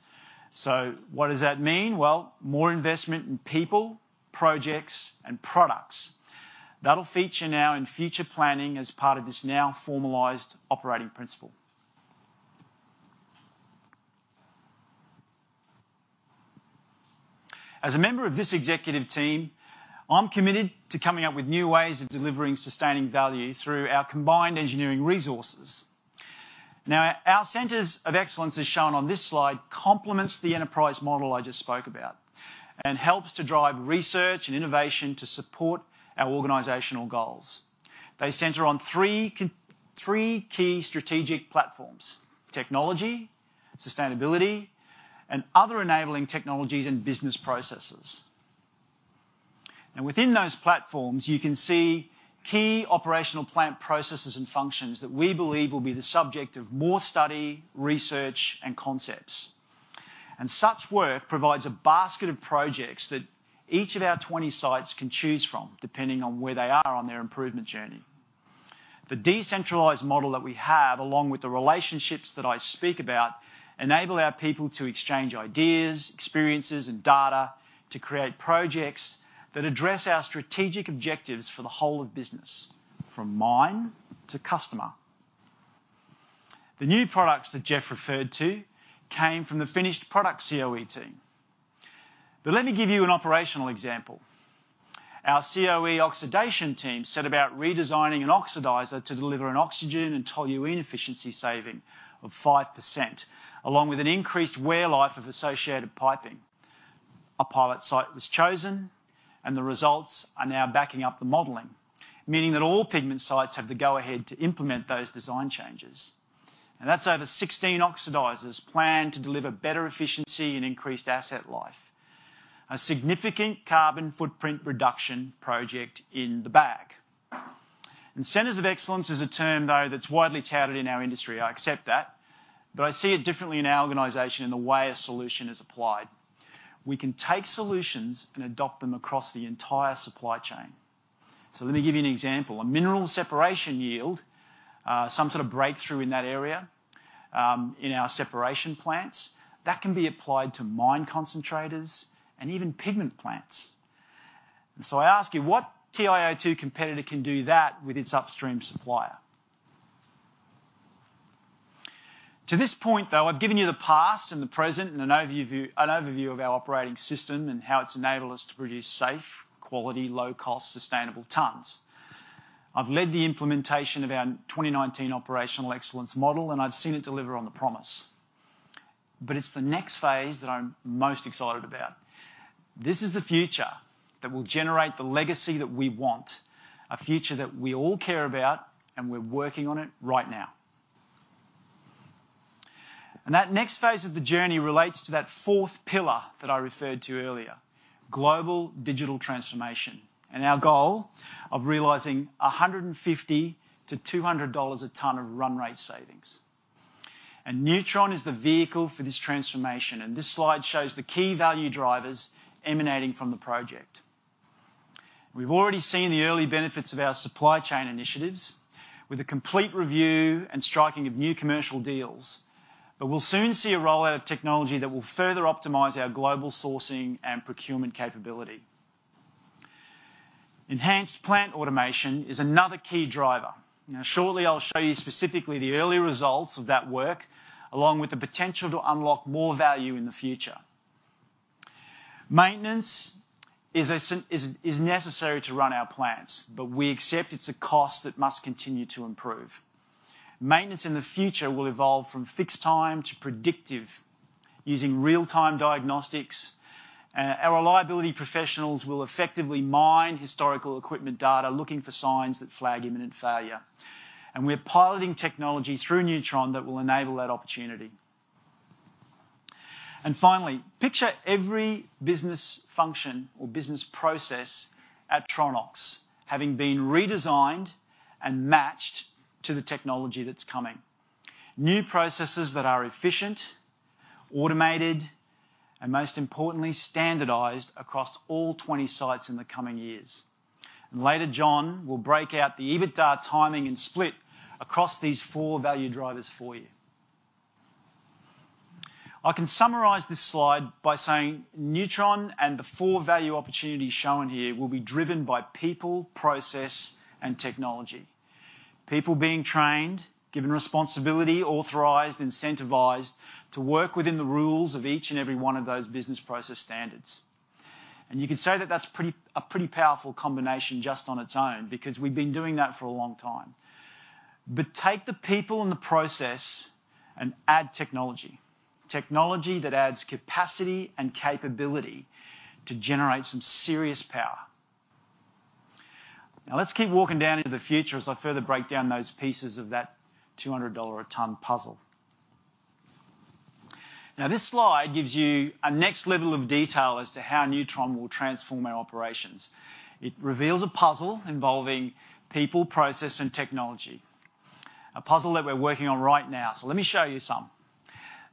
What does that mean? Well, more investment in people, projects, and products. That'll feature now in future planning as part of this now formalized operating principle. As a member of this executive team, I'm committed to coming up with new ways of delivering sustaining value through our combined engineering resources. Now, our centers of excellence, as shown on this slide, complements the enterprise model I just spoke about and helps to drive research and innovation to support our organizational goals. They center on three key strategic platforms: technology, sustainability, and other enabling technologies and business processes. Within those platforms, you can see key operational plant processes and functions that we believe will be the subject of more study, research, and concepts. Such work provides a basket of projects that each of our 20 sites can choose from depending on where they are on their improvement journey. The decentralized model that we have, along with the relationships that I speak about, enable our people to exchange ideas, experiences, and data to create projects that address our strategic objectives for the whole of business, from mine to customer. The new products that Jeff referred to came from the finished product COE team. Let me give you an operational example. Our COE oxidation team set about redesigning an oxidizer to deliver an oxygen and toluene efficiency saving of 5%, along with an increased wear life of associated piping. A pilot site was chosen and the results are now backing up the modeling, meaning that all pigment sites have the go-ahead to implement those design changes. That's over 16 oxidizers planned to deliver better efficiency and increased asset life. A significant carbon footprint reduction project in the bag. Centers of excellence is a term, though, that's widely touted in our industry. I accept that, but I see it differently in our organization in the way a solution is applied. We can take solutions and adopt them across the entire supply chain. Let me give you an example. A mineral separation yield, some sort of breakthrough in that area, in our separation plants, that can be applied to mine concentrators and even pigment plants. I ask you, what TiO2 competitor can do that with its upstream supplier? To this point, though, I've given you the past and the present and an overview view, an overview of our operating system and how it's enabled us to produce safe, quality, low cost, sustainable tons. I've led the implementation of our 2019 operational excellence model, and I've seen it deliver on the promise. It's the next phase that I'm most excited about. This is the future that will generate the legacy that we want, a future that we all care about, and we're working on it right now. That next phase of the journey relates to that fourth pillar that I referred to earlier, global digital transformation and our goal of realizing $150-$200 a ton of run rate savings. Neutron is the vehicle for this transformation, and this slide shows the key value drivers emanating from the project. We've already seen the early benefits of our supply chain initiatives with a complete review and striking of new commercial deals. We'll soon see a rollout of technology that will further optimize our global sourcing and procurement capability. Enhanced plant automation is another key driver. Now, shortly I'll show you specifically the early results of that work, along with the potential to unlock more value in the future. Maintenance is necessary to run our plants, but we accept it's a cost that must continue to improve. Maintenance in the future will evolve from fixed time to predictive using real-time diagnostics. Our reliability professionals will effectively mine historical equipment data looking for signs that flag imminent failure. We're piloting technology through Neutron that will enable that opportunity. Finally, picture every business function or business process at Tronox having been redesigned and matched to the technology that's coming. New processes that are efficient, automated, and most importantly, standardized across all 20 sites in the coming years. Later, John will break out the EBITDA timing and split across these four value drivers for you. I can summarize this slide by saying Neutron and the four value opportunities shown here will be driven by people, process, and technology. People being trained, given responsibility, authorized, incentivized to work within the rules of each and every one of those business process standards. You could say that that's pretty powerful combination just on its own, because we've been doing that for a long time. Take the people and the process and add technology. Technology that adds capacity and capability to generate some serious power. Now let's keep walking down into the future as I further break down those pieces of that $200 a ton puzzle. This slide gives you a next level of detail as to how Neutron will transform our operations. It reveals a puzzle involving people, process, and technology. A puzzle that we're working on right now. Let me show you some.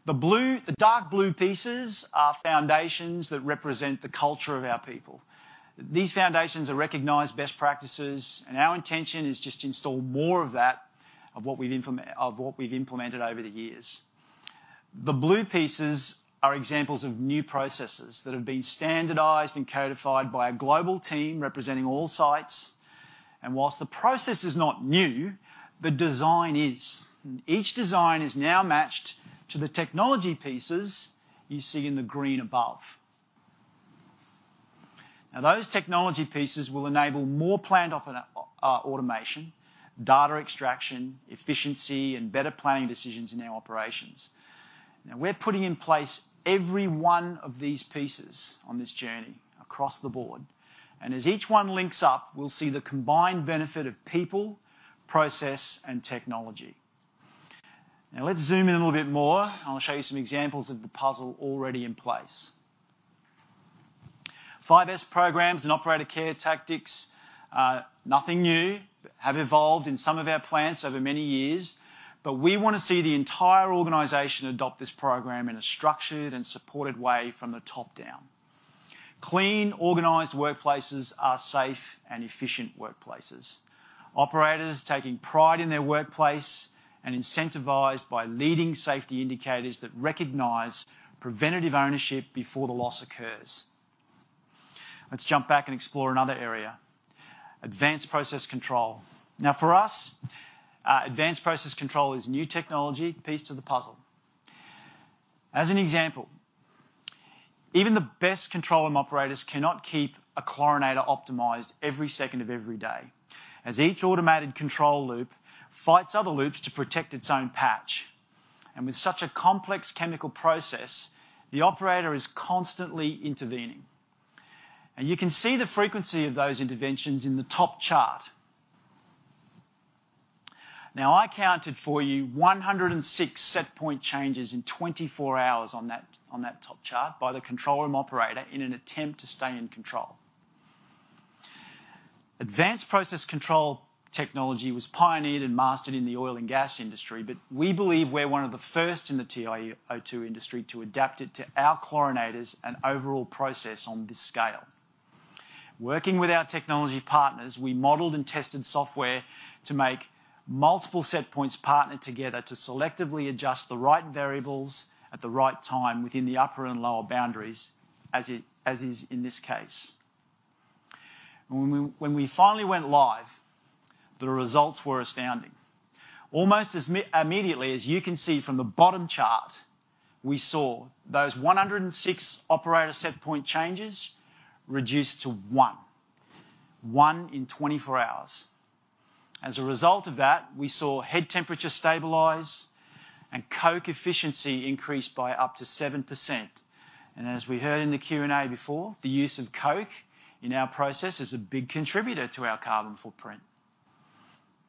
The dark blue pieces are foundations that represent the culture of our people. These foundations are recognized best practices, and our intention is just to install more of that, of what we've implemented over the years. The blue pieces are examples of new processes that have been standardized and codified by a global team representing all sites. While the process is not new, the design is. Each design is now matched to the technology pieces you see in the green above. Now, those technology pieces will enable more planned automation, data extraction, efficiency, and better planning decisions in our operations. Now, we're putting in place every one of these pieces on this journey across the board, and as each one links up, we'll see the combined benefit of people, process, and technology. Now let's zoom in a little bit more and I'll show you some examples of the puzzle already in place. 5S programs and operator care tactics are nothing new. Have evolved in some of our plants over many years, but we wanna see the entire organization adopt this program in a structured and supported way from the top down. Clean, organized workplaces are safe and efficient workplaces. Operators taking pride in their workplace and incentivized by leading safety indicators that recognize preventative ownership before the loss occurs. Let's jump back and explore another area, advanced process control. Now, for us, advanced process control is new technology, piece to the puzzle. As an example, even the best control room operators cannot keep a chlorinator optimized every second of every day, as each automated control loop fights other loops to protect its own patch. With such a complex chemical process, the operator is constantly intervening. You can see the frequency of those interventions in the top chart. Now, I counted for you 106 set point changes in 24 hours on that top chart by the control room operator in an attempt to stay in control. Advanced process control technology was pioneered and mastered in the oil and gas industry, but we believe we're one of the first in the TiO2 industry to adapt it to our chlorinators and overall process on this scale. Working with our technology partners, we modeled and tested software to make multiple set points partner together to selectively adjust the right variables at the right time within the upper and lower boundaries as is in this case. When we finally went live, the results were astounding. Almost as immediately as you can see from the bottom chart, we saw those 106 operator set point changes reduced to one in 24 hours. As a result of that, we saw head temperature stabilize and coke efficiency increase by up to 7%. As we heard in the Q&A before, the use of coke in our process is a big contributor to our carbon footprint.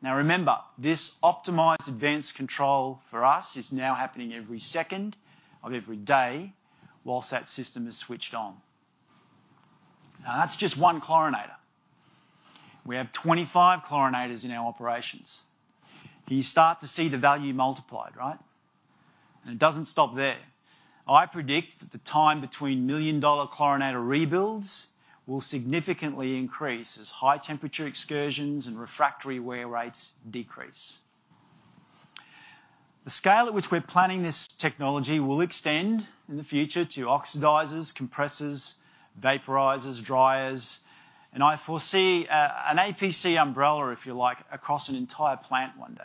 Now remember, this optimized advanced control for us is now happening every second of every day while that system is switched on. Now, that's just one chlorinator. We have 25 chlorinators in our operations, and you start to see the value multiplied, right? It doesn't stop there. I predict that the time between million-dollar chlorinator rebuilds will significantly increase as high temperature excursions and refractory wear rates decrease. The scale at which we're planning this technology will extend in the future to oxidizers, compressors, vaporizers, dryers, and I foresee an APC umbrella, if you like, across an entire plant one day.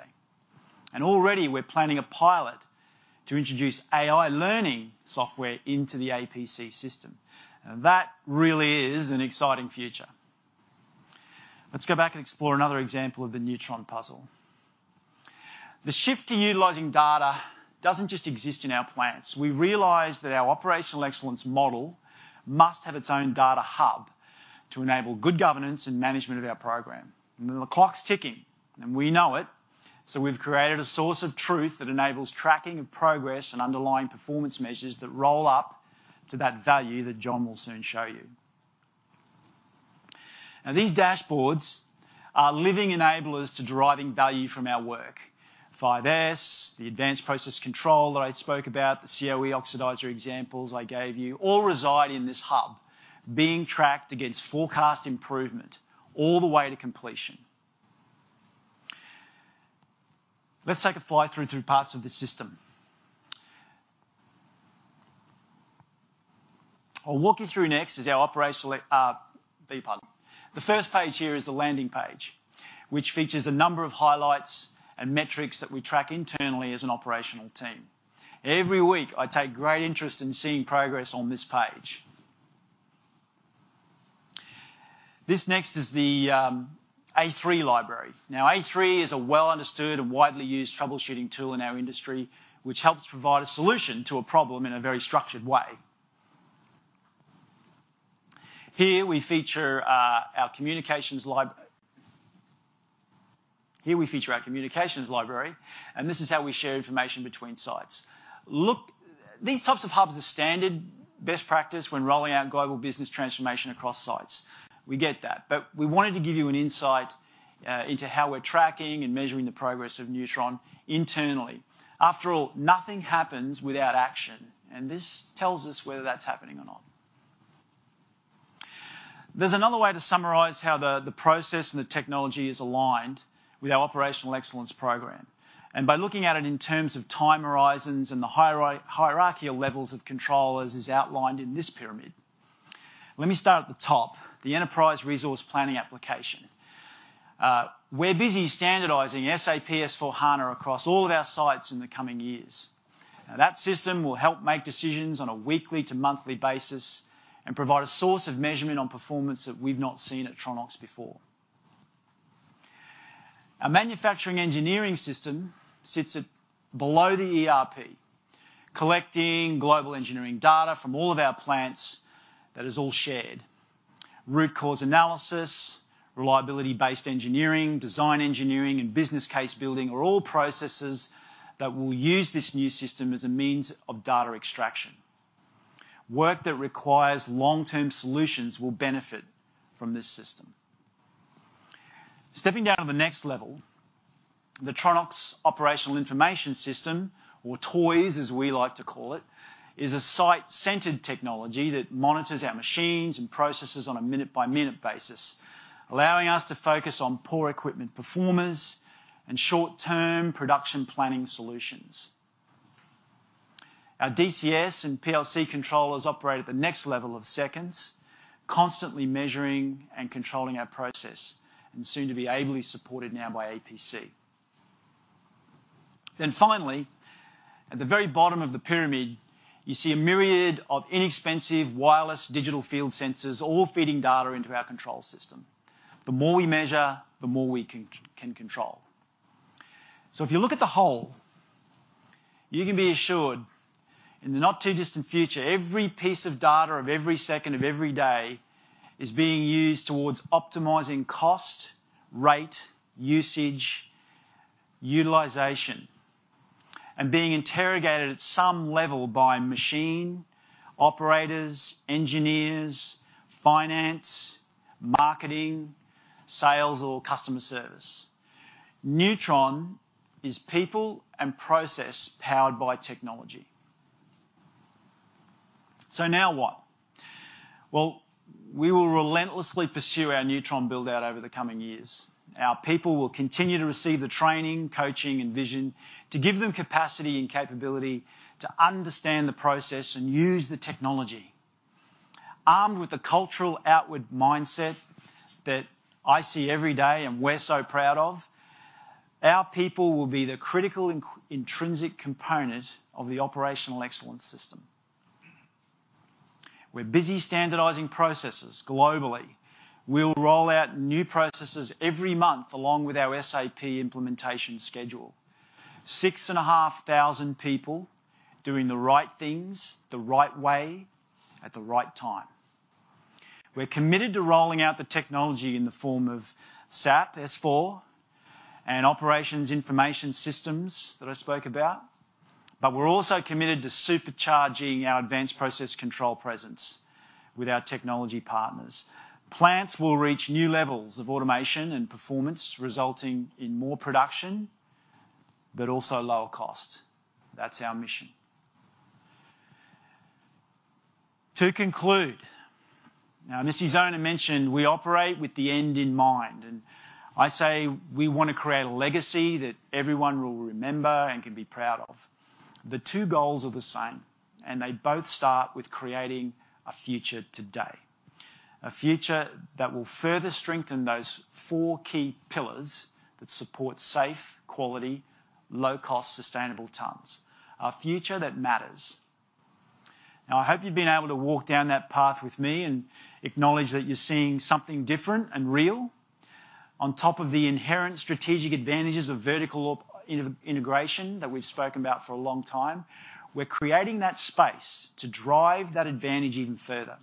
Already we're planning a pilot to introduce AI learning software into the APC system. Now, that really is an exciting future. Let's go back and explore another example of the Neutron puzzle. The shift to utilizing data doesn't just exist in our plants. We realize that our operational excellence model must have its own data hub to enable good governance and management of our program. The clock's ticking, and we know it, so we've created a source of truth that enables tracking of progress and underlying performance measures that roll up to that value that John will soon show you. Now, these dashboards are living enablers to deriving value from our work. 5S, the advanced process control that I spoke about, the COE oxidizer examples I gave you, all reside in this hub, being tracked against forecast improvement all the way to completion. Let's take a fly through two parts of the system. The first page here is the landing page, which features a number of highlights and metrics that we track internally as an operational team. Every week, I take great interest in seeing progress on this page. This next is the A3 library. Now A3 is a well understood and widely used troubleshooting tool in our industry, which helps provide a solution to a problem in a very structured way. Here we feature our communications library, and this is how we share information between sites. Look, these types of hubs are standard best practice when rolling out global business transformation across sites. We get that. But we wanted to give you an insight into how we're tracking and measuring the progress of Neutron internally. After all, nothing happens without action, and this tells us whether that's happening or not. There's another way to summarize how the process and the technology is aligned with our operational excellence program. By looking at it in terms of time horizons and the hierarchical levels of control as is outlined in this pyramid. Let me start at the top, the enterprise resource planning application. We're busy standardizing SAP S/4HANA across all of our sites in the coming years. Now, that system will help make decisions on a weekly to monthly basis and provide a source of measurement on performance that we've not seen at Tronox before. Our manufacturing engineering system sits above the ERP, collecting global engineering data from all of our plants that is all shared. Root cause analysis, reliability-based engineering, design engineering, and business case building are all processes that will use this new system as a means of data extraction. Work that requires long-term solutions will benefit from this system. Stepping down to the next level, the Tronox Operational Information System, or TOIS, as we like to call it, is a site-centered technology that monitors our machines and processes on a minute-by-minute basis, allowing us to focus on poor equipment performers and short-term production planning solutions. Our DCS and PLC controllers operate at the next level of seconds, constantly measuring and controlling our process, and soon to be ably supported now by APC. Finally, at the very bottom of the pyramid, you see a myriad of inexpensive wireless digital field sensors all feeding data into our control system. The more we measure, the more we can control. If you look at the whole, you can be assured in the not-too-distant future, every piece of data of every second of every day is being used towards optimizing cost, rate, usage, utilization, and being interrogated at some level by machine operators, engineers, finance, marketing, sales or customer service. Neutron is people and process powered by technology. Now what? Well, we will relentlessly pursue our Neutron build-out over the coming years. Our people will continue to receive the training, coaching, and vision to give them capacity and capability to understand the process and use the technology. Armed with the cultural outward mindset that I see every day and we're so proud of, our people will be the critical intrinsic component of the operational excellence system. We're busy standardizing processes globally. We'll roll out new processes every month along with our SAP implementation schedule. 6,500 people doing the right things, the right way, at the right time. We're committed to rolling out the technology in the form of SAP S/4HANA and operations information systems that I spoke about, but we're also committed to supercharging our advanced process control presence with our technology partners. Plants will reach new levels of automation and performance, resulting in more production, but also lower cost. That's our mission. To conclude, now, Mr. Zona mentioned we operate with the end in mind, and I say we wanna create a legacy that everyone will remember and can be proud of. The two goals are the same, and they both start with creating a future today. A future that will further strengthen those four key pillars that support safe, quality, low cost, sustainable tons. A future that matters. Now, I hope you've been able to walk down that path with me and acknowledge that you're seeing something different and real. On top of the inherent strategic advantages of vertical integration that we've spoken about for a long time, we're creating that space to drive that advantage even further.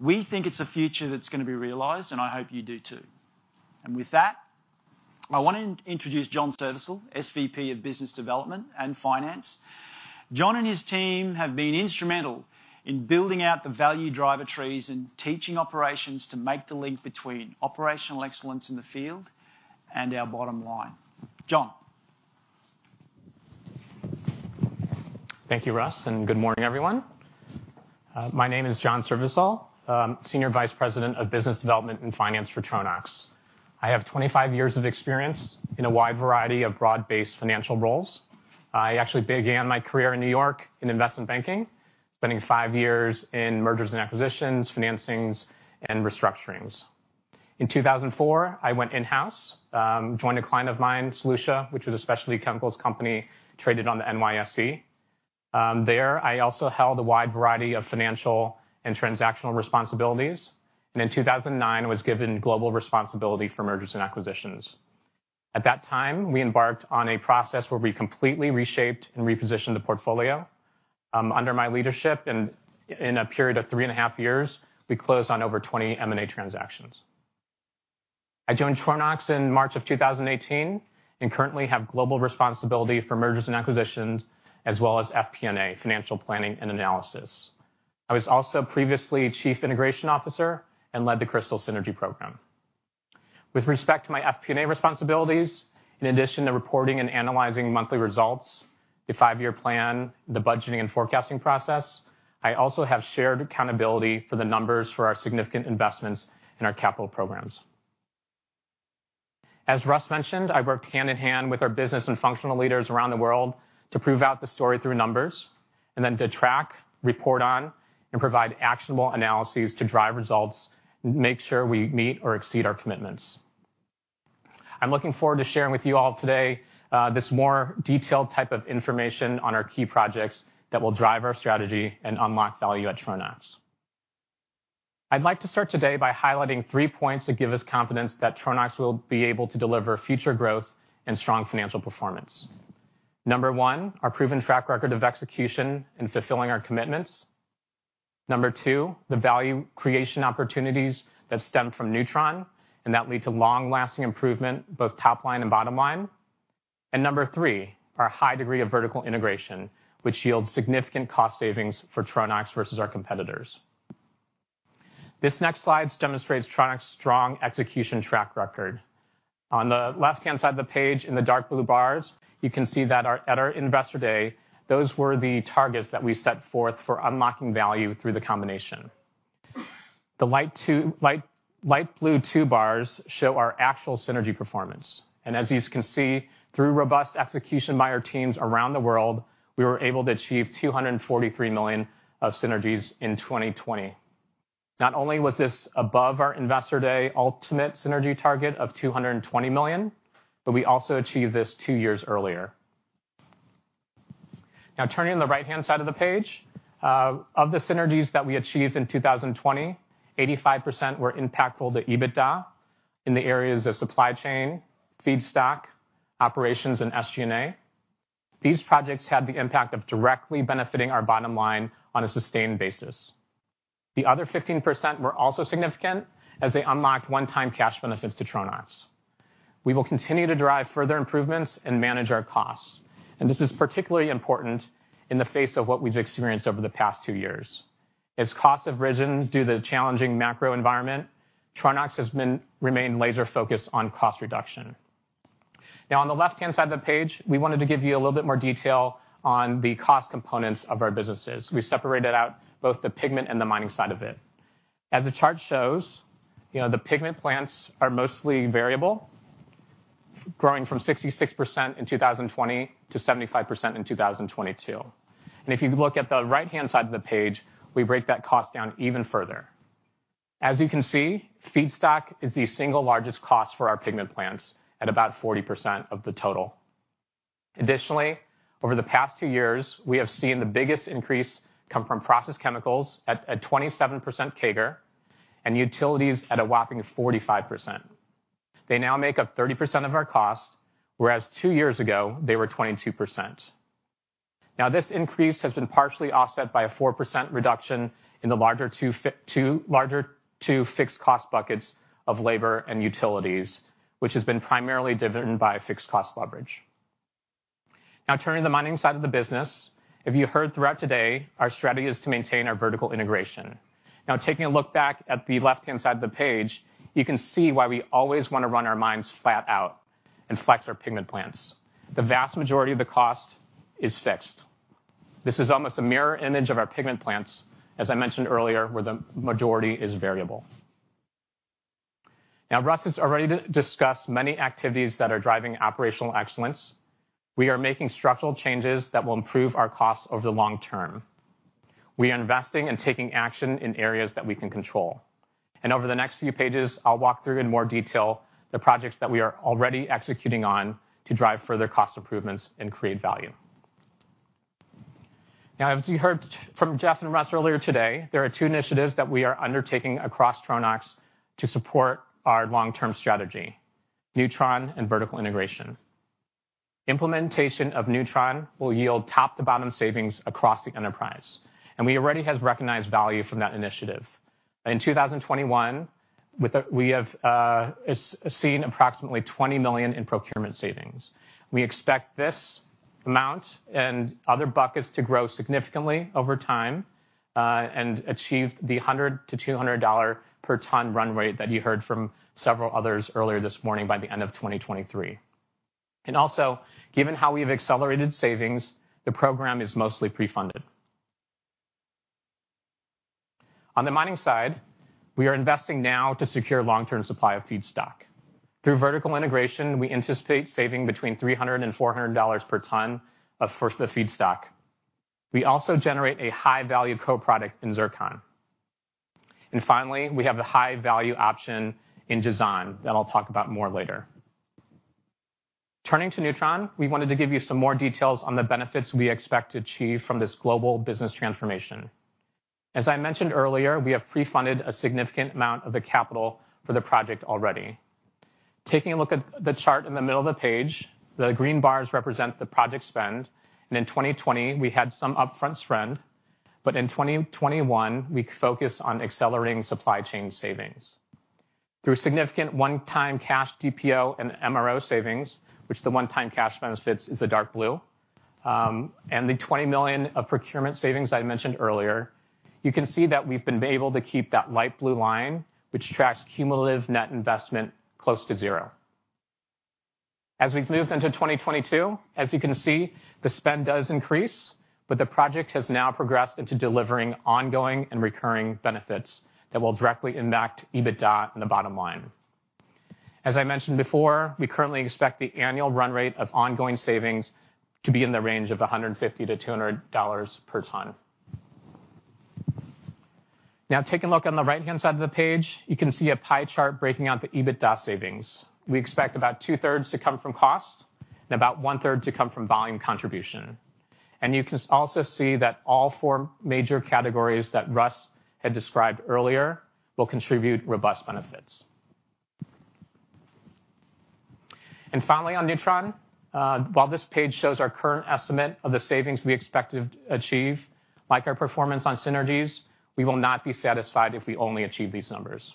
We think it's a future that's gonna be realized, and I hope you do too. With that, I wanna introduce John Srivisal, SVP of Business Development and Finance. John and his team have been instrumental in building out the value driver trees and teaching operations to make the link between operational excellence in the field and our bottom line. John. Thank you, Russ, and good morning, everyone. My name is John Srivisal. I'm Senior Vice President of Business Development and Finance for Tronox. I have 25 years of experience in a wide variety of broad-based financial roles. I actually began my career in New York in investment banking, spending five years in mergers and acquisitions, financings, and restructurings. In 2004, I went in-house, joined a client of mine, Solutia, which was a specialty chemicals company, traded on the NYSE. There I also held a wide variety of financial and transactional responsibilities. In 2009, was given global responsibility for mergers and acquisitions. At that time, we embarked on a process where we completely reshaped and repositioned the portfolio. Under my leadership in a period of three and a half years, we closed on over 20 M&A transactions. I joined Tronox in March of 2018, and currently have global responsibility for mergers and acquisitions as well as FP&A, financial planning and analysis. I was also previously Chief Integration Officer and led the Crystal Synergy program. With respect to my FP&A responsibilities, in addition to reporting and analyzing monthly results, the five-year plan, the budgeting and forecasting process, I also have shared accountability for the numbers for our significant investments in our capital programs. As Russ mentioned, I work hand in hand with our business and functional leaders around the world to prove out the story through numbers and then to track, report on, and provide actionable analyses to drive results, make sure we meet or exceed our commitments. I'm looking forward to sharing with you all today, this more detailed type of information on our key projects that will drive our strategy and unlock value at Tronox. I'd like to start today by highlighting three points that give us confidence that Tronox will be able to deliver future growth and strong financial performance. Number one, our proven track record of execution in fulfilling our commitments. Number two, the value creation opportunities that stem from Neutron and that lead to long-lasting improvement, both top line and bottom line. Number three, our high degree of vertical integration, which yields significant cost savings for Tronox versus our competitors. This next slide demonstrates Tronox's strong execution track record. On the left-hand side of the page in the dark blue bars, you can see that at our Investor Day, those were the targets that we set forth for unlocking value through the combination. The light blue bars show our actual synergy performance. As you can see, through robust execution by our teams around the world, we were able to achieve $243 million of synergies in 2020. Not only was this above our Investor Day ultimate synergy target of $220 million, but we also achieved this two years earlier. Now, turning to the right-hand side of the page, of the synergies that we achieved in 2020, 85% were impactful to EBITDA in the areas of supply chain, feedstock, operations, and SG&A. These projects had the impact of directly benefiting our bottom line on a sustained basis. The other 15% were also significant as they unlocked one-time cash benefits to Tronox. We will continue to drive further improvements and manage our costs. This is particularly important in the face of what we've experienced over the past two years. As costs have risen due to the challenging macro environment, Tronox has remained laser-focused on cost reduction. Now, on the left-hand side of the page, we wanted to give you a little bit more detail on the cost components of our businesses. We separated out both the pigment and the mining side of it. As the chart shows, you know, the pigment plants are mostly variable, growing from 66% in 2020 to 75% in 2022. If you look at the right-hand side of the page, we break that cost down even further. As you can see, feedstock is the single largest cost for our pigment plants at about 40% of the total. Additionally, over the past two years, we have seen the biggest increase come from process chemicals at 27% CAGR and utilities at a whopping 45%. They now make up 30% of our cost, whereas two years ago, they were 22%. Now, this increase has been partially offset by a 4% reduction in the two larger fixed cost buckets of labor and utilities, which has been primarily driven by fixed cost leverage. Now, turning to the mining side of the business. If you heard throughout today, our strategy is to maintain our vertical integration. Now, taking a look back at the left-hand side of the page, you can see why we always wanna run our mines flat out and flex our pigment plants. The vast majority of the cost is fixed. This is almost a mirror image of our pigment plants, as I mentioned earlier, where the majority is variable. Now, Russ has already discussed many activities that are driving operational excellence. We are making structural changes that will improve our costs over the long term. We are investing and taking action in areas that we can control. Over the next few pages, I'll walk through in more detail the projects that we are already executing on to drive further cost improvements and create value. Now, as you heard from Jeff and Russ earlier today, there are two initiatives that we are undertaking across Tronox to support our long-term strategy, Neutron and vertical integration. Implementation of Neutron will yield top to bottom savings across the enterprise, and we already has recognized value from that initiative. In 2021, we have seen approximately $20 million in procurement savings. We expect this amount and other buckets to grow significantly over time, and achieve the $100-$200 per ton run rate that you heard from several others earlier this morning by the end of 2023. Given how we've accelerated savings, the program is mostly pre-funded. On the mining side, we are investing now to secure long-term supply of feedstock. Through vertical integration, we anticipate saving between $300 and $400 per ton of feedstock. We also generate a high-value co-product in zircon. Finally, we have the high-value option in Jazan that I'll talk about more later. Turning to Neutron, we wanted to give you some more details on the benefits we expect to achieve from this global business transformation. As I mentioned earlier, we have pre-funded a significant amount of the capital for the project already. Taking a look at the chart in the middle of the page, the green bars represent the project spend, and in 2020 we had some upfront spend, but in 2021, we focused on accelerating supply chain savings. Through significant one-time cash DPO and MRO savings, which the one-time cash benefits is the dark blue, and the $20 million of procurement savings I mentioned earlier, you can see that we've been able to keep that light blue line, which tracks cumulative net investment close to zero. As we've moved into 2022, as you can see, the spend does increase, but the project has now progressed into delivering ongoing and recurring benefits that will directly impact EBITDA and the bottom line. As I mentioned before, we currently expect the annual run rate of ongoing savings to be in the range of $150-$200 per ton. Now taking a look on the right-hand side of the page, you can see a pie chart breaking out the EBITDA savings. We expect about two-thirds to come from cost and about one-third to come from volume contribution. You can also see that all four major categories that Russ had described earlier will contribute robust benefits. Finally, on Neutron, while this page shows our current estimate of the savings we expect to achieve, like our performance on synergies, we will not be satisfied if we only achieve these numbers.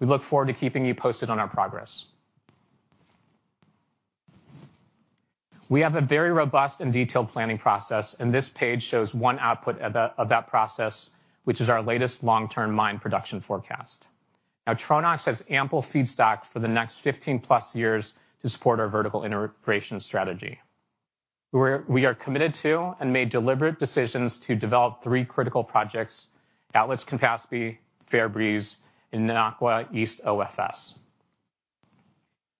We look forward to keeping you posted on our progress. We have a very robust and detailed planning process, and this page shows one output of that process, which is our latest long-term mine production forecast. Now, Tronox has ample feedstock for the next 15+ years to support our vertical integration strategy. We are committed to and made deliberate decisions to develop three critical projects, Atlas-Campaspe, Fairbreeze, and Namakwa East OFS.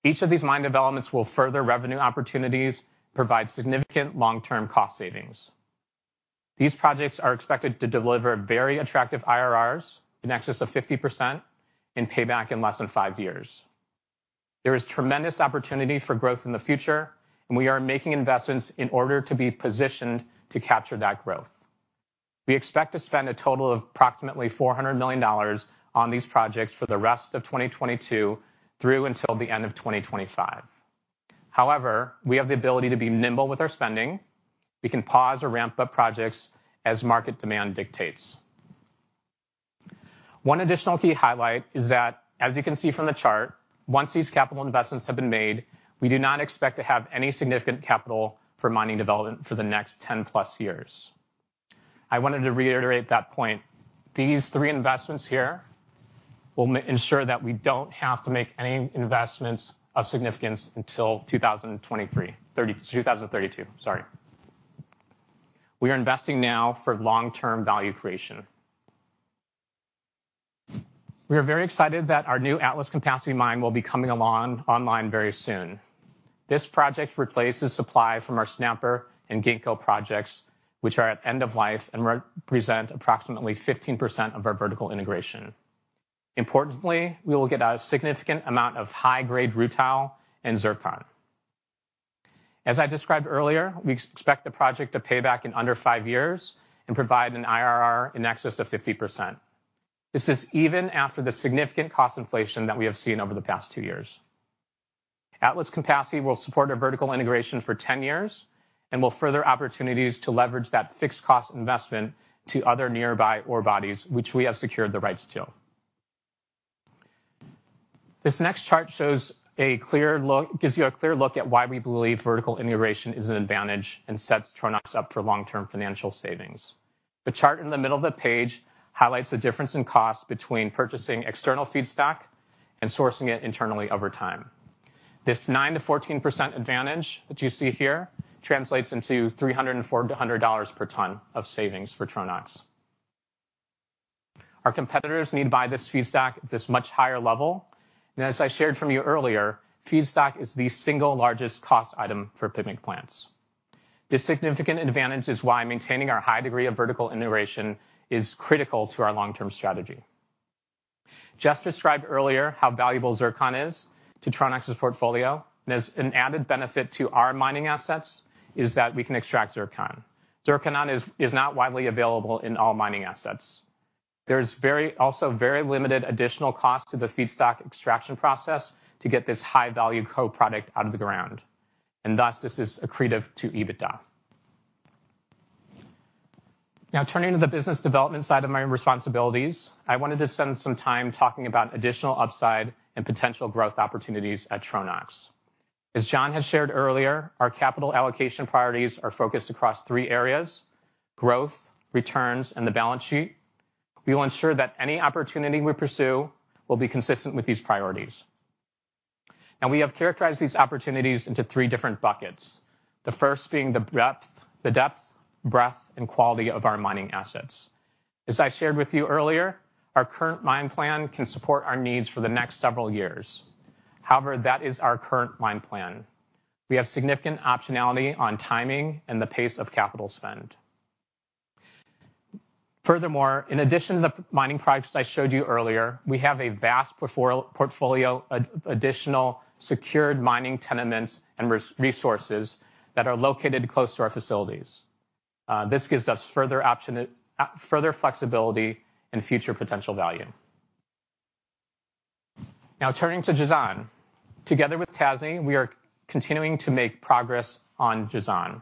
Each of these mine developments will further revenue opportunities, provide significant long-term cost savings. These projects are expected to deliver very attractive IRRs in excess of 50% and pay back in less than five years. There is tremendous opportunity for growth in the future, and we are making investments in order to be positioned to capture that growth. We expect to spend a total of approximately $400 million on these projects for the rest of 2022 through until the end of 2025. However, we have the ability to be nimble with our spending. We can pause or ramp up projects as market demand dictates. One additional key highlight is that, as you can see from the chart, once these capital investments have been made, we do not expect to have any significant capital for mining development for the next 10+ years. I wanted to reiterate that point. These three investments here will ensure that we don't have to make any investments of significance until 2032. Sorry. We are investing now for long-term value creation. We are very excited that our new Atlas-Campaspe mine will be coming along online very soon. This project replaces supply from our Snapper and Ginkgo projects, which are at end of life and represent approximately 15% of our vertical integration. Importantly, we will get a significant amount of high-grade rutile and zircon. As I described earlier, we expect the project to pay back in under five years and provide an IRR in excess of 50%. This is even after the significant cost inflation that we have seen over the past two years. Atlas-Campaspe will support our vertical integration for 10 years and will further opportunities to leverage that fixed cost investment to other nearby ore bodies which we have secured the rights to. This next chart gives you a clear look at why we believe vertical integration is an advantage and sets Tronox up for long-term financial savings. The chart in the middle of the page highlights the difference in cost between purchasing external feedstock and sourcing it internally over time. This 9%-14% advantage that you see here translates into $300-$400 per ton of savings for Tronox. Our competitors need to buy this feedstock at this much higher level, and as I shared from you earlier, feedstock is the single largest cost item for pigment plants. This significant advantage is why maintaining our high degree of vertical integration is critical to our long-term strategy. Jeff described earlier how valuable zircon is to Tronox's portfolio. As an added benefit to our mining assets is that we can extract zircon. Zircon is not widely available in all mining assets. There's also very limited additional cost to the feedstock extraction process to get this high-value co-product out of the ground, and thus this is accretive to EBITDA. Now, turning to the business development side of my responsibilities, I wanted to spend some time talking about additional upside and potential growth opportunities at Tronox. As John had shared earlier, our capital allocation priorities are focused across three areas, growth, returns, and the balance sheet. We will ensure that any opportunity we pursue will be consistent with these priorities. Now we have characterized these opportunities into three different buckets. The first being the breadth, the depth, and quality of our mining assets. As I shared with you earlier, our current mine plan can support our needs for the next several years. However, that is our current mine plan. We have significant optionality on timing and the pace of capital spend. Furthermore, in addition to the mining products I showed you earlier, we have a vast portfolio of additional secured mining tenements and resources that are located close to our facilities. This gives us further flexibility and future potential value. Now turning to Jazan. Together with Tasnee, we are continuing to make progress on Jazan.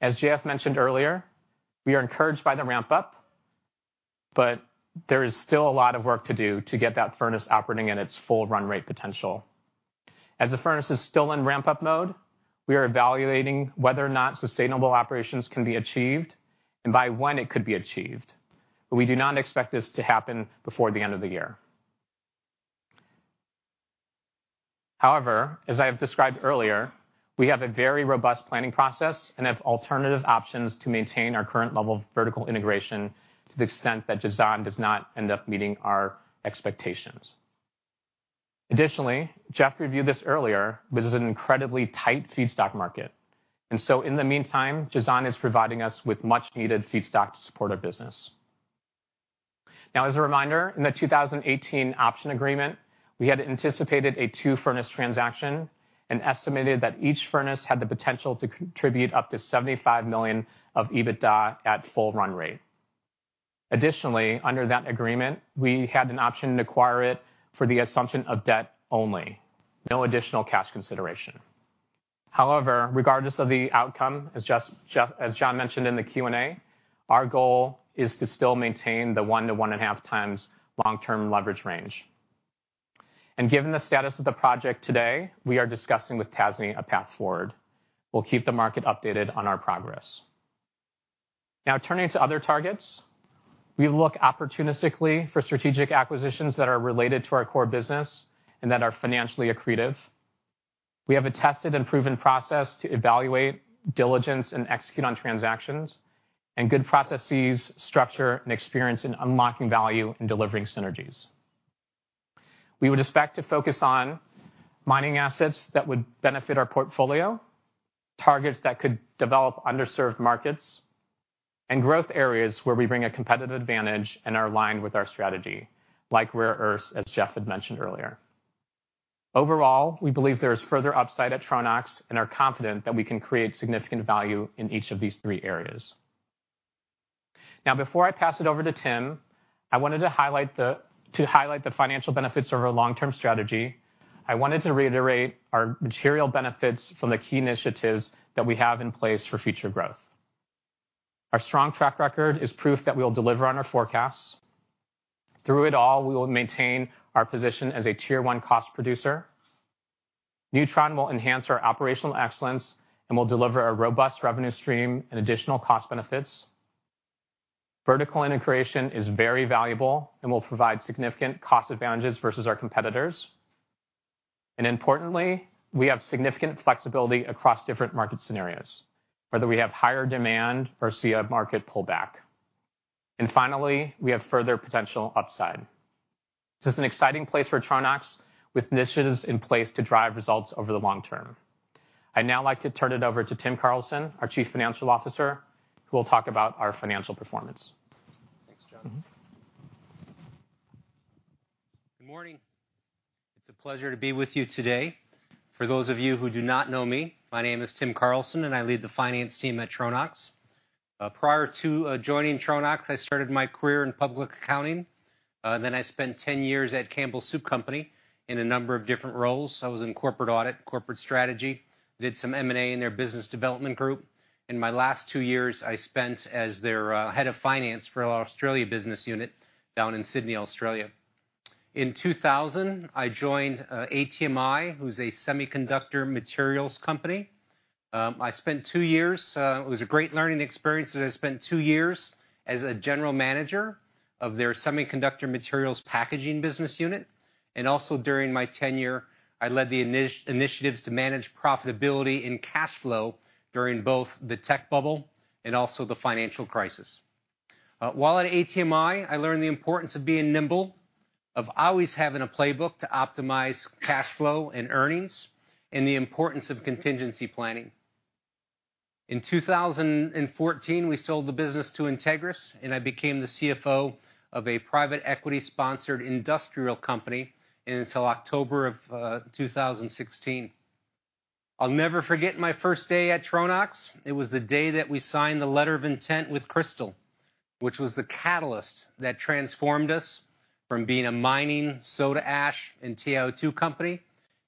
As J.F. mentioned earlier, we are encouraged by the ramp up, but there is still a lot of work to do to get that furnace operating at its full run rate potential. As the furnace is still in ramp-up mode, we are evaluating whether or not sustainable operations can be achieved and by when it could be achieved. We do not expect this to happen before the end of the year. However, as I have described earlier, we have a very robust planning process and have alternative options to maintain our current level of vertical integration to the extent that Jazan does not end up meeting our expectations. Additionally, Jeff reviewed this earlier, but this is an incredibly tight feedstock market. In the meantime, Jazan is providing us with much-needed feedstock to support our business. Now as a reminder, in the 2018 option agreement, we had anticipated a two-furnace transaction and estimated that each furnace had the potential to contribute up to $75 million of EBITDA at full run rate. Additionally, under that agreement, we had an option to acquire it for the assumption of debt only, no additional cash consideration. However, regardless of the outcome, as John mentioned in the Q&A, our goal is to still maintain the 1-1.5x long-term leverage range. Given the status of the project today, we are discussing with Tasnee a path forward. We'll keep the market updated on our progress. Now turning to other targets. We look opportunistically for strategic acquisitions that are related to our core business and that are financially accretive. We have a tested and proven process to evaluate diligence and execute on transactions, and good processes, structure, and experience in unlocking value and delivering synergies. We would expect to focus on mining assets that would benefit our portfolio, targets that could develop underserved markets, and growth areas where we bring a competitive advantage and are aligned with our strategy, like rare earths, as Jeff had mentioned earlier. Overall, we believe there is further upside at Tronox and are confident that we can create significant value in each of these three areas. Now before I pass it over to Tim, I wanted to highlight the financial benefits of our long-term strategy. I wanted to reiterate our material benefits from the key initiatives that we have in place for future growth. Our strong track record is proof that we will deliver on our forecasts. Through it all, we will maintain our position as a tier one cost producer. Neutron will enhance our operational excellence, and will deliver a robust revenue stream and additional cost benefits. Vertical integration is very valuable and will provide significant cost advantages versus our competitors. Importantly, we have significant flexibility across different market scenarios, whether we have higher demand or see a market pullback. Finally, we have further potential upside. This is an exciting place for Tronox with initiatives in place to drive results over the long term. I'd now like to turn it over to Tim Carlson, our Chief Financial Officer, who will talk about our financial performance. Thanks, John. Mm-hmm. Good morning. It's a pleasure to be with you today. For those of you who do not know me, my name is Tim Carlson, and I lead the finance team at Tronox. Prior to joining Tronox, I started my career in public accounting. I spent 10 years at Campbell Soup Company in a number of different roles. I was in corporate audit, corporate strategy, did some M&A in their business development group. My last two years, I spent as their head of finance for Australia business unit down in Sydney, Australia. In 2000, I joined ATMI, who's a semiconductor materials company. I spent two years, it was a great learning experience. I spent two years as a general manager of their semiconductor materials packaging business unit. Also during my tenure, I led the initiatives to manage profitability and cash flow during both the tech bubble and also the financial crisis. While at ATMI, I learned the importance of being nimble, of always having a playbook to optimize cash flow and earnings, and the importance of contingency planning. In 2014, we sold the business to Entegris, and I became the CFO of a private equity-sponsored industrial company until October of 2016. I'll never forget my first day at Tronox. It was the day that we signed the letter of intent with Cristal, which was the catalyst that transformed us from being a mining soda ash and TiO2 company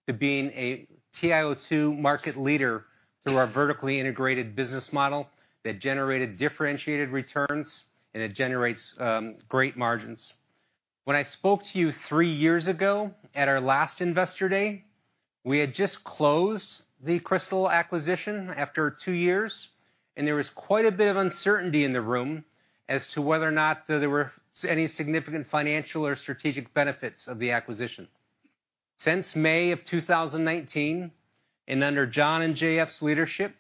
to being a TiO2 market leader through our vertically integrated business model that generated differentiated returns and it generates great margins. When I spoke to you three years ago at our last Investor Day, we had just closed the Cristal acquisition after two years, and there was quite a bit of uncertainty in the room as to whether or not there were any significant financial or strategic benefits of the acquisition. Since May 2019, and under John and JF's leadership,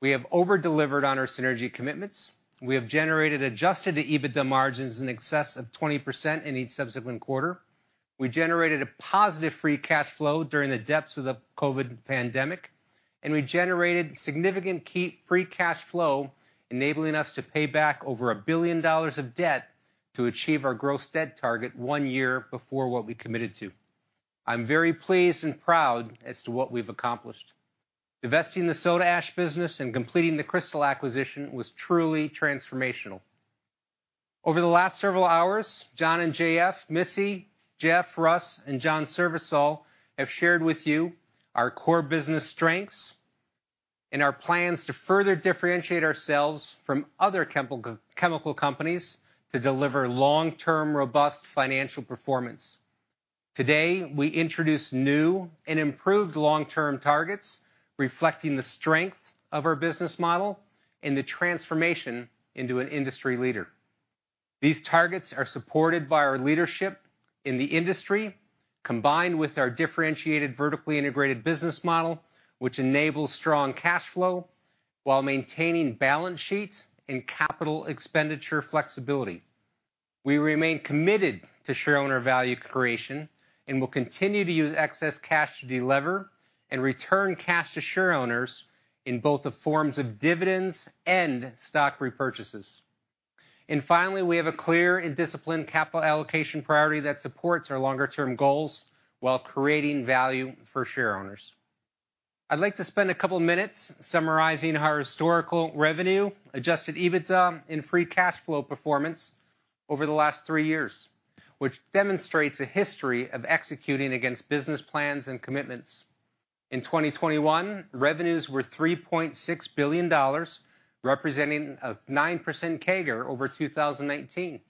we have over-delivered on our synergy commitments. We have generated adjusted EBITDA margins in excess of 20% in each subsequent quarter. We generated a positive free cash flow during the depths of the COVID pandemic. We generated significant free cash flow, enabling us to pay back over $1 billion of debt to achieve our gross debt target one year before what we committed to. I'm very pleased and proud as to what we've accomplished. Divesting the soda ash business and completing the Cristal acquisition was truly transformational. Over the last several hours, John and JF, Missy, Jeff, Russ, and John Srivisal have shared with you our core business strengths and our plans to further differentiate ourselves from other chemical companies to deliver long-term, robust financial performance. Today, we introduce new and improved long-term targets reflecting the strength of our business model and the transformation into an industry leader. These targets are supported by our leadership in the industry, combined with our differentiated vertically integrated business model, which enables strong cash flow while maintaining balance sheets and capital expenditure flexibility. We remain committed to shareowner value creation and will continue to use excess cash to delever and return cash to shareowners in both the forms of dividends and stock repurchases. Finally, we have a clear and disciplined capital allocation priority that supports our longer-term goals while creating value for shareowners. I'd like to spend a couple minutes summarizing our historical revenue, adjusted EBITDA, and free cash flow performance over the last three years, which demonstrates a history of executing against business plans and commitments. In 2021, revenues were $3.6 billion, representing a 9% CAGR over 2019.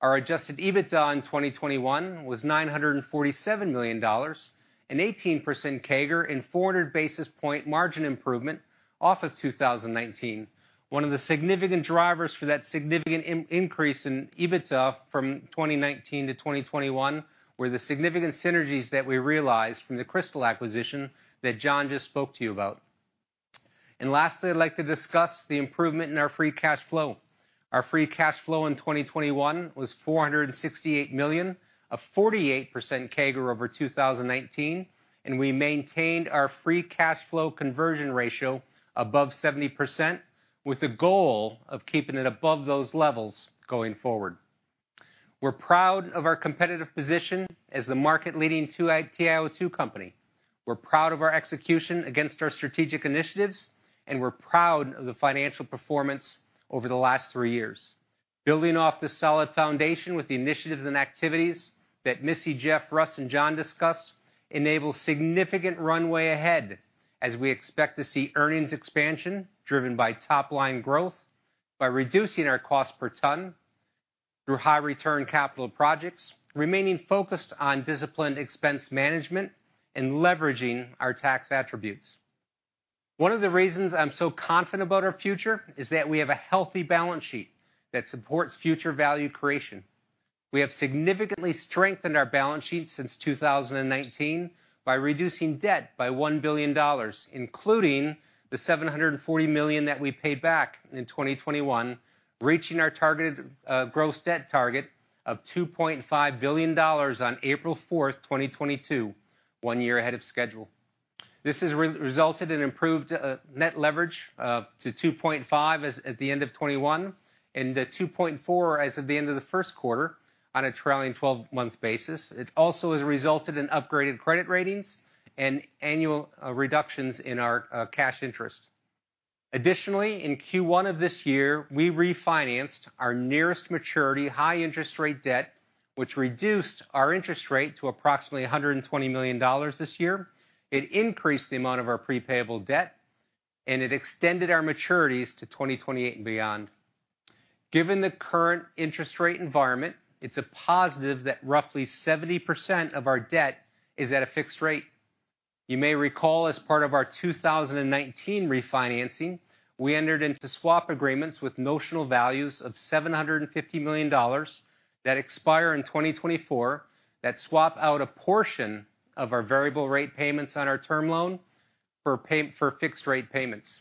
Our adjusted EBITDA in 2021 was $947 million, an 18% CAGR and 400 basis point margin improvement off of 2019. One of the significant drivers for that significant increase in EBITDA from 2019 to 2021 were the significant synergies that we realized from the Cristal acquisition that John just spoke to you about. Lastly, I'd like to discuss the improvement in our free cash flow. Our free cash flow in 2021 was $468 million, a 48% CAGR over 2019, and we maintained our free cash flow conversion ratio above 70% with the goal of keeping it above those levels going forward. We're proud of our competitive position as the market leading TiO2 company. We're proud of our execution against our strategic initiatives, and we're proud of the financial performance over the last three years. Building off this solid foundation with the initiatives and activities that Missy, Jeff, Russ, and John discussed enable significant runway ahead as we expect to see earnings expansion driven by top-line growth by reducing our cost per ton through high return capital projects, remaining focused on disciplined expense management and leveraging our tax attributes. One of the reasons I'm so confident about our future is that we have a healthy balance sheet that supports future value creation. We have significantly strengthened our balance sheet since 2019 by reducing debt by $1 billion, including the $740 million that we paid back in 2021, reaching our targeted gross debt target of $2.5 billion on April 4th, 2022, one year ahead of schedule. This has resulted in improved net leverage to 2.5 as at the end of 2021 and to 2.4 as of the end of the Q1 on a trailing twelve-month basis. It also has resulted in upgraded credit ratings and annual reductions in our cash interest. Additionally, in Q1 of this year, we refinanced our nearest maturity high interest rate debt, which reduced our interest rate to approximately $120 million this year. It increased the amount of our pre-payable debt, and it extended our maturities to 2028 and beyond. Given the current interest rate environment, it's a positive that roughly 70% of our debt is at a fixed rate. You may recall as part of our 2019 refinancing, we entered into swap agreements with notional values of $750 million that expire in 2024, that swap out a portion of our variable rate payments on our term loan for fixed rate payments.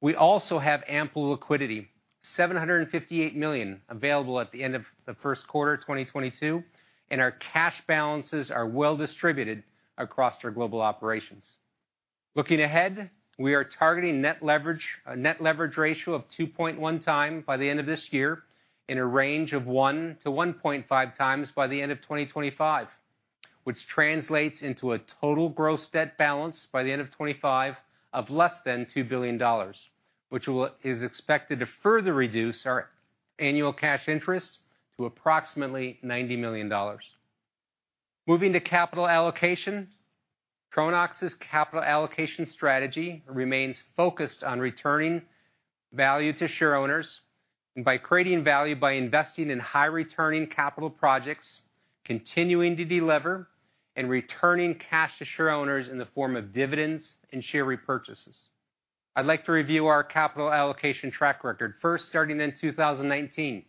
We also have ample liquidity, $758 million available at the end of the Q1 2022, and our cash balances are well distributed across our global operations. Looking ahead, we are targeting net leverage, a net leverage ratio of 2.1x by the end of this year in a range of 1-1.5x by the end of 2025, which translates into a total gross debt balance by the end of 2025 of less than $2 billion, which is expected to further reduce our annual cash interest to approximately $90 million. Moving to capital allocation. Tronox's capital allocation strategy remains focused on returning value to shareowners and by creating value by investing in high returning capital projects, continuing to delever, and returning cash to shareowners in the form of dividends and share repurchases. I'd like to review our capital allocation track record. First, starting in 2019,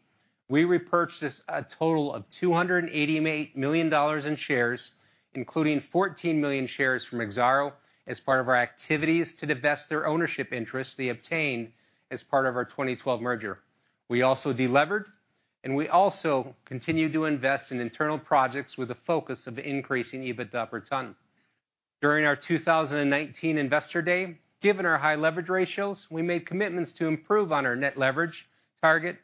we repurchased a total of $288 million in shares, including 14 million shares from Exxaro as part of our activities to divest their ownership interest they obtained as part of our 2012 merger. We also delevered. We also continue to invest in internal projects with a focus of increasing EBITDA per ton. During our 2019 investor day, given our high leverage ratios, we made commitments to improve on our net leverage target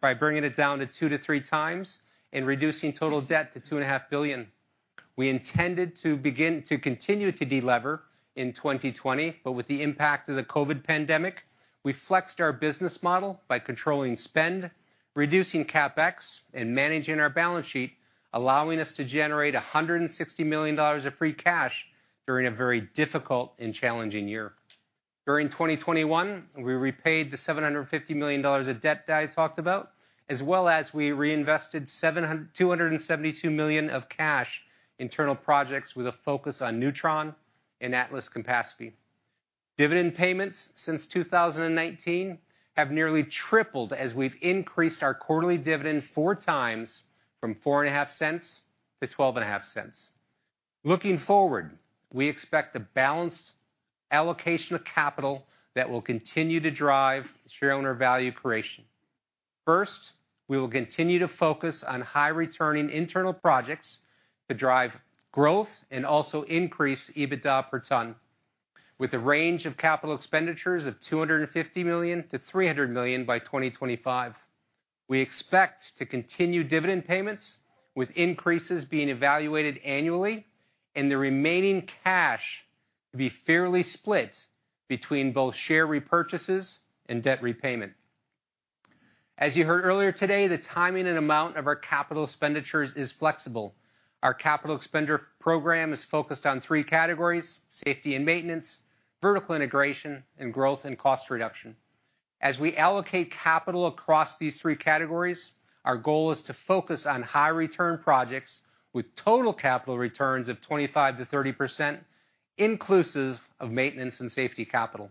by bringing it down to 2x-3x and reducing total debt to $2.5 billion. We intended to begin to continue to delever in 2020, but with the impact of the COVID pandemic, we flexed our business model by controlling spend, reducing CapEx, and managing our balance sheet, allowing us to generate $160 million of free cash during a very difficult and challenging year. During 2021, we repaid the $750 million of debt that I talked about, as well as we reinvested $272 million of cash internal projects with a focus on Neutron and Atlas capacity. Dividend payments since 2019 have nearly tripled as we've increased our quarterly dividend four times from $0.045 to $0.125. Looking forward, we expect a balanced allocation of capital that will continue to drive shareowner value creation. First, we will continue to focus on high returning internal projects to drive growth and also increase EBITDA per ton with a range of capital expenditures of $250 million-$300 million by 2025. We expect to continue dividend payments, with increases being evaluated annually and the remaining cash to be fairly split between both share repurchases and debt repayment. As you heard earlier today, the timing and amount of our capital expenditures is flexible. Our capital expenditure program is focused on three categories, safety and maintenance, vertical integration, and growth and cost reduction. As we allocate capital across these three categories, our goal is to focus on high return projects with total capital returns of 25%-30%, inclusive of maintenance and safety capital.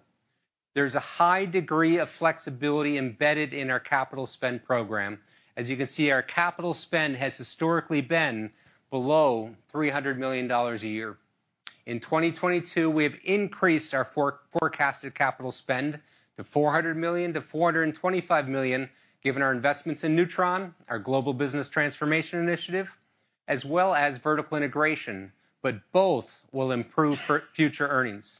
There's a high degree of flexibility embedded in our capital spend program. As you can see, our capital spend has historically been below $300 million a year. In 2022, we have increased our forecasted capital spend to $400 million-$425 million, given our investments in Neutron, our global business transformation initiative, as well as vertical integration, but both will improve for future earnings.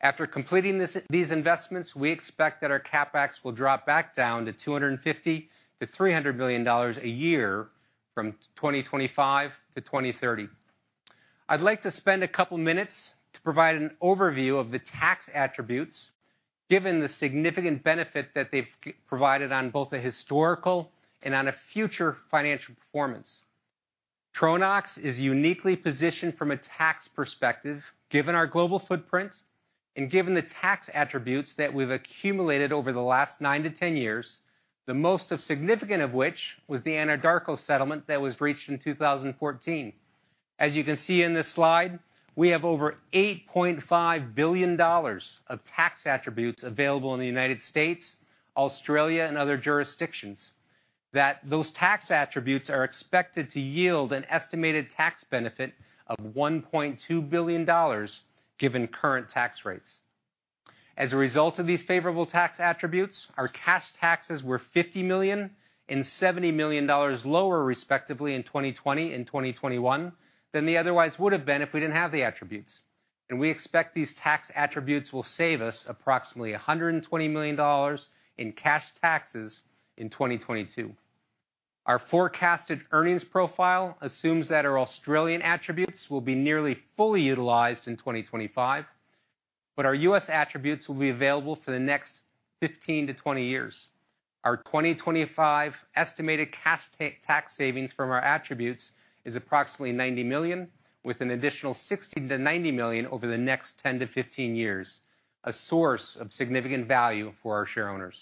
After completing these investments, we expect that our CapEx will drop back down to $250 million-$300 million a year from 2025 to 2030. I'd like to spend a couple minutes to provide an overview of the tax attributes, given the significant benefit that they've provided on both a historical and a future financial performance. Tronox is uniquely positioned from a tax perspective, given our global footprint and given the tax attributes that we've accumulated over the last nine-10 years, the most significant of which was the Anadarko settlement that was reached in 2014. As you can see in this slide, we have over $8.5 billion of tax attributes available in the United States, Australia, and other jurisdictions. Those tax attributes are expected to yield an estimated tax benefit of $1.2 billion given current tax rates. As a result of these favorable tax attributes, our cash taxes were $50 million and $70 million lower respectively in 2020 and 2021 than they otherwise would have been if we didn't have the attributes. We expect these tax attributes will save us approximately $120 million in cash taxes in 2022. Our forecasted earnings profile assumes that our Australian attributes will be nearly fully utilized in 2025, but our U.S. attributes will be available for the next 15-20 years. Our 2025 estimated cash tax savings from our attributes is approximately $90 million, with an additional $60 million-$90 million over the next 10-15 years, a source of significant value for our shareowners.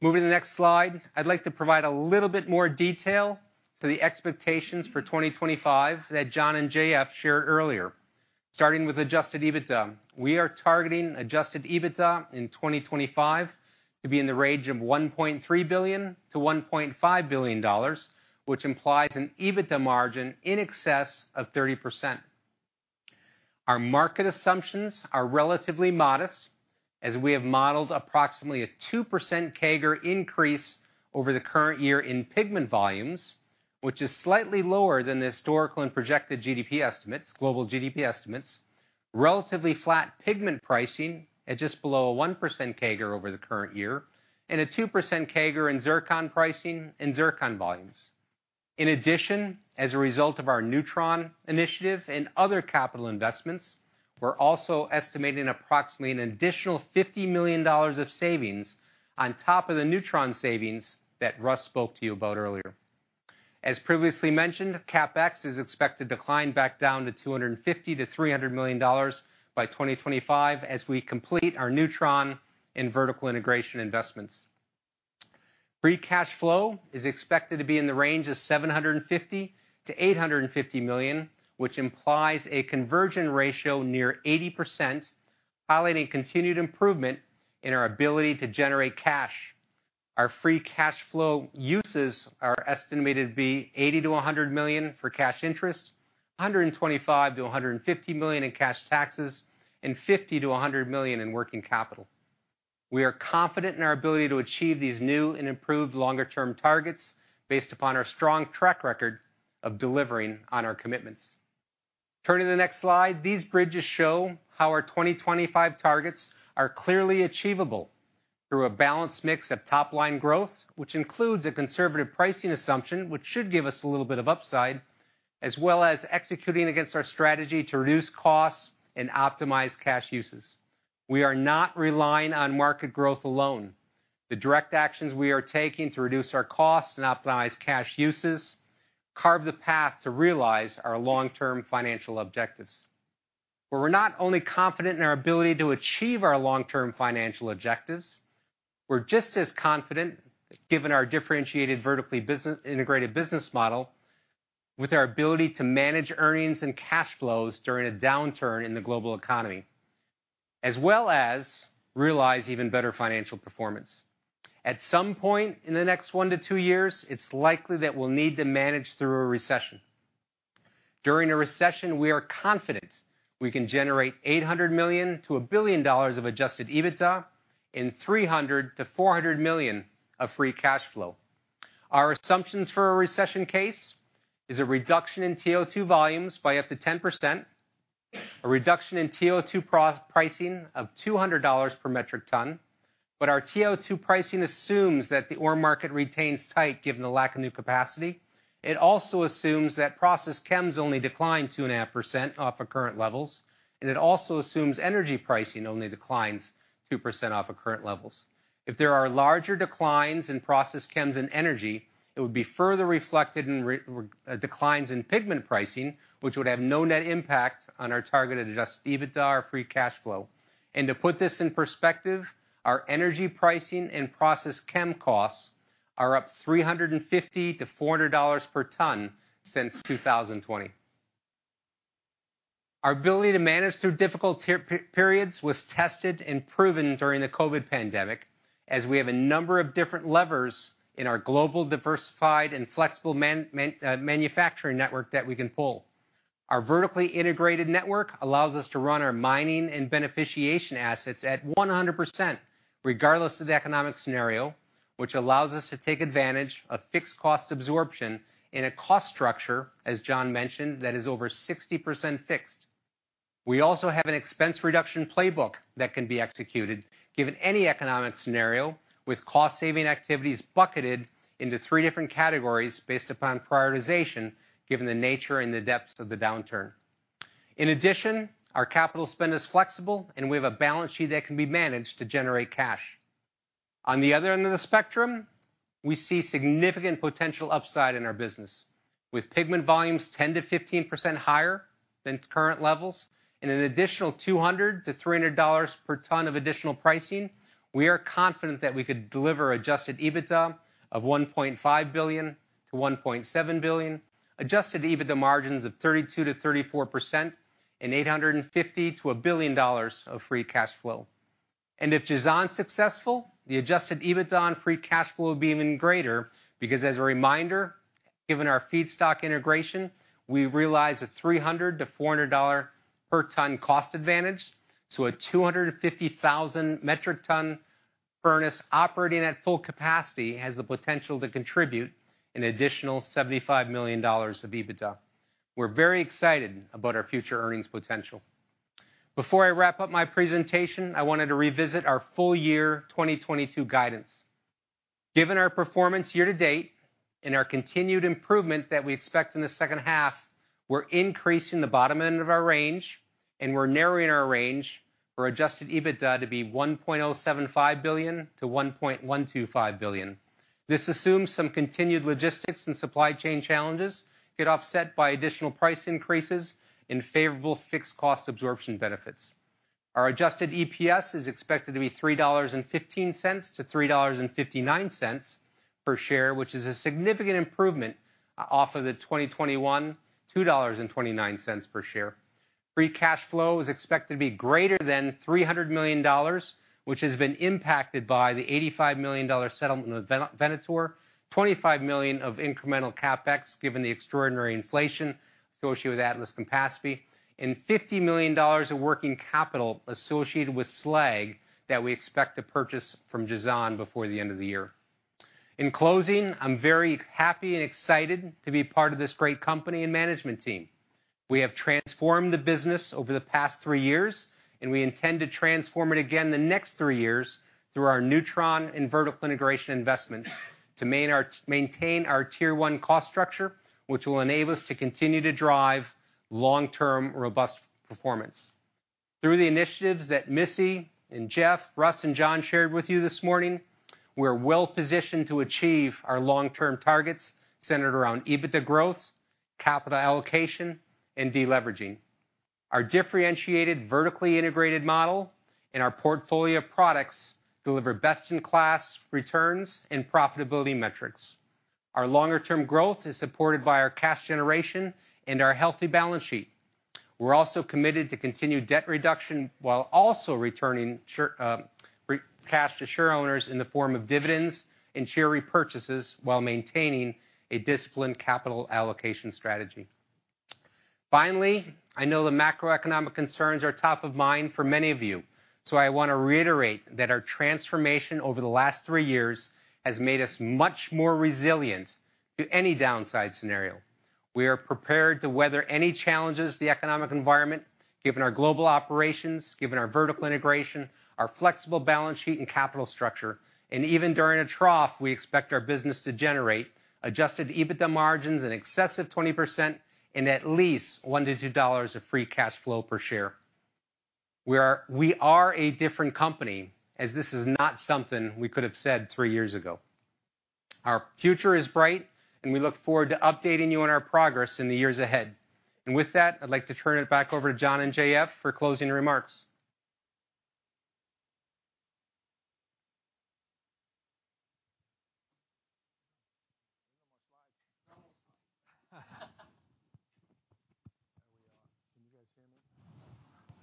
Moving to the next slide. I'd like to provide a little bit more detail to the expectations for 2025 that John and JF shared earlier. Starting with adjusted EBITDA, we are targeting adjusted EBITDA in 2025 to be in the range of $1.3 billion-$1.5 billion, which implies an EBITDA margin in excess of 30%. Our market assumptions are relatively modest, as we have modeled approximately 2% CAGR increase over the current year in pigment volumes, which is slightly lower than the historical and projected GDP estimates, global GDP estimates, relatively flat pigment pricing at just below 1% CAGR over the current year, and 2% CAGR in zircon pricing and zircon volumes. In addition, as a result of our Neutron initiative and other capital investments, we're also estimating approximately an additional $50 million of savings on top of the Neutron savings that Russ spoke to you about earlier. As previously mentioned, CapEx is expected to decline back down to $250 million-$300 million by 2025 as we complete our Neutron and vertical integration investments. Free cash flow is expected to be in the range of $750 million-$850 million, which implies a conversion ratio near 80%, highlighting continued improvement in our ability to generate cash. Our free cash flow uses are estimated to be $80 million-$100 million for cash interest, $125 million-$150 million in cash taxes, and $50 million-$100 million in working capital. We are confident in our ability to achieve these new and improved longer-term targets based upon our strong track record of delivering on our commitments. Turning to the next slide, these bridges show how our 2025 targets are clearly achievable through a balanced mix of top-line growth, which includes a conservative pricing assumption, which should give us a little bit of upside, as well as executing against our strategy to reduce costs and optimize cash uses. We are not relying on market growth alone. The direct actions we are taking to reduce our costs and optimize cash uses carve the path to realize our long-term financial objectives. We're not only confident in our ability to achieve our long-term financial objectives, we're just as confident, given our differentiated vertically integrated business model, with our ability to manage earnings and cash flows during a downturn in the global economy, as well as realize even better financial performance. At some point in the next one-two years, it's likely that we'll need to manage through a recession. During a recession, we are confident we can generate $800 million-$1 billion of adjusted EBITDA and $300 million-$400 million of free cash flow. Our assumptions for a recession case is a reduction in TiO2 volumes by up to 10%, a reduction in TiO2 pricing of $200 per metric ton, but our TiO2 pricing assumes that the ore market retains tight given the lack of new capacity. It also assumes that process chems only decline 2.5% off of current levels, and it also assumes energy pricing only declines 2% off of current levels. If there are larger declines in process chems and energy, it would be further reflected in declines in pigment pricing, which would have no net impact on our targeted adjusted EBITDA or free cash flow. To put this in perspective, our energy pricing and process chem costs are up $350-$400 per ton since 2020. Our ability to manage through difficult periods was tested and proven during the COVID pandemic, as we have a number of different levers in our global diversified and flexible manufacturing network that we can pull. Our vertically integrated network allows us to run our mining and beneficiation assets at 100%, regardless of the economic scenario, which allows us to take advantage of fixed cost absorption in a cost structure, as John mentioned, that is over 60% fixed. We also have an expense reduction playbook that can be executed given any economic scenario with cost-saving activities bucketed into three different categories based upon prioritization, given the nature and the depths of the downturn. In addition, our capital spend is flexible, and we have a balance sheet that can be managed to generate cash. On the other end of the spectrum, we see significant potential upside in our business. With pigment volumes 10%-15% higher than its current levels and an additional $200-$300 per ton of additional pricing, we are confident that we could deliver adjusted EBITDA of $1.5 billion-$1.7 billion, adjusted EBITDA margins of 32%-34%, and $850 million-$1 billion of free cash flow. If Jazan is successful, the adjusted EBITDA and free cash flow will be even greater because, as a reminder, given our feedstock integration, we realize a $300-$400 per ton cost advantage. A 250,000 metric ton furnace operating at full capacity has the potential to contribute an additional $75 million of EBITDA. We're very excited about our future earnings potential. Before I wrap up my presentation, I wanted to revisit our full year 2022 guidance. Given our performance year to date and our continued improvement that we expect in the H2, we're increasing the bottom end of our range, and we're narrowing our range for adjusted EBITDA to be $1.075 billion-$1.125 billion. This assumes some continued logistics and supply chain challenges get offset by additional price increases and favorable fixed cost absorption benefits. Our adjusted EPS is expected to be $3.15-$3.59 per share, which is a significant improvement off of the 2021 $2.29 per share. Free cash flow is expected to be greater than $300 million, which has been impacted by the $85 million settlement with Venator, $25 million of incremental CapEx, given the extraordinary inflation associated with Atlas Copco, and $50 million of working capital associated with slag that we expect to purchase from Jazan before the end of the year. In closing, I'm very happy and excited to be part of this great company and management team. We have transformed the business over the past three years, and we intend to transform it again the next three years through our Neutron and vertical integration investments to maintain our tier one cost structure, which will enable us to continue to drive long-term, robust performance. Through the initiatives that Melissa and Jeff, Russ, and John shared with you this morning, we're well-positioned to achieve our long-term targets centered around EBITDA growth, capital allocation, and deleveraging. Our differentiated vertically integrated model and our portfolio of products deliver best-in-class returns and profitability metrics. Our longer-term growth is supported by our cash generation and our healthy balance sheet. We're also committed to continued debt reduction while also returning cash to share owners in the form of dividends and share repurchases while maintaining a disciplined capital allocation strategy. Finally, I know the macroeconomic concerns are top of mind for many of you, so I wanna reiterate that our transformation over the last three years has made us much more resilient to any downside scenario. We are prepared to weather any challenges the economic environment, given our global operations, given our vertical integration, our flexible balance sheet and capital structure. Even during a trough, we expect our business to generate adjusted EBITDA margins in excess of 20% and at least $1-$2 of free cash flow per share. We are a different company, as this is not something we could have said three years ago. Our future is bright, and we look forward to updating you on our progress in the years ahead. With that, I'd like to turn it back over to John and JF for closing remarks.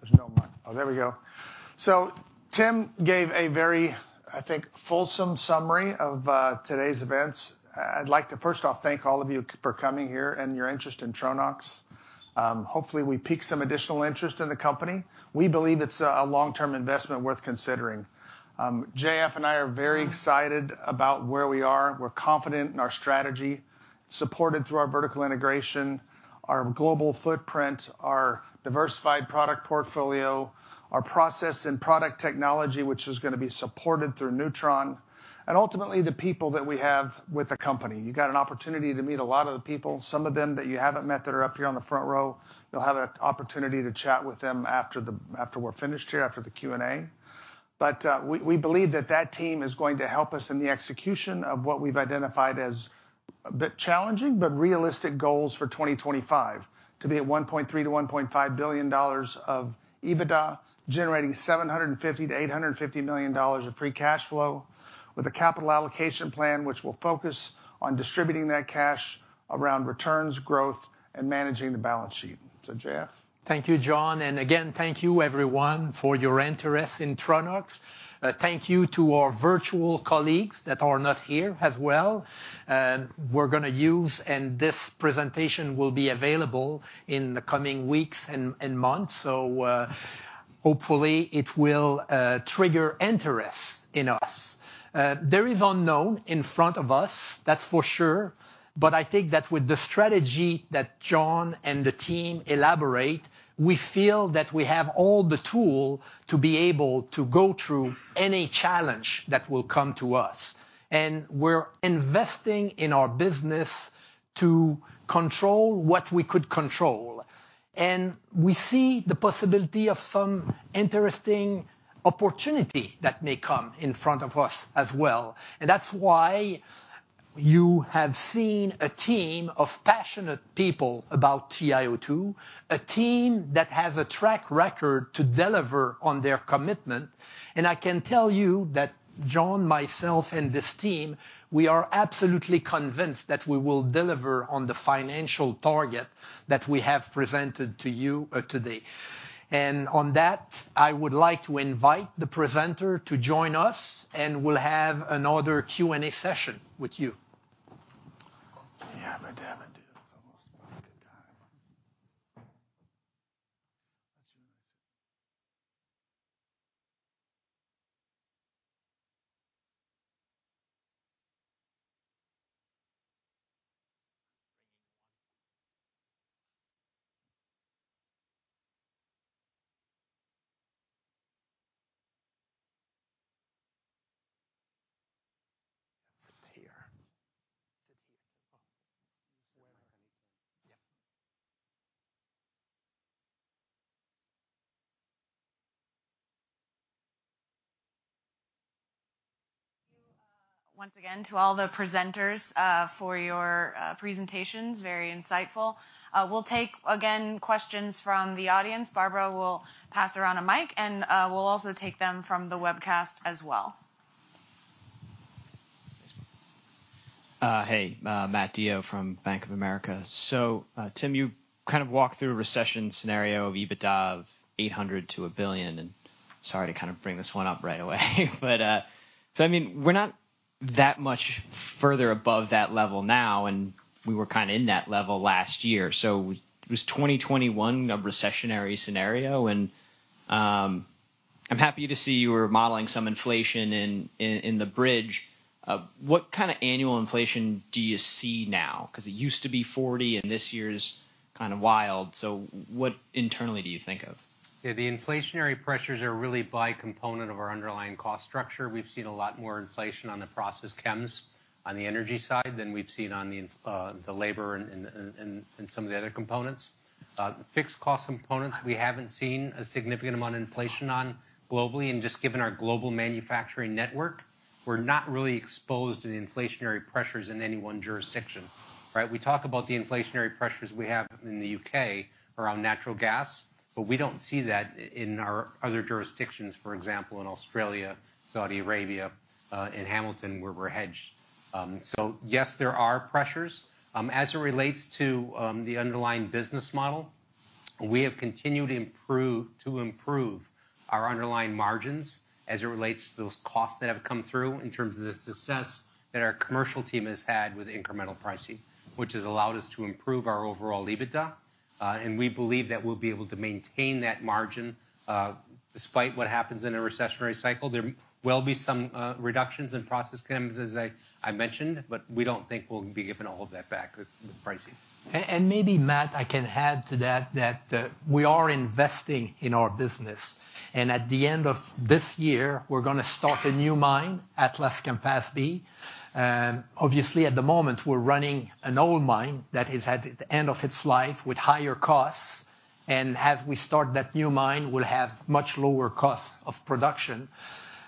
There's no more slides. There we are. Can you guys hear me? There we go. Tim gave a very, I think, fulsome summary of today's events. I'd like to first off thank all of you for coming here and your interest in Tronox. Hopefully we pique some additional interest in the company. We believe it's a long-term investment worth considering. JF and I are very excited about where we are. We're confident in our strategy, supported through our vertical integration, our global footprint, our diversified product portfolio, our process and product technology, which is gonna be supported through Neutron. Ultimately, the people that we have with the company. You got an opportunity to meet a lot of the people, some of them that you haven't met that are up here on the front row. You'll have an opportunity to chat with them after we're finished here, after the Q&A. We believe that team is going to help us in the execution of what we've identified as a bit challenging but realistic goals for 2025, to be at $1.3-$1.5 billion of EBITDA, generating $750-$850 million of free cash flow with a capital allocation plan which will focus on distributing that cash around returns, growth, and managing the balance sheet. JF. Thank you, John. Again, thank you everyone for your interest in Tronox. Thank you to our virtual colleagues that are not here as well. We're gonna use, and this presentation will be available in the coming weeks and months. Hopefully it will trigger interest in us. There is unknown in front of us, that's for sure, but I think that with the strategy that John and the team elaborate, we feel that we have all the tool to be able to go through any challenge that will come to us. We're investing in our business to control what we could control. We see the possibility of some interesting opportunity that may come in front of us as well. That's why you have seen a team of passionate people about TiO2, a team that has a track record to deliver on their commitment. I can tell you that John, myself, and this team, we are absolutely convinced that we will deliver on the financial target that we have presented to you, today. On that, I would like to invite the presenter to join us, and we'll have another Q&A section with you. again to all the presenters for your presentations. Very insightful. We'll take again questions from the audience. Barbara will pass around a mic, and we'll also take them from the webcast as well. This one. Matthew DeYoe from Bank of America. Tim, you kind of walked through a recession scenario of EBITDA of $800 million-$1 billion. Sorry to kind of bring this one up right away, but I mean, we're not that much further above that level now, and we were kind of in that level last year. Was 2021 a recessionary scenario? I'm happy to see you were modeling some inflation in the bridge. What kind of annual inflation do you see now? Cause it used to be 40%, and this year's kind of wild. What internally do you think of? The inflationary pressures vary by component of our underlying cost structure. We've seen a lot more inflation on the process chems on the energy side than we've seen on the labor and some of the other components. Fixed cost components, we haven't seen a significant amount of inflation on globally. Just given our global manufacturing network, we're not really exposed to the inflationary pressures in any one jurisdiction, right? We talk about the inflationary pressures we have in the UK around natural gas. We don't see that in our other jurisdictions, for example, in Australia, Saudi Arabia, in Hamilton, where we're hedged. Yes, there are pressures. As it relates to the underlying business model, we have to improve our underlying margins as it relates to those costs that have come through in terms of the success that our commercial team has had with incremental pricing, which has allowed us to improve our overall EBITDA. We believe that we'll be able to maintain that margin despite what happens in a recessionary cycle. There will be some reductions in process chemicals, as I mentioned, but we don't think we'll be given all of that back with pricing. Maybe Matt, I can add to that that we are investing in our business. At the end of this year, we're gonna start a new mine at Atlas-Campaspe. Obviously, at the moment, we're running an old mine that is at the end of its life with higher costs. As we start that new mine, we'll have much lower costs of production.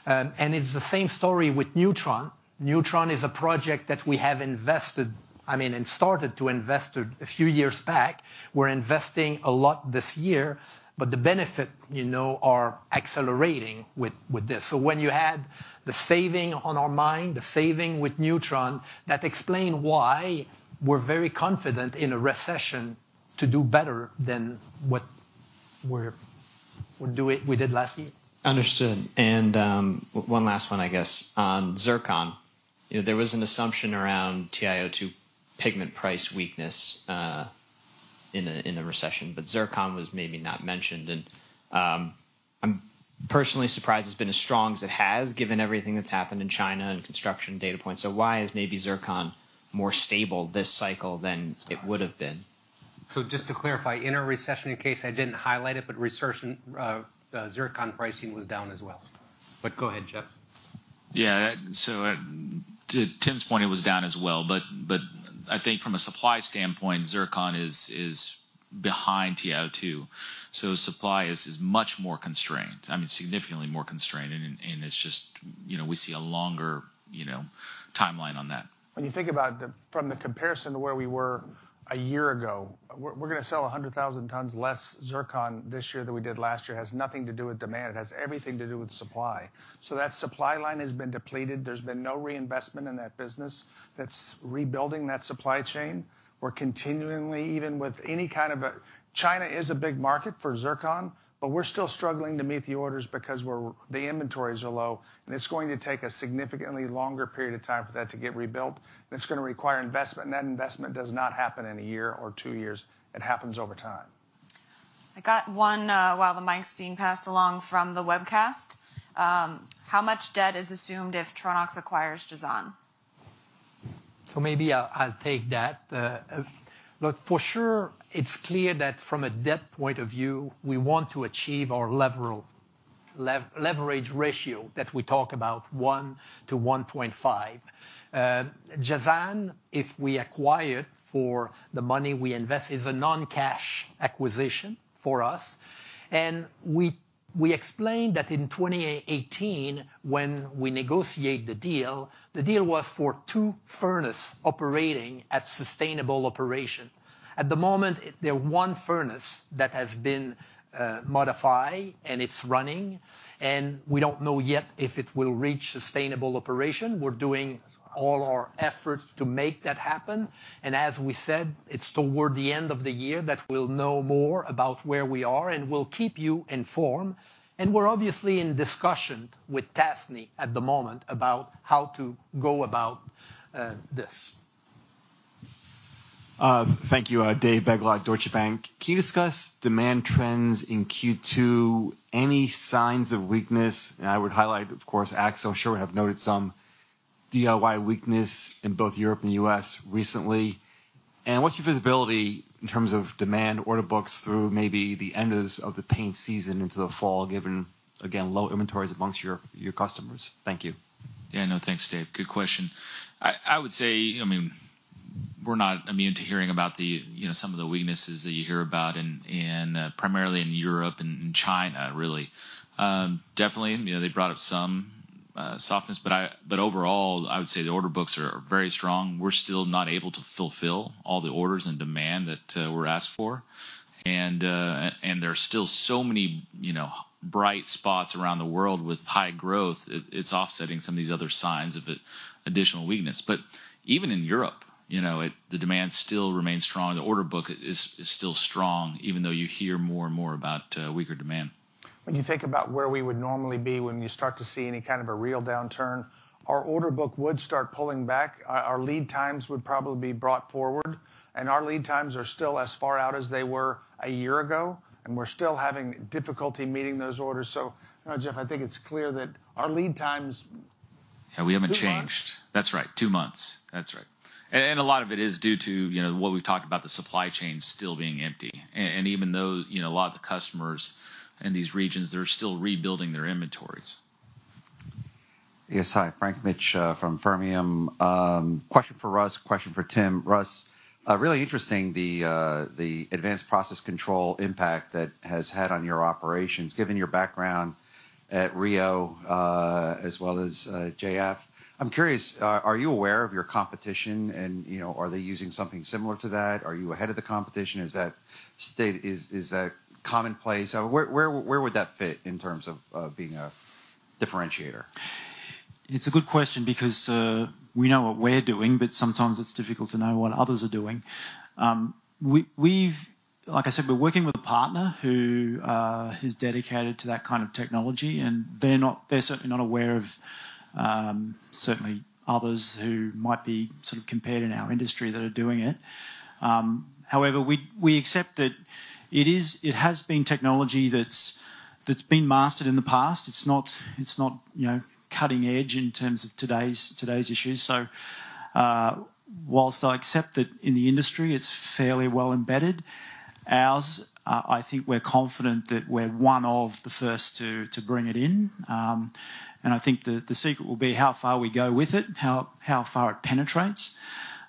It's the same story with Neutron. Neutron is a project that we have invested, I mean, and started to invest a few years back. We're investing a lot this year, but the benefit, you know, are accelerating with this. When you add the saving on our mine, the saving with Neutron, that explain why we're very confident in a recession to do better than what we did last year. Understood. One last one, I guess, on zircon. You know, there was an assumption around TiO2 pigment price weakness in the recession, but zircon was maybe not mentioned. I'm personally surprised it's been as strong as it has, given everything that's happened in China and construction data points. Why is maybe zircon more stable this cycle than it would have been? Just to clarify, in a recession, in case I didn't highlight it, but research in zircon pricing was down as well. But go ahead, Jeff. Yeah. To Tim's point, it was down as well. I think from a supply standpoint, Zircon is behind TiO2. Supply is much more constrained. I mean, significantly more constrained, and it's just, you know, we see a longer, you know, timeline on that. When you think about it from the comparison to where we were a year ago, we're gonna sell 100,000 tons less Zircon this year than we did last year. It has nothing to do with demand. It has everything to do with supply. That supply line has been depleted. There's been no reinvestment in that business that's rebuilding that supply chain. China is a big market for Zircon, but we're still struggling to meet the orders because the inventories are low, and it's going to take a significantly longer period of time for that to get rebuilt. It's gonna require investment, and that investment does not happen in a year or two years. It happens over time. I got one, while the mic's being passed along from the webcast. How much debt is assumed if Tronox acquires Jazan? Maybe I'll take that. Look, for sure, it's clear that from a debt point of view, we want to achieve our leverage ratio that we talk about, one-1.5. Jazan, if we acquire for the money we invest, is a non-cash acquisition for us. We explained that in 2018, when we negotiate the deal, the deal was for two furnace operating at sustainable operation. At the moment, there are one furnace that has been modified, and it's running, and we don't know yet if it will reach sustainable operation. We're doing all our efforts to make that happen. As we said, it's toward the end of the year that we'll know more about where we are, and we'll keep you informed. We're obviously in discussion with Tasnee at the moment about how to go about this. Thank you. David Begleiter, Deutsche Bank. Can you discuss demand trends in Q2? Any signs of weakness? I would highlight, of course, AkzoNobel. I'm sure have noted some DIY weakness in both Europe and U.S. recently. What's your visibility in terms of demand order books through maybe the end of the paint season into the fall, given, again, low inventories amongst your customers? Thank you. Yeah, no. Thanks, Dave. Good question. I would say, I mean, we're not immune to hearing about the, you know, some of the weaknesses that you hear about in, primarily in Europe and in China, really. Definitely, you know, they brought up some softness, but overall, I would say the order books are very strong. We're still not able to fulfill all the orders and demand that we're asked for. And there are still so many, you know, bright spots around the world with high growth. It's offsetting some of these other signs of additional weakness. But even in Europe, you know, the demand still remains strong. The order book is still strong, even though you hear more and more about weaker demand. When you think about where we would normally be when you start to see any kind of a real downturn, our order book would start pulling back. Our lead times would probably be brought forward, and our lead times are still as far out as they were a year ago, and we're still having difficulty meeting those orders. You know, Jeff, I think it's clear that our lead times. We haven't changed. Two months. That's right. Two months. That's right. A lot of it is due to, you know, what we've talked about, the supply chain still being empty. Even though, you know, a lot of the customers in these regions, they're still rebuilding their inventories. Yes. Hi, Frank Mitsch from Fermium. Question for Russ, question for Tim. Russ, really interesting, the advanced process control impact that has had on your operations. Given your background at Rio, as well as JF, I'm curious, are you aware of your competition and, you know, are they using something similar to that? Are you ahead of the competition? Is that commonplace? Where would that fit in terms of being a differentiator? It's a good question because we know what we're doing, but sometimes it's difficult to know what others are doing. Like I said, we're working with a partner who is dedicated to that kind of technology, and they're certainly not aware of certainly others who might be sort of comparable in our industry that are doing it. However, we accept that it has been technology that's been mastered in the past. It's not, you know, cutting edge in terms of today's issues. While I accept that in the industry, it's fairly well embedded, ours, I think we're confident that we're one of the first to bring it in. I think the secret will be how far we go with it, how far it penetrates.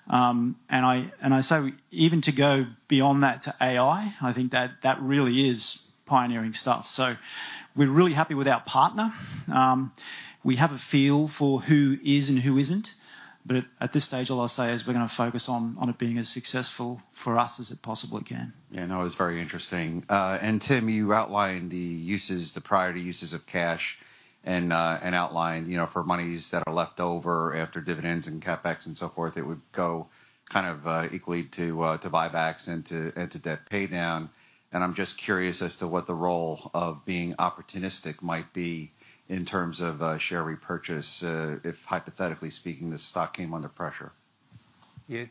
I say even to go beyond that to AI. I think that really is pioneering stuff. We're really happy with our partner. We have a feel for who is and who isn't. At this stage, all I'll say is we're gonna focus on it being as successful for us as it possibly can. Yeah, no, it's very interesting. Tim, you outlined the uses, the priority uses of cash and outlined, you know, for monies that are left over after dividends and CapEx and so forth, it would go kind of equally to buybacks and to debt pay down. I'm just curious as to what the role of being opportunistic might be in terms of share repurchase, if hypothetically speaking, the stock came under pressure. Yeah.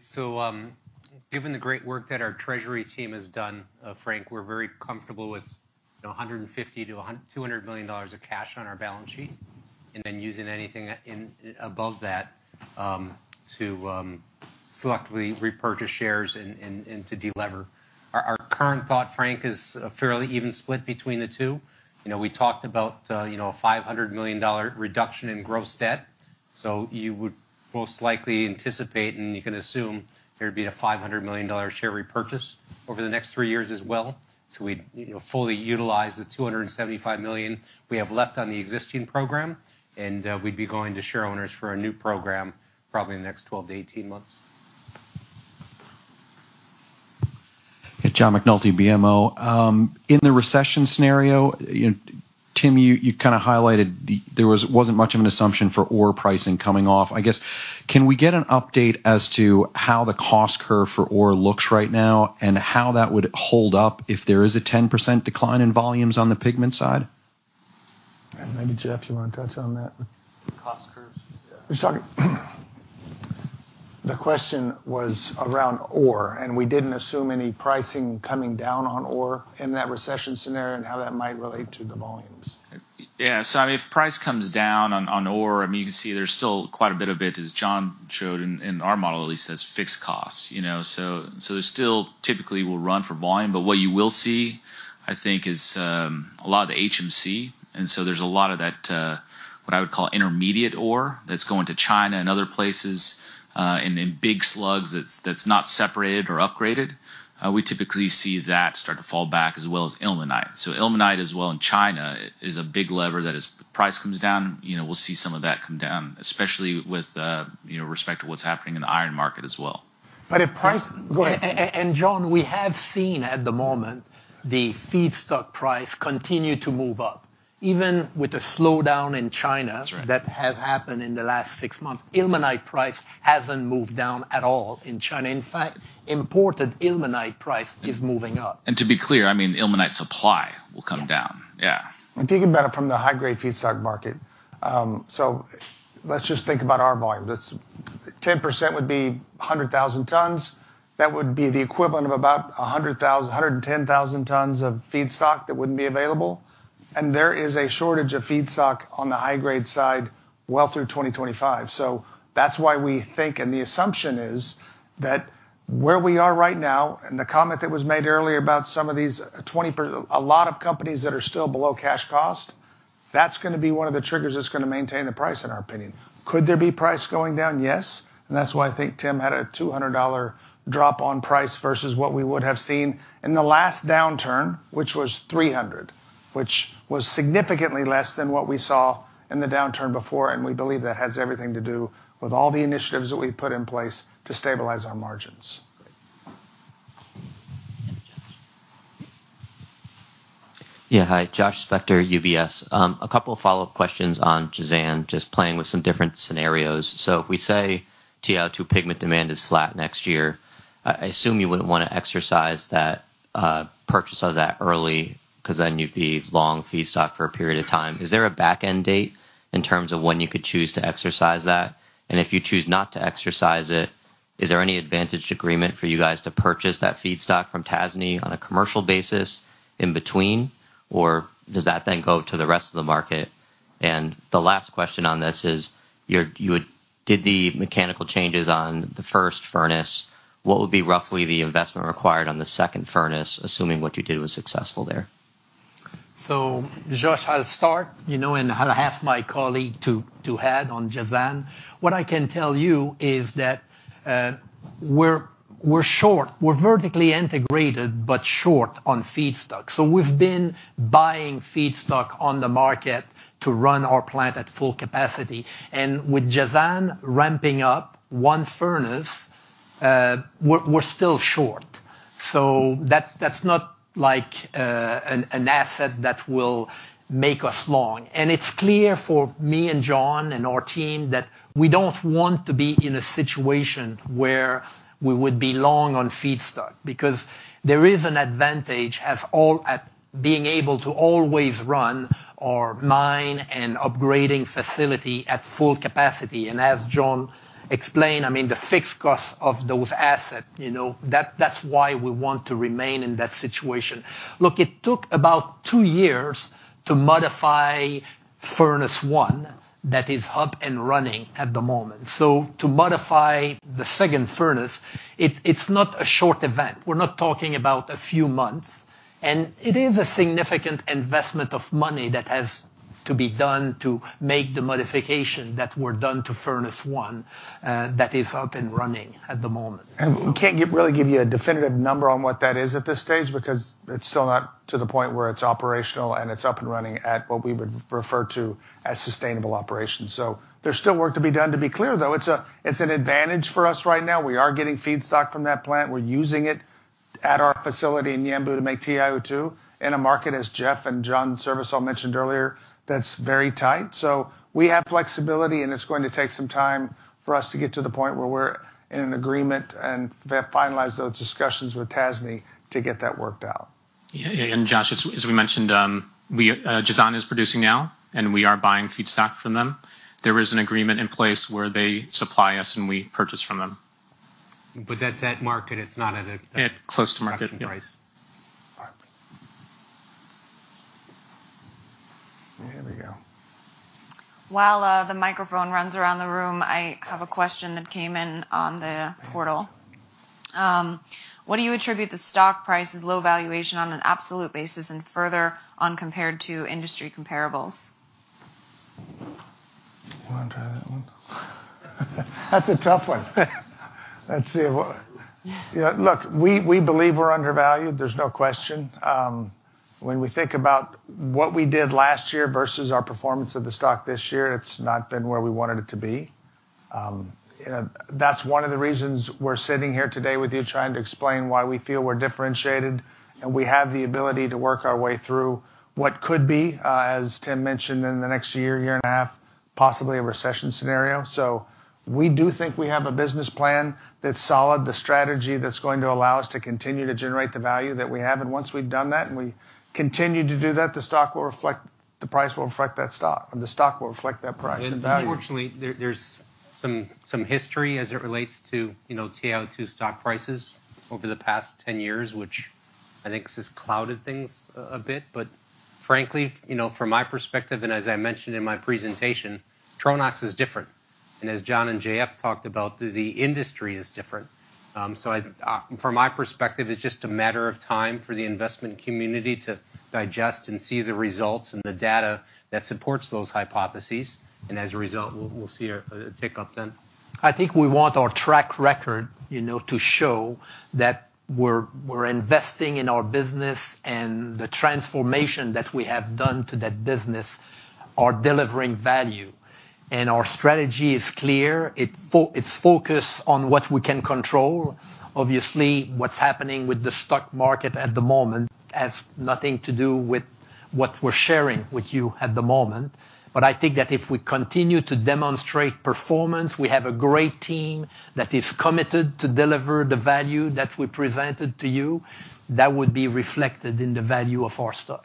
Given the great work that our treasury team has done, Frank, we're very comfortable with $150-$200 million of cash on our balance sheet, and then using anything above that to selectively repurchase shares and to delever. Our current thought, Frank, is a fairly even split between the two. You know, we talked about, you know, $500 million reduction in gross debt. You would most likely anticipate, and you can assume there'd be a $500 million share repurchase over the next three years as well. We'd, you know, fully utilize the $275 million we have left on the existing program, and, we'd be going to shareowners for a new program probably in the next 12-18 months. John McNulty, BMO. In the recession scenario, Tim, you kinda highlighted that there wasn't much of an assumption for ore pricing coming off. I guess, can we get an update as to how the cost curve for ore looks right now and how that would hold up if there is a 10% decline in volumes on the pigment side? Maybe, Jeff, you wanna touch on that one? Cost curves? Sorry. The question was around ore, and we didn't assume any pricing coming down on ore in that recession scenario and how that might relate to the volumes. Yeah. I mean, if price comes down on ore, I mean, you can see there's still quite a bit of it, as John showed in our model at least, as fixed costs, you know. There's still typically we'll run for volume. But what you will see, I think, is a lot of the HMC, and so there's a lot of that, what I would call intermediate ore that's going to China and other places, in big slugs that's not separated or upgraded. We typically see that start to fall back as well as ilmenite. Ilmenite as well in China is a big lever that as price comes down, you know, we'll see some of that come down, especially with, you know, respect to what's happening in the iron market as well. If price. Go ahead. John, we have seen at the moment the feedstock price continue to move up. Even with the slowdown in China. That's right. that has happened in the last six months, ilmenite price hasn't moved down at all in China. In fact, imported ilmenite price is moving up. To be clear, I mean, ilmenite supply will come down. Yeah. Yeah. I'm thinking about it from the high-grade feedstock market. Let's just think about our volume. That's 10% would be 100,000 tons. That would be the equivalent of about 100,000-110,000 tons of feedstock that wouldn't be available. There is a shortage of feedstock on the high-grade side well through 2025. That's why we think, and the assumption is that where we are right now, and the comment that was made earlier about some of these, a lot of companies that are still below cash cost, that's gonna be one of the triggers that's gonna maintain the price, in our opinion. Could there be price going down? Yes. That's why I think Tim had a $200 drop in price versus what we would have seen in the last downturn, which was $300, which was significantly less than what we saw in the downturn before. We believe that has everything to do with all the initiatives that we've put in place to stabilize our margins. Great. Joshua Spector, UBS. A couple of follow-up questions on Jazan, just playing with some different scenarios. If we say TiO2 pigment demand is flat next year, I assume you wouldn't wanna exercise that purchase of that early 'cause then you'd be long feedstock for a period of time. Is there a back-end date in terms of when you could choose to exercise that? And if you choose not to exercise it, is there any advantaged agreement for you guys to purchase that feedstock from Tasnee on a commercial basis in between, or does that then go to the rest of the market? And the last question on this is, you did the mechanical changes on the first furnace. What would be roughly the investment required on the second furnace, assuming what you did was successful there? Josh, I'll start, you know, and I'll ask my colleague to add on Jazan. What I can tell you is that we're short. We're vertically integrated but short on feedstock. We've been buying feedstock on the market to run our plant at full capacity. With Jazan ramping up one furnace, we're still short. That's not like an asset that will make us long. It's clear for me and John and our team that we don't want to be in a situation where we would be long on feedstock, because there is an advantage to always being able to run or mine an upgrading facility at full capacity. As John explained, I mean, the fixed cost of those assets, you know, that's why we want to remain in that situation. Look, it took about two years to modify furnace one that is up and running at the moment. To modify the second furnace, it's not a short event. We're not talking about a few months, and it is a significant investment of money that has to be done to make the modification that were done to furnace one, that is up and running at the moment. We can't really give you a definitive number on what that is at this stage because it's still not to the point where it's operational and it's up and running at what we would refer to as sustainable operations. There's still work to be done. To be clear, though, it's an advantage for us right now. We are getting feedstock from that plant. We're using it at our facility in Yanbu to make TiO2 in a market, as Jeff and John Srivisal mentioned earlier, that's very tight. We have flexibility, and it's going to take some time for us to get to the point where we're in an agreement and have finalized those discussions with Tasnee to get that worked out. Yeah. Josh, as we mentioned, Jazan is producing now, and we are buying feedstock from them. There is an agreement in place where they supply us, and we purchase from them. That's that market. It's not at a. At close to market price. All right. Here we go. While the microphone runs around the room, I have a question that came in on the portal. What do you attribute the stock price's low valuation on an absolute basis and further on compared to industry comparables? You wanna try that one? That's a tough one. Let's see. Yeah. Look, we believe we're undervalued. There's no question. When we think about what we did last year versus our stock performance this year, it's not been where we wanted it to be. You know, that's one of the reasons we're sitting here today with you trying to explain why we feel we're differentiated and we have the ability to work our way through what could be, as Tim mentioned in the next year and a half, possibly a recession scenario. We do think we have a business plan that's solid, the strategy that's going to allow us to continue to generate the value that we have. Once we've done that and we continue to do that, the stock will reflect, the price will reflect that stock, and the stock will reflect that price and value. Unfortunately, there's some history as it relates to, you know, TiO2 stock prices over the past 10 years, which I think has clouded things a bit. Frankly, you know, from my perspective and as I mentioned in my presentation, Tronox is different. As John and JF talked about, the industry is different. From my perspective, it's just a matter of time for the investment community to digest and see the results and the data that supports those hypotheses. As a result, we'll see a tick up then. I think we want our track record, you know, to show that we're investing in our business and the transformation that we have done to that business are delivering value. Our strategy is clear. It's focused on what we can control. Obviously, what's happening with the stock market at the moment has nothing to do with what we're sharing with you at the moment. I think that if we continue to demonstrate performance, we have a great team that is committed to deliver the value that we presented to you. That would be reflected in the value of our stock.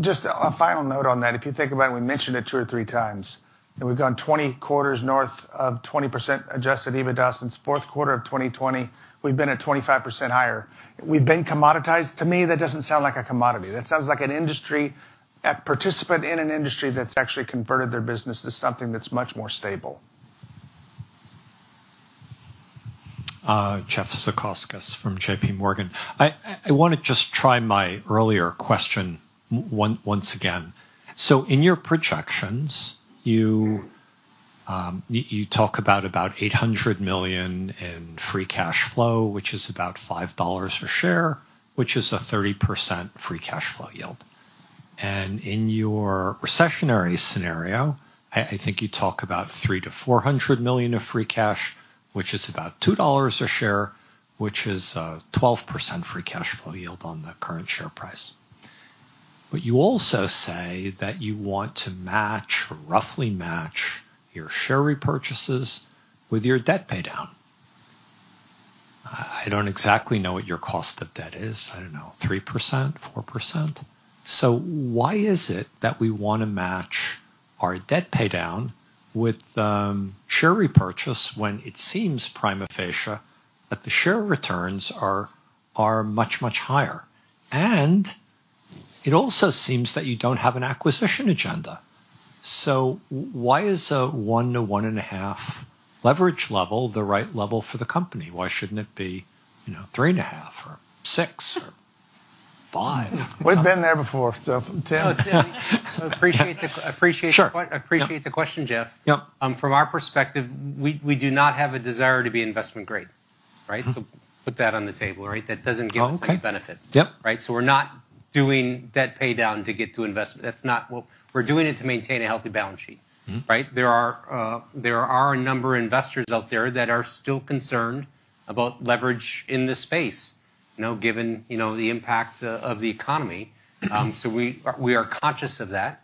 Just a final note on that. If you think about it, we mentioned it two or three times, and we've gone 20 quarters north of 20% adjusted EBITDA. Since of 2020, we've been at 25% higher. We've been commoditized. To me, that doesn't sound like a commodity. That sounds like an industry, a participant in an industry that's actually converted their business to something that's much more stable. Jeff Zekauskas from JPMorgan. I want to just try my earlier question once again. In your projections, you talk about $800 million in free cash flow, which is about $5 a share, which is a 30% free cash flow yield. In your recessionary scenario, I think you talk about $300-$400 million of free cash, which is about $2 a share, which is 12% free cash flow yield on the current share price. You also say that you want to match or roughly match your share repurchases with your debt paydown. I don't exactly know what your cost of debt is. I don't know, 3%, 4%. Why is it that we wanna match our debt paydown with share repurchase when it seems prima facie that the share returns are much higher? It also seems that you don't have an acquisition agenda. Why is a one-1.5 leverage level the right level for the company? Why shouldn't it be, you know, 3.5 or six or five? We've been there before. Tim. Tim, so appreciate the Sure. Appreciate the que- Yeah. Appreciate the question, Jeff. Yeah. From our perspective, we do not have a desire to be investment grade, right? Mm-hmm. Put that on the table, right? That doesn't give us any benefit. Oh, okay. Yep. Right? We're not doing debt pay down to get to investment. That's not what we're doing it to maintain a healthy balance sheet. Mm-hmm. Right? There are a number of investors out there that are still concerned about leverage in this space, you know, given you know the impact of the economy. We are conscious of that.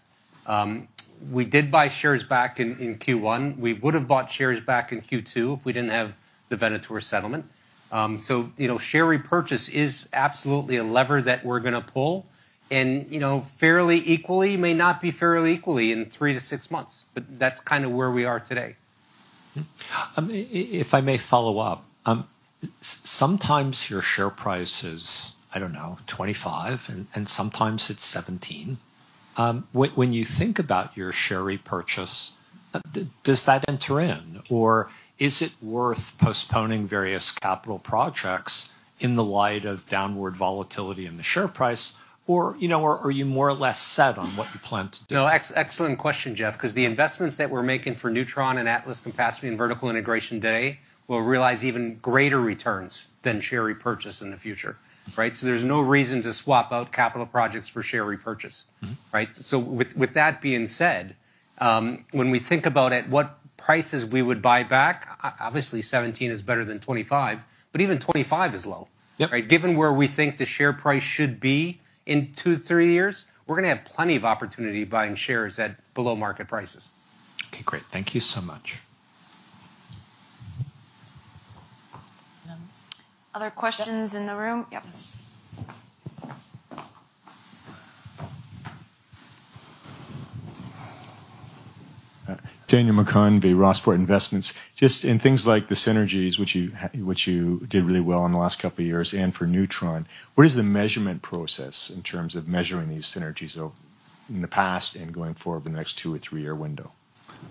We did buy shares back in Q1. We would have bought shares back in Q2 if we didn't have the Venator settlement. You know, share repurchase is absolutely a lever that we're gonna pull and, you know, fairly equally may not be fairly equally in three-six months, but that's kinda where we are today. If I may follow up, sometimes your share price is, I don't know, $25, and sometimes it's $17. When you think about your share repurchase, does that enter in or is it worth postponing various capital projects in the light of downward volatility in the share price? Or, you know, are you more or less set on what you plan to do? No. Excellent question, Jeff, 'cause the investments that we're making for Neutron and Atlas capacity and vertical integration today will realize even greater returns than share repurchase in the future, right? There's no reason to swap out capital projects for share repurchase. Mm-hmm. Right? With that being said, when we think about at what prices we would buy back, obviously $17 is better than $25, but even $25 is low. Yep. Right? Given where we think the share price should be in two, three years, we're gonna have plenty of opportunity buying shares at below market prices. Okay, great. Thank you so much. Other questions in the room? Yep. Daniel McCunn, Rossport Investments. Just in things like the synergies which you did really well in the last couple of years and for Neutron, what is the measurement process in terms of measuring these synergies in the past and going forward the next two- or three-year window?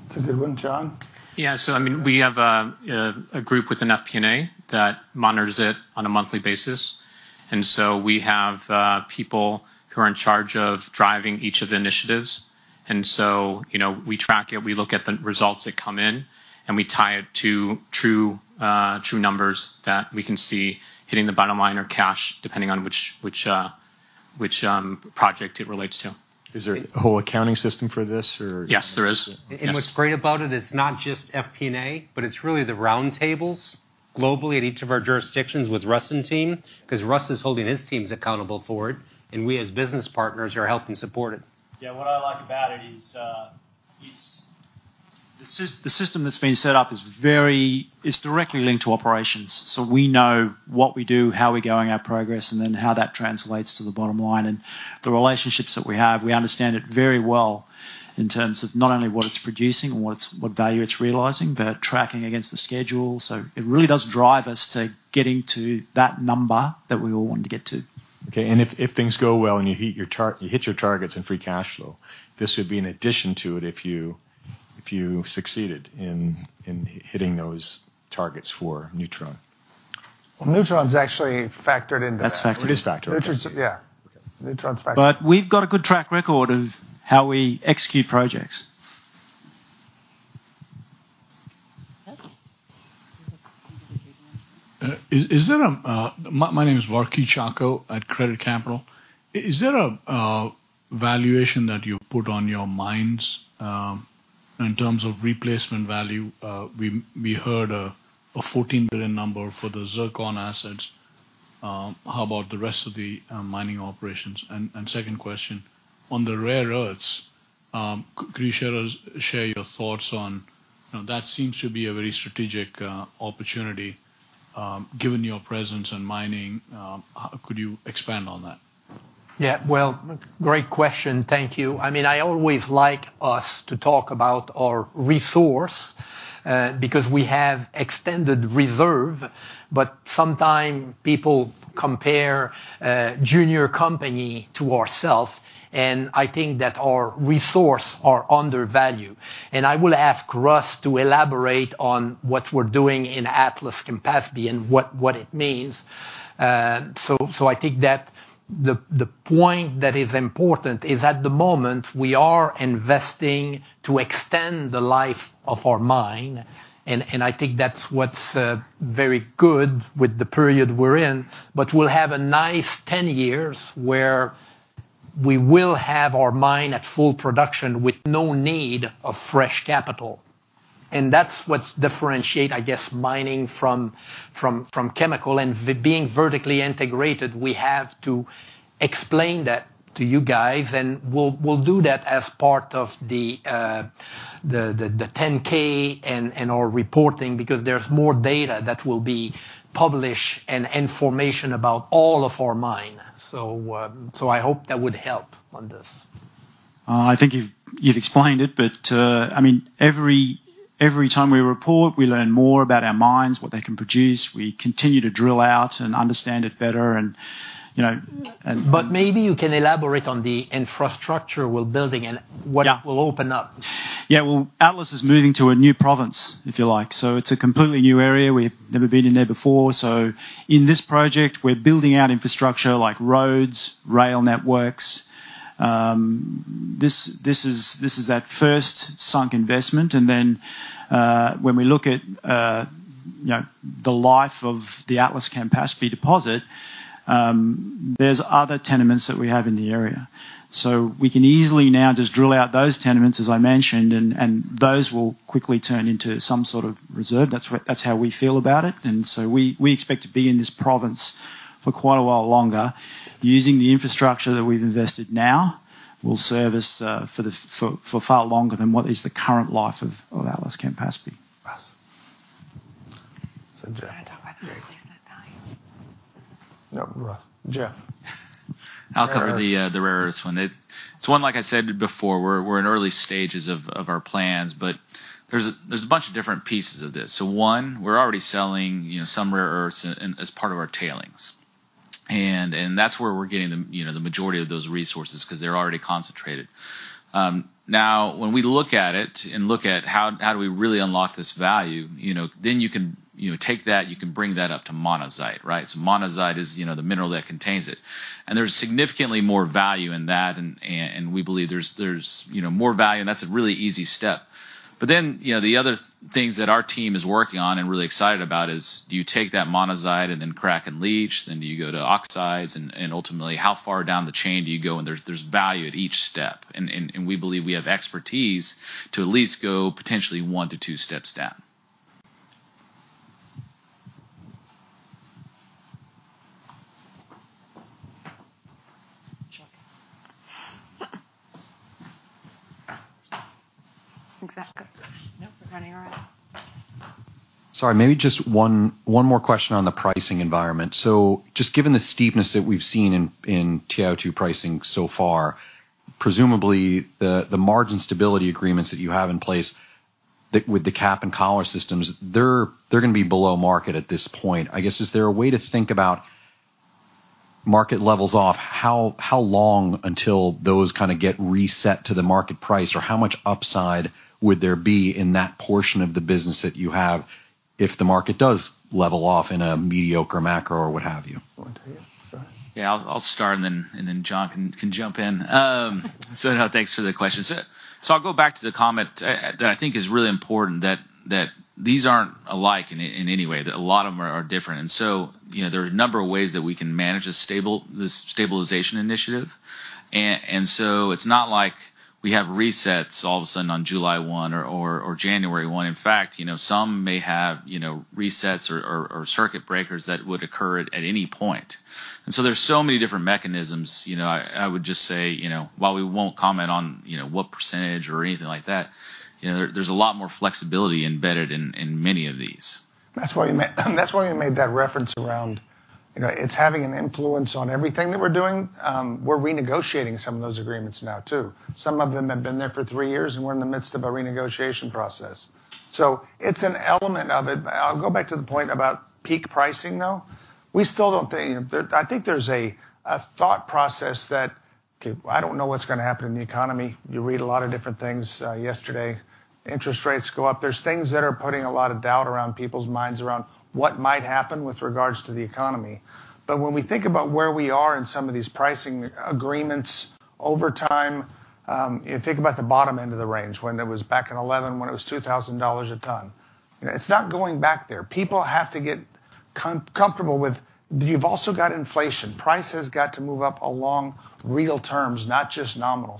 It's a good one, John. Yeah. I mean, we have a group within FP&A that monitors it on a monthly basis. We have people who are in charge of driving each of the initiatives. You know, we track it, we look at the results that come in, and we tie it to true numbers that we can see hitting the bottom line or cash, depending on which project it relates to. Is there a whole accounting system for this or? Yes, there is. Yes. What's great about it's not just FP&A, but it's really the roundtables globally at each of our jurisdictions with Russ and team, 'cause Russ is holding his teams accountable for it, and we, as business partners, are helping support it. Yeah. What I like about it is, the system that's been set up is very, it's directly linked to operations. We know what we do, how we're going, our progress, and then how that translates to the bottom line. The relationships that we have, we understand it very well in terms of not only what it's producing and what value it's realizing, but tracking against the schedule. It really does drive us to getting to that number that we all want to get to. Okay. If things go well and you hit your targets in free cash flow, this would be an addition to it if you succeeded in hitting those targets for Neutron. Well, Neutron's actually factored into that. That's factored. It is factored. Neutron's factored. We've got a good track record of how we execute projects. Yes. My name is Varkey Chacko at Credit Capital. Is there a valuation that you put on your mines in terms of replacement value? We heard a $14 billion number for the zircon assets. How about the rest of the mining operations? Second question, on the rare earths, could you share your thoughts on that? You know, that seems to be a very strategic opportunity given your presence in mining. Could you expand on that? Yeah. Well, great question. Thank you. I mean, I always like us to talk about our resource because we have extended reserve, but sometimes people compare a junior company to ourselves, and I think that our resource are undervalued. I will ask Russ to elaborate on what we're doing in Atlas-Campaspe and what it means. So I think that the point that is important is at the moment we are investing to extend the life of our mine, and I think that's what's very good with the period we're in. We'll have a nice 10 years where we will have our mine at full production with no need of fresh capital. That's what differentiate, I guess, mining from chemical. Being vertically integrated, we have to explain that to you guys, and we'll do that as part of the 10-K and our reporting because there's more data that will be published and information about all of our mines. I hope that would help on this. I think you've explained it, but I mean, every time we report, we learn more about our mines, what they can produce. We continue to drill out and understand it better and, you know. Maybe you can elaborate on the infrastructure we're building. Yeah. will open up. Yeah. Well, Atlas is moving to a new province, if you like, so it's a completely new area. We've never been in there before. In this project, we're building out infrastructure like roads, rail networks. This is that first sunk investment. Then, when we look at, you know, the life of the Atlas-Campaspe deposit, there's other tenements that we have in the area. We can easily now just drill out those tenements, as I mentioned, and those will quickly turn into some sort of reserve. That's how we feel about it. We expect to be in this province for quite a while longer. Using the infrastructure that we've invested now will serve us for far longer than what is the current life of Atlas-Campaspe. Russ. Jeff. Do you wanna talk about the rare earths value? No, Russ. Jeff. I'll cover the rare earths one. It's one, like I said before, we're in early stages of our plans, but there's a bunch of different pieces of this. One, we're already selling, you know, some rare earths as part of our tailings. That's where we're getting the, you know, the majority of those resources 'cause they're already concentrated. Now when we look at it and look at how do we really unlock this value, you know, then you can, you know, take that, you can bring that up to monazite, right? Monazite is, you know, the mineral that contains it. There's significantly more value in that and we believe there's, you know, more value, and that's a really easy step. you know, the other things that our team is working on and really excited about is do you take that monazite and then crack and leach, then do you go to oxides? And we believe we have expertise to at least go potentially one to two steps down. John. I think that's good. Nope, we're running all right. Sorry, maybe just one more question on the pricing environment. Just given the steepness that we've seen in TiO2 pricing so far, presumably the margin stability agreements that you have in place with the cap and collar systems, they're gonna be below market at this point. I guess, is there a way to think about market levels off? How long until those kind of get reset to the market price? Or how much upside would there be in that portion of the business that you have if the market does level off in a mediocre macro or what have you? Want to answer that? I'll start and then John can jump in. No, thanks for the question. I'll go back to the comment that I think is really important that these aren't alike in any way, that a lot of them are different. You know, there are a number of ways that we can manage this stabilization initiative. It's not like we have resets all of a sudden on July one or January one. In fact, you know, some may have, you know, resets or circuit breakers that would occur at any point. There's so many different mechanisms. You know, I would just say, you know, while we won't comment on, you know, what percentage or anything like that, you know, there's a lot more flexibility embedded in many of these. That's why we made that reference around, you know, it's having an influence on everything that we're doing. We're renegotiating some of those agreements now too. Some of them have been there for three years, and we're in the midst of a renegotiation process. It's an element of it. I'll go back to the point about peak pricing, though. We still don't think I think there's a thought process that, okay, I don't know what's gonna happen in the economy. You read a lot of different things. Yesterday, interest rates go up. There's things that are putting a lot of doubt around people's minds around what might happen with regards to the economy. When we think about where we are in some of these pricing agreements over time, you think about the bottom end of the range when it was back in 2011, when it was $2,000 a ton. You know, it's not going back there. People have to get comfortable with... You've also got inflation. Price has got to move up in real terms, not just nominal.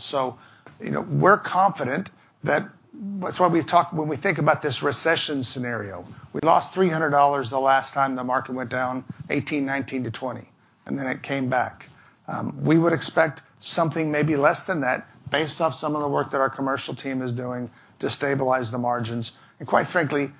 You know, we're confident that that's why we talk when we think about this recession scenario, we lost $300 the last time the market went down 2018-2020, and then it came back. We would expect something maybe less than that based off some of the work that our commercial team is doing to stabilize the margins. Quite frankly,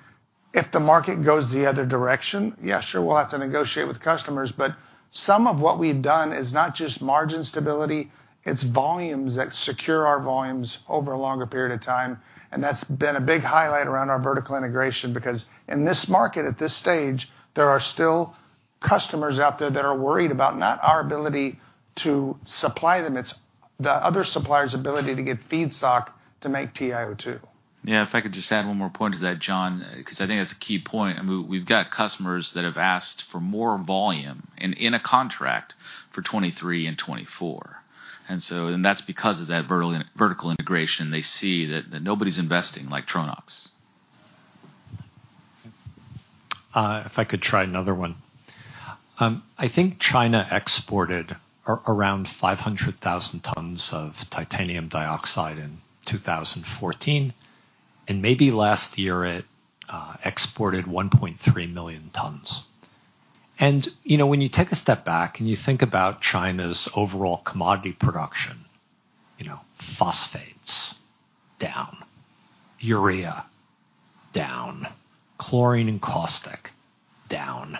if the market goes the other direction, yeah, sure, we'll have to negotiate with customers, but some of what we've done is not just margin stability, it's volumes that secure our volumes over a longer period of time. That's been a big highlight around our vertical integration because in this market at this stage, there are still customers out there that are worried about not our ability to supply them, it's the other suppliers' ability to get feedstock to make TiO2. Yeah. If I could just add one more point to that, John, 'cause I think that's a key point. I mean, we've got customers that have asked for more volume in a contract for 2023 and 2024. That's because of that vertical integration. They see that nobody's investing like Tronox. If I could try another one. I think China exported around 500,000 tons of titanium dioxide in 2014, and maybe last year it exported 1.3 million tons. You know, when you take a step back and you think about China's overall commodity production, you know, phosphates, down, urea, down, chlorine and caustic, down.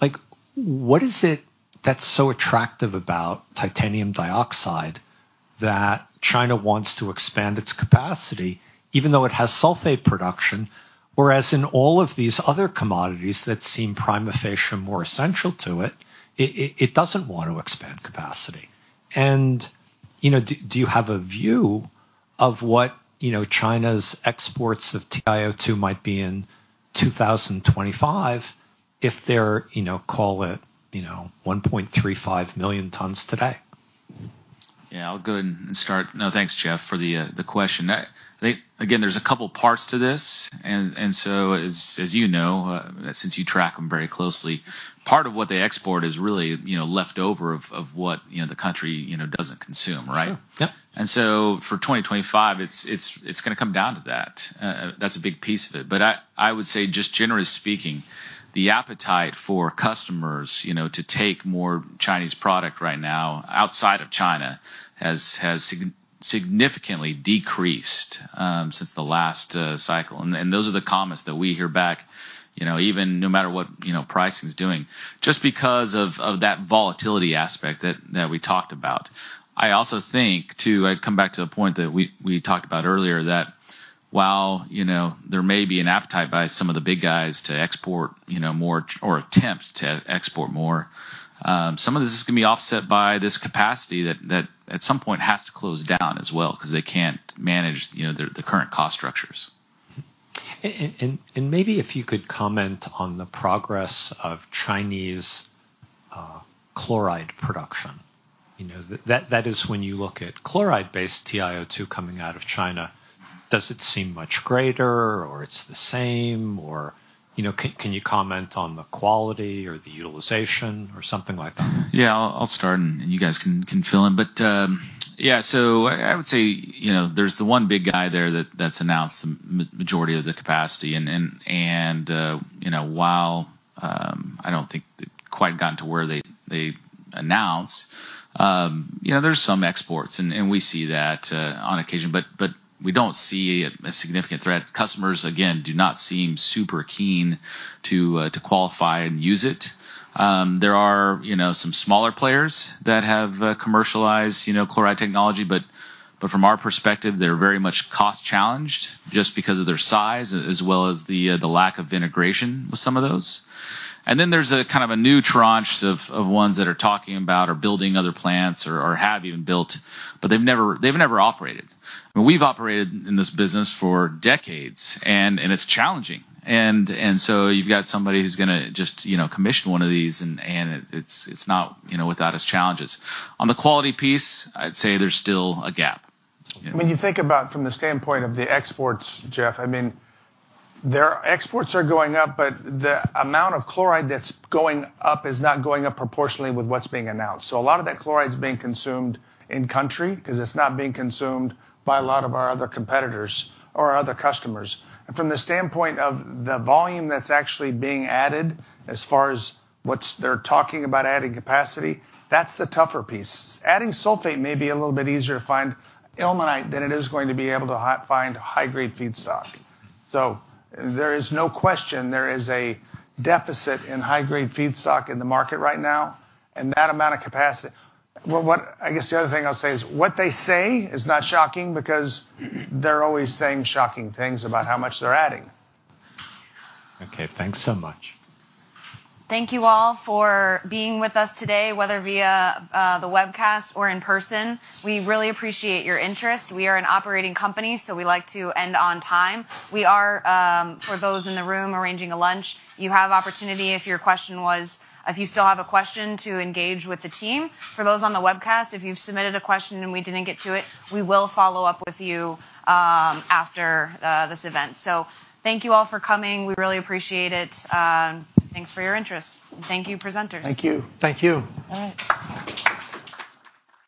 Like, what is it that's so attractive about titanium dioxide that China wants to expand its capacity, even though it has sulfate production? Whereas in all of these other commodities that seem prima facie more essential to it doesn't want to expand capacity. You know, do you have a view of what, you know, China's exports of TiO2 might be in 2025 if they're, you know, call it, you know, 1.35 million tons today. Yeah, I'll go ahead and start. No, thanks, Jeff, for the question. I think, again, there's a couple parts to this and so as you know, since you track them very closely, part of what they export is really, you know, left over of what, you know, the country, you know, doesn't consume, right? Sure. Yep. For 2025, it's gonna come down to that. That's a big piece of it. I would say, just generally speaking, the appetite for customers, you know, to take more Chinese product right now outside of China has significantly decreased since the last cycle. Those are the comments that we hear back, you know, even no matter what, you know, price is doing, just because of that volatility aspect that we talked about. I also think too, I'd come back to the point that we talked about earlier, that while, you know, there may be an appetite by some of the big guys to export, you know, more or attempts to export more, some of this is gonna be offset by this capacity that at some point has to close down as well 'cause they can't manage, you know, the current cost structures. Maybe if you could comment on the progress of Chinese chloride production. You know, that is when you look at chloride-based TiO2 coming out of China, does it seem much greater, or it's the same? Or, you know, can you comment on the quality or the utilization or something like that? Yeah, I'll start and you guys can fill in. I would say, you know, there's the one big guy there that's announced the majority of the capacity. You know, while I don't think they've quite gotten to where they announce, you know, there's some exports and we see that on occasion, but we don't see a significant threat. Customers, again, do not seem super keen to qualify and use it. There are, you know, some smaller players that have commercialized, you know, chloride technology, but from our perspective, they're very much cost-challenged just because of their size as well as the lack of integration with some of those. Then there's a kind of a new tranche of ones that are talking about or building other plants or have even built, but they've never operated. We've operated in this business for decades and it's challenging. You've got somebody who's gonna just, you know, commission one of these, and it's not, you know, without its challenges. On the quality piece, I'd say there's still a gap. You know? When you think about from the standpoint of the exports, Jeff, I mean, their exports are going up, but the amount of chloride that's going up is not going up proportionally with what's being announced. A lot of that chloride is being consumed in country 'cause it's not being consumed by a lot of our other competitors or our other customers. From the standpoint of the volume that's actually being added as far as they're talking about adding capacity, that's the tougher piece. Adding sulfate may be a little bit easier to find ilmenite than it is going to be able to find high-grade feedstock. There is no question there is a deficit in high-grade feedstock in the market right now, and that amount of capacity. Well, what I guess the other thing I'll say is what they say is not shocking because they're always saying shocking things about how much they're adding. Okay. Thanks so much. Thank you all for being with us today, whether via the webcast or in person. We really appreciate your interest. We are an operating company, so we like to end on time. We are for those in the room, arranging a lunch. You have opportunity, if you still have a question, to engage with the team. For those on the webcast, if you've submitted a question and we didn't get to it, we will follow up with you after this event. Thank you all for coming. We really appreciate it. Thanks for your interest. Thank you, presenters. Thank you. Thank you. All right.